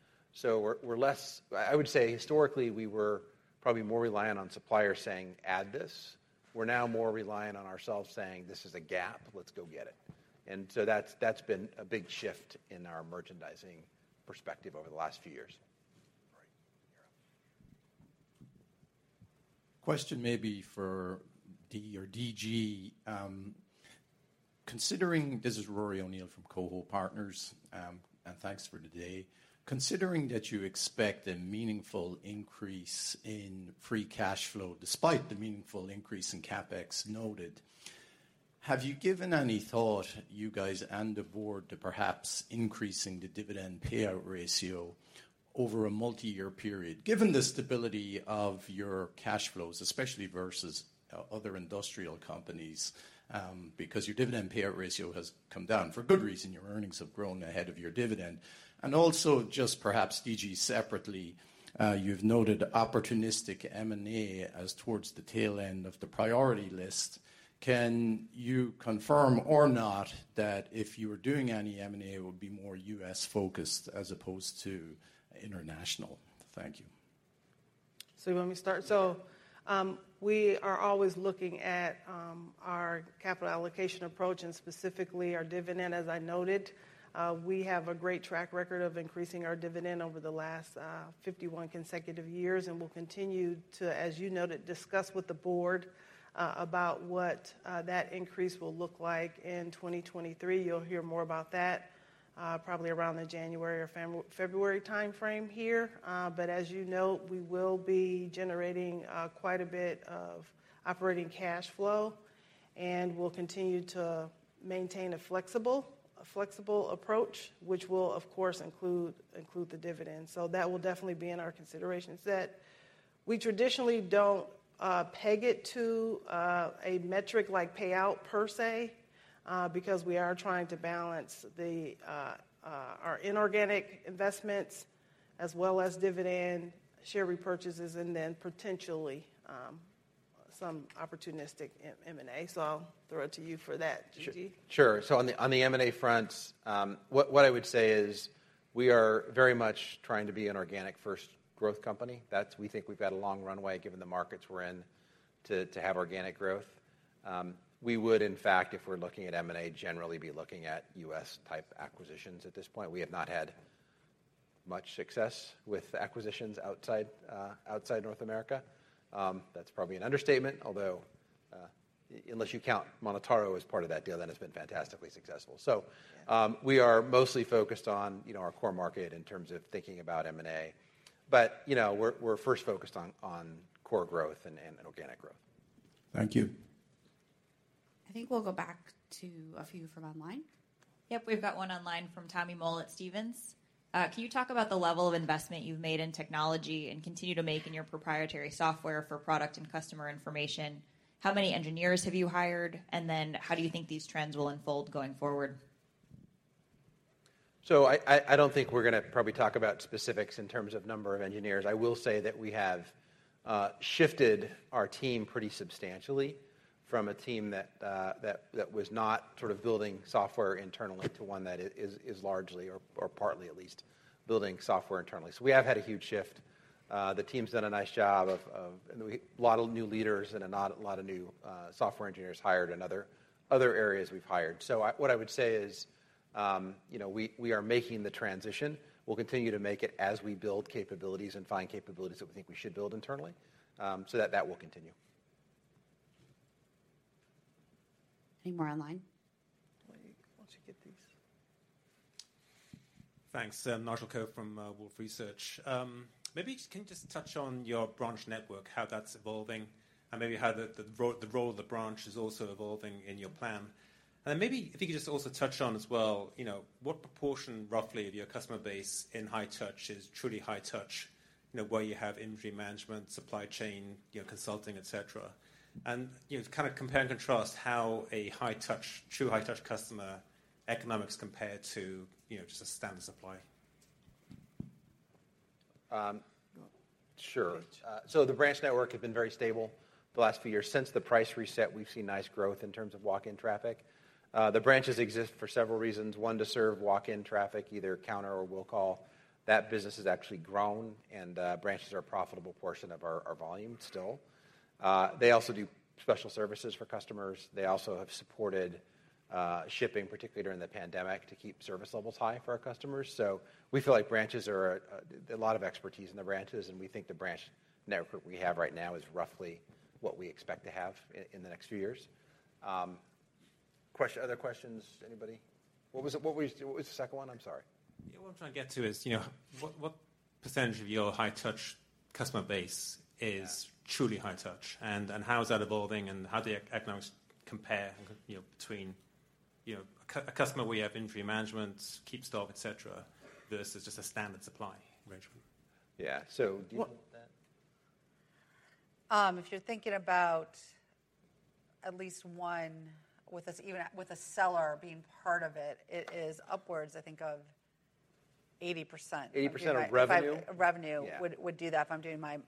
We're less, I would say historically, we were probably more reliant on suppliers saying, "Add this." We're now more reliant on ourselves saying, "This is a gap. Let's go get it." That's been a big shift in our merchandising perspective over the last few years. All right. Yeah. Question may be for Dee or D.G.. Considering that you expect a meaningful increase in free cash flow despite the meaningful increase in CapEx noted, have you given any thought, you guys and the board, to perhaps increasing the dividend payout ratio over a multi-year period, given the stability of your cash flows, especially versus other industrial companies? Because your dividend payout ratio has come down for good reason, your earnings have grown ahead of your dividend. Also just perhaps, D.G., separately, you've noted opportunistic M&A as towards the tail end of the priority list. Can you confirm or not that if you were doing any M&A, it would be more U.S.-focused as opposed to international? Thank you. You want me to start? We are always looking at our capital allocation approach and specifically our dividend, as I noted. We have a great track record of increasing our dividend over the last 51 consecutive years, and we'll continue to, as you noted, discuss with the board about what that increase will look like in 2023. You'll hear more about that probably around the January or February timeframe here. As you note, we will be generating quite a bit of operating cash flow and will continue to maintain a flexible approach, which will, of course, include the dividend. That will definitely be in our consideration set. We traditionally don't peg it to a metric like payout per se, because we are trying to balance our inorganic investments as well as dividend share repurchases and then potentially some opportunistic M&A. I'll throw it to you for that, D.G.. Sure. On the M&A front, what I would say is we are very much trying to be an organic first growth company. That's. We think we've got a long runway given the markets we're in to have organic growth. We would, in fact, if we're looking at M&A, generally be looking at U.S.-type acquisitions at this point. We have not had much success with acquisitions outside North America. That's probably an understatement, although unless you count MonotaRO as part of that deal, that has been fantastically successful. We are mostly focused on, you know, our core market in terms of thinking about M&A. You know, we're first focused on core growth and organic growth. Thank you. I think we'll go back to a few from online. Yep, we've got one online from Tommy Moll at Stephens. Can you talk about the level of investment you've made in technology and continue to make in your proprietary software for product and customer information? How many engineers have you hired? How do you think these trends will unfold going forward? I don't think we're gonna probably talk about specifics in terms of number of engineers. I will say that we have shifted our team pretty substantially from a team that was not sort of building software internally to one that is largely or partly at least building software internally. We have had a huge shift. The team's done a nice job of a lot of new leaders and a lot of new software engineers hired and other areas we've hired. What I would say is, you know, we are making the transition. We'll continue to make it as we build capabilities and find capabilities that we think we should build internally. That will continue. Any more online? Wait. Why don't you get these? Thanks. Nigel Coe from Wolfe Research. Can you just touch on your branch network, how that's evolving, and maybe how the role of the branch is also evolving in your plan? Maybe if you could just also touch on as well, you know, what proportion roughly of your customer base in high touch is truly high touch, you know, where you have inventory management, supply chain, you know, consulting, et cetera. You know, to kind of compare and contrast how a high touch, true high touch customer economics compare to, you know, just a standard supply. Sure. The branch network has been very stable the last few years. Since the price reset, we've seen nice growth in terms of walk-in traffic. The branches exist for several reasons. One, to serve walk-in traffic, either counter or will call. That business has actually grown, and branches are a profitable portion of our volume still. They also do special services for customers. They also have supported shipping, particularly during the pandemic, to keep service levels high for our customers. We feel like branches are a lot of expertise in the branches, and we think the branch network we have right now is roughly what we expect to have in the next few years. Other questions, anybody? What was the second one? I'm sorry. Yeah. What I'm trying to get to is, you know, what percentage of your high touch customer base is truly high touch? And how is that evolving and how do the economics compare, you know, between, you know, a customer where you have inventory management, KeepStock, et cetera, versus just a standard supply arrangement? Yeah. Do you want that? If you're thinking about at least one with a, even at, with a seller being part of it is upwards, I think, of 80%. If I'm- 80% of revenue? Revenue. Yeah. Would do that if I'm doing my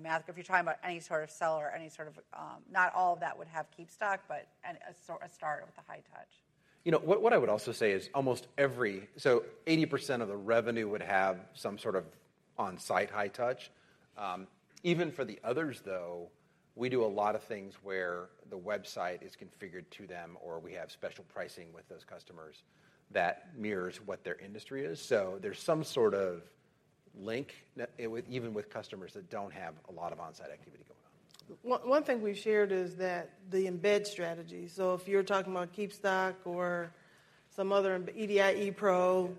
math. If you're talking about any sort of seller. Not all of that would have KeepStock, but a sort of start with the high touch. You know, what I would also say is 80% of the revenue would have some sort of on-site high touch. Even for the others, though, we do a lot of things where the website is configured to them, or we have special pricing with those customers that mirrors what their industry is. There's some sort of link, even with customers that don't have a lot of on-site activity going on. One thing we shared is that the embed strategy. If you're talking about KeepStock or some other EDI, ePro,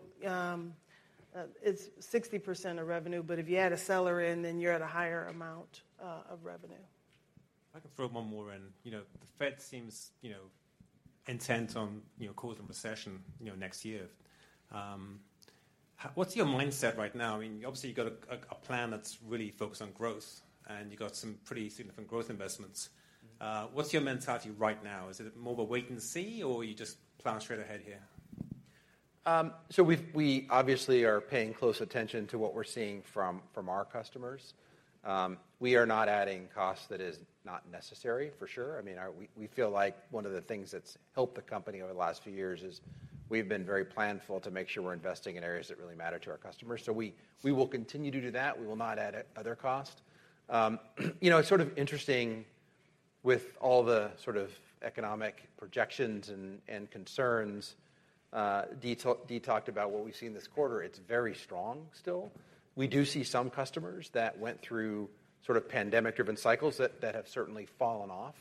it's 60% of revenue, but if you add a seller in, then you're at a higher amount of revenue. If I could throw one more in. You know, the Fed seems, you know, intent on, you know, causing a recession, you know, next year. What's your mindset right now? I mean, obviously you've got a plan that's really focused on growth, and you've got some pretty significant growth investments. What's your mentality right now? Is it more of a wait and see, or are you just plowing straight ahead here? We obviously are paying close attention to what we're seeing from our customers. We are not adding cost that is not necessary, for sure. I mean, we feel like one of the things that's helped the company over the last few years is we've been very planful to make sure we're investing in areas that really matter to our customers. We will continue to do that. We will not add other costs. You know, it's sort of interesting with all the sort of economic projections and concerns. Dee talked about what we've seen this quarter. It's very strong still. We do see some customers that went through sort of pandemic-driven cycles that have certainly fallen off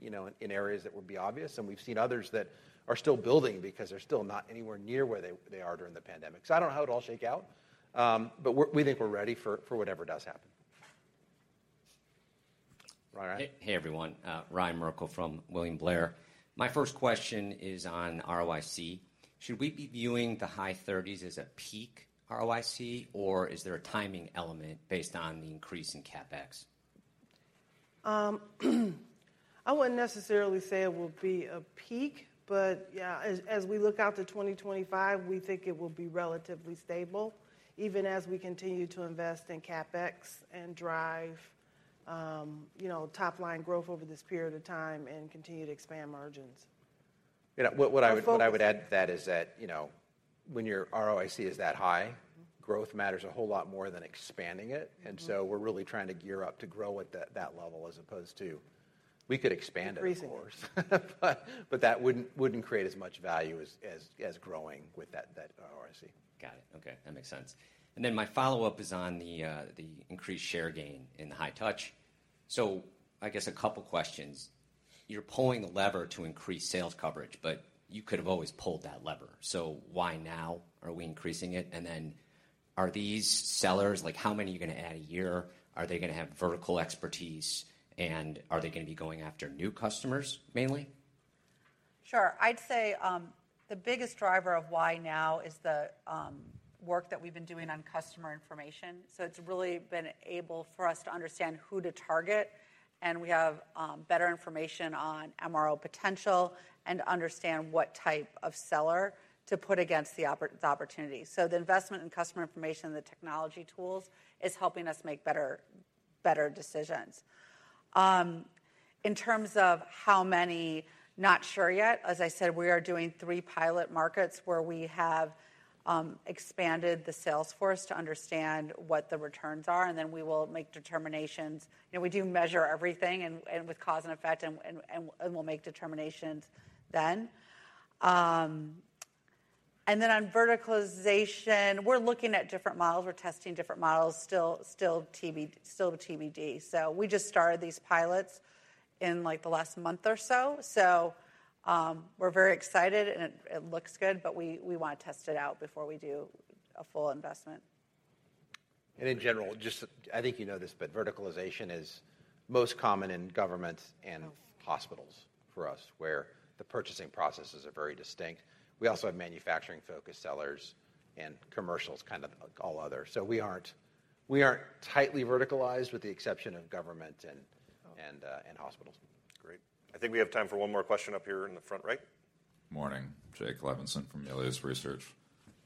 in areas that would be obvious. We've seen others that are still building because they're still not anywhere near where they are during the pandemic. I don't know how it'll all shake out, but we think we're ready for whatever does happen. Ry? Hey, everyone. Ryan Merkel from William Blair. My first question is on ROIC. Should we be viewing the high thirties as a peak ROIC, or is there a timing element based on the increase in CapEx? I wouldn't necessarily say it will be a peak, but yeah, as we look out to 2025, we think it will be relatively stable, even as we continue to invest in CapEx and drive, you know, top-line growth over this period of time and continue to expand margins. You know what I would So fo- What I would add to that is that, you know, when your ROIC is that high. Mm-hmm Growth matters a whole lot more than expanding it. Mm-hmm. We're really trying to gear up to grow at that level as opposed to we could expand it, of course. Increasing it. That wouldn't create as much value as growing with that ROIC. Got it. Okay. That makes sense. My follow-up is on the increased share gain in the high touch. I guess a couple questions. You're pulling the lever to increase sales coverage, but you could have always pulled that lever. Why now are we increasing it? Are these sellers like, how many are you gonna add a year? Are they gonna have vertical expertise? And are they gonna be going after new customers mainly? Sure. I'd say the biggest driver of why now is the work that we've been doing on customer information. It's really been able for us to understand who to target, and we have better information on MRO potential and to understand what type of seller to put against the opportunity. The investment in customer information and the technology tools is helping us make better decisions. In terms of how many, not sure yet. As I said, we are doing 3 pilot markets where we have expanded the sales force to understand what the returns are, and then we will make determinations. You know, we do measure everything and with cause and effect, and we'll make determinations then. On verticalization, we're looking at different models. We're testing different models, still TBD. We just started these pilots in, like, the last month or so. We're very excited and it looks good, but we wanna test it out before we do a full investment. In general, just I think you know this, but verticalization is most common in government and hospitals for us, where the purchasing processes are very distinct. We also have manufacturing-focused sellers and commercials, kind of all other. We aren't tightly verticalized with the exception of government and hospitals. Great. I think we have time for one more question up here in the front right. Morning. Jake Levinson from Melius Research.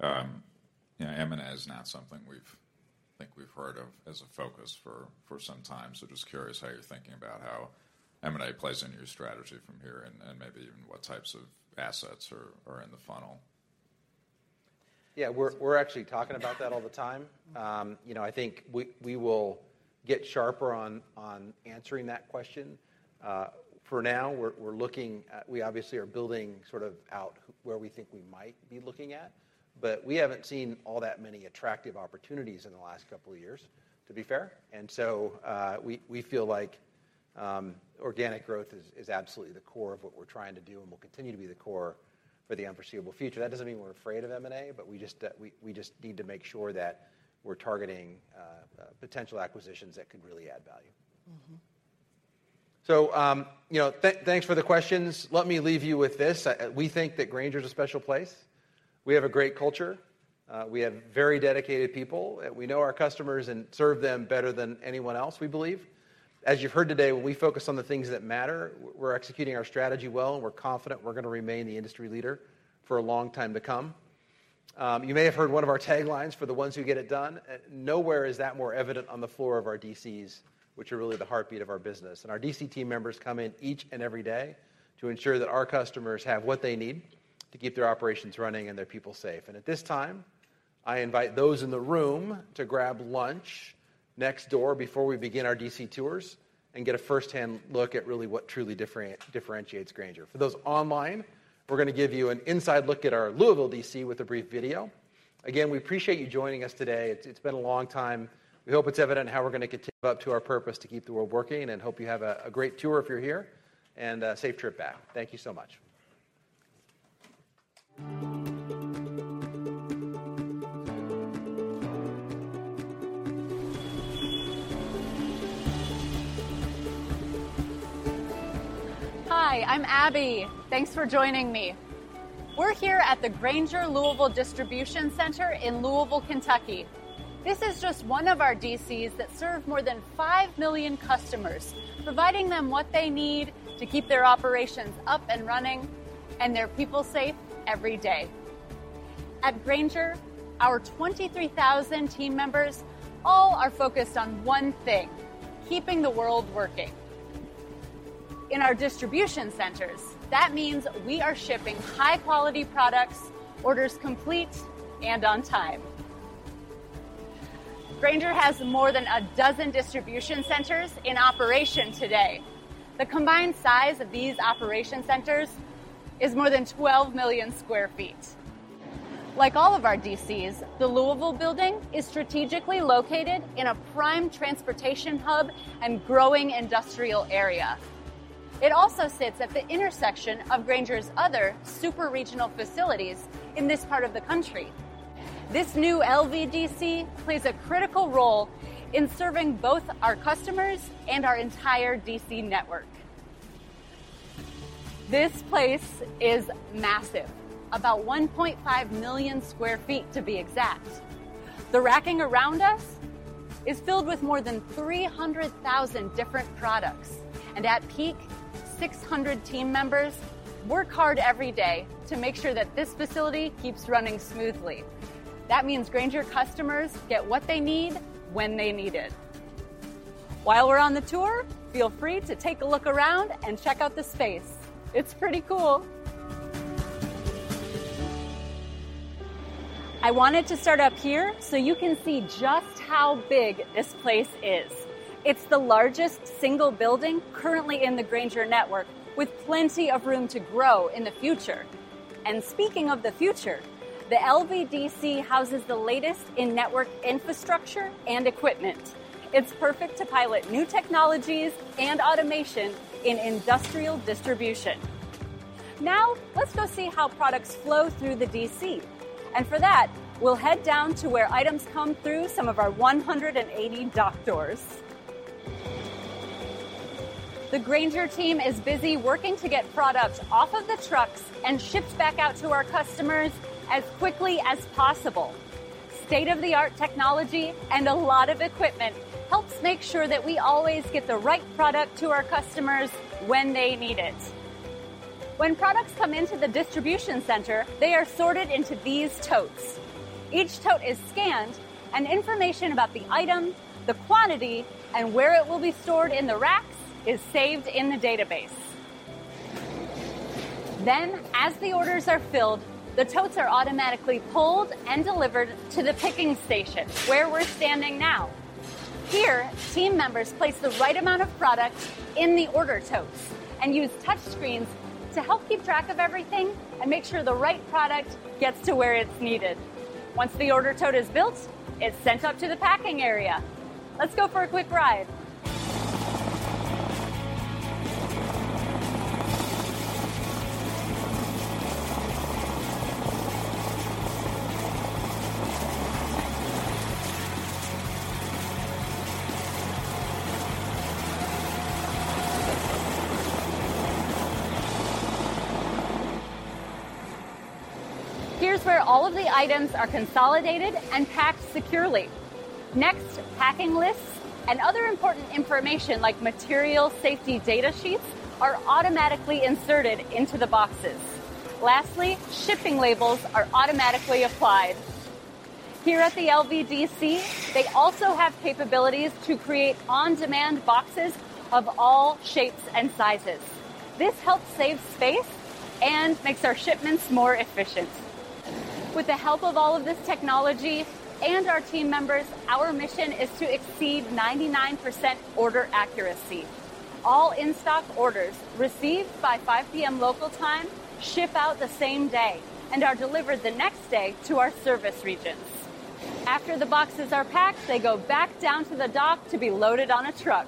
You know, M&A is not something we think we've heard of as a focus for some time, so just curious how you're thinking about how M&A plays into your strategy from here and maybe even what types of assets are in the funnel. Yeah, we're actually talking about that all the time. You know, I think we will get sharper on answering that question. For now, we obviously are building sort of out where we think we might be looking at, but we haven't seen all that many attractive opportunities in the last couple of years, to be fair. We feel like organic growth is absolutely the core of what we're trying to do and will continue to be the core for the unforeseeable future. That doesn't mean we're afraid of M&A, but we just need to make sure that we're targeting potential acquisitions that could really add value. Mm-hmm. Thanks for the questions. Let me leave you with this. We think that Grainger's a special place. We have a great culture. We have very dedicated people. We know our customers and serve them better than anyone else, we believe. As you've heard today, we focus on the things that matter. We're executing our strategy well, and we're confident we're gonna remain the industry leader for a long time to come. You may have heard one of our taglines, "For the ones who get it done," and nowhere is that more evident on the floor of our DCs, which are really the heartbeat of our business. Our DC team members come in each and every day to ensure that our customers have what they need to keep their operations running and their people safe. At this time, I invite those in the room to grab lunch next door before we begin our DC tours and get a firsthand look at really what truly differentiates Grainger. For those online, we're gonna give you an inside look at our Louisville DC with a brief video. Again, we appreciate you joining us today. It's been a long time. We hope it's evident how we're gonna continue up to our purpose to keep the world working, and hope you have a great tour if you're here, and safe trip back. Thank you so much. Hi, I'm Abby. Thanks for joining me. We're here at the Grainger Louisville Distribution Center in Louisville, Kentucky. This is just one of our DCs that serve more than 5 million customers, providing them what they need to keep their operations up and running and their people safe every day. At Grainger, our 23,000 team members all are focused on one thing, keeping the world working. In our distribution centers, that means we are shipping high-quality products, orders complete and on time. Grainger has more than a dozen distribution centers in operation today. The combined size of these operations centers is more than 12 million sq ft. Like all of our DCs, the Louisville building is strategically located in a prime transportation hub and growing industrial area. It also sits at the intersection of Grainger's other super-regional facilities in this part of the country. This new LVDC plays a critical role in serving both our customers and our entire DC network. This place is massive, about 1.5 million sq ft to be exact. The racking around us is filled with more than 300,000 different products, and at peak, 600 team members work hard every day to make sure that this facility keeps running smoothly. That means Grainger customers get what they need when they need it. While we're on the tour, feel free to take a look around and check out the space. It's pretty cool. I wanted to start up here so you can see just how big this place is. It's the largest single building currently in the Grainger network, with plenty of room to grow in the future. Speaking of the future, the LVDC houses the latest in network infrastructure and equipment. It's perfect to pilot new technologies and automation in industrial distribution. Now let's go see how products flow through the DC, and for that, we'll head down to where items come through some of our 180 dock doors. The Grainger team is busy working to get products off of the trucks and shipped back out to our customers as quickly as possible. State-of-the-art technology and a lot of equipment helps make sure that we always get the right product to our customers when they need it. When products come into the distribution center, they are sorted into these totes. Each tote is scanned, and information about the item, the quantity, and where it will be stored in the rack is saved in the database. Then, as the orders are filled, the totes are automatically pulled and delivered to the picking station, where we're standing now. Here, team members place the right amount of product in the order tote and use touchscreens to help keep track of everything and make sure the right product gets to where it's needed. Once the order tote is built, it's sent up to the packing area. Let's go for a quick ride. Here's where all of the items are consolidated and packed securely. Next, packing lists and other important information like material safety data sheets are automatically inserted into the boxes. Lastly, shipping labels are automatically applied. Here at the LVDC, they also have capabilities to create on-demand boxes of all shapes and sizes. This helps save space and makes our shipments more efficient. With the help of all of this technology and our team members, our mission is to exceed 99% order accuracy. All in-stock orders received by 5:00 P.M. local time ship out the same day and are delivered the next day to our service region. After the boxes are packed, they go back down to the dock to be loaded on a truck.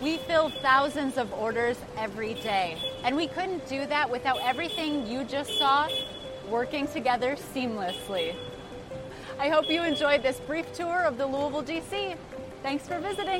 We fill thousands of orders every day, and we couldn't do that without everything you just saw working together seamlessly. I hope you enjoyed this brief tour of the Louisville DC. Thanks for visiting.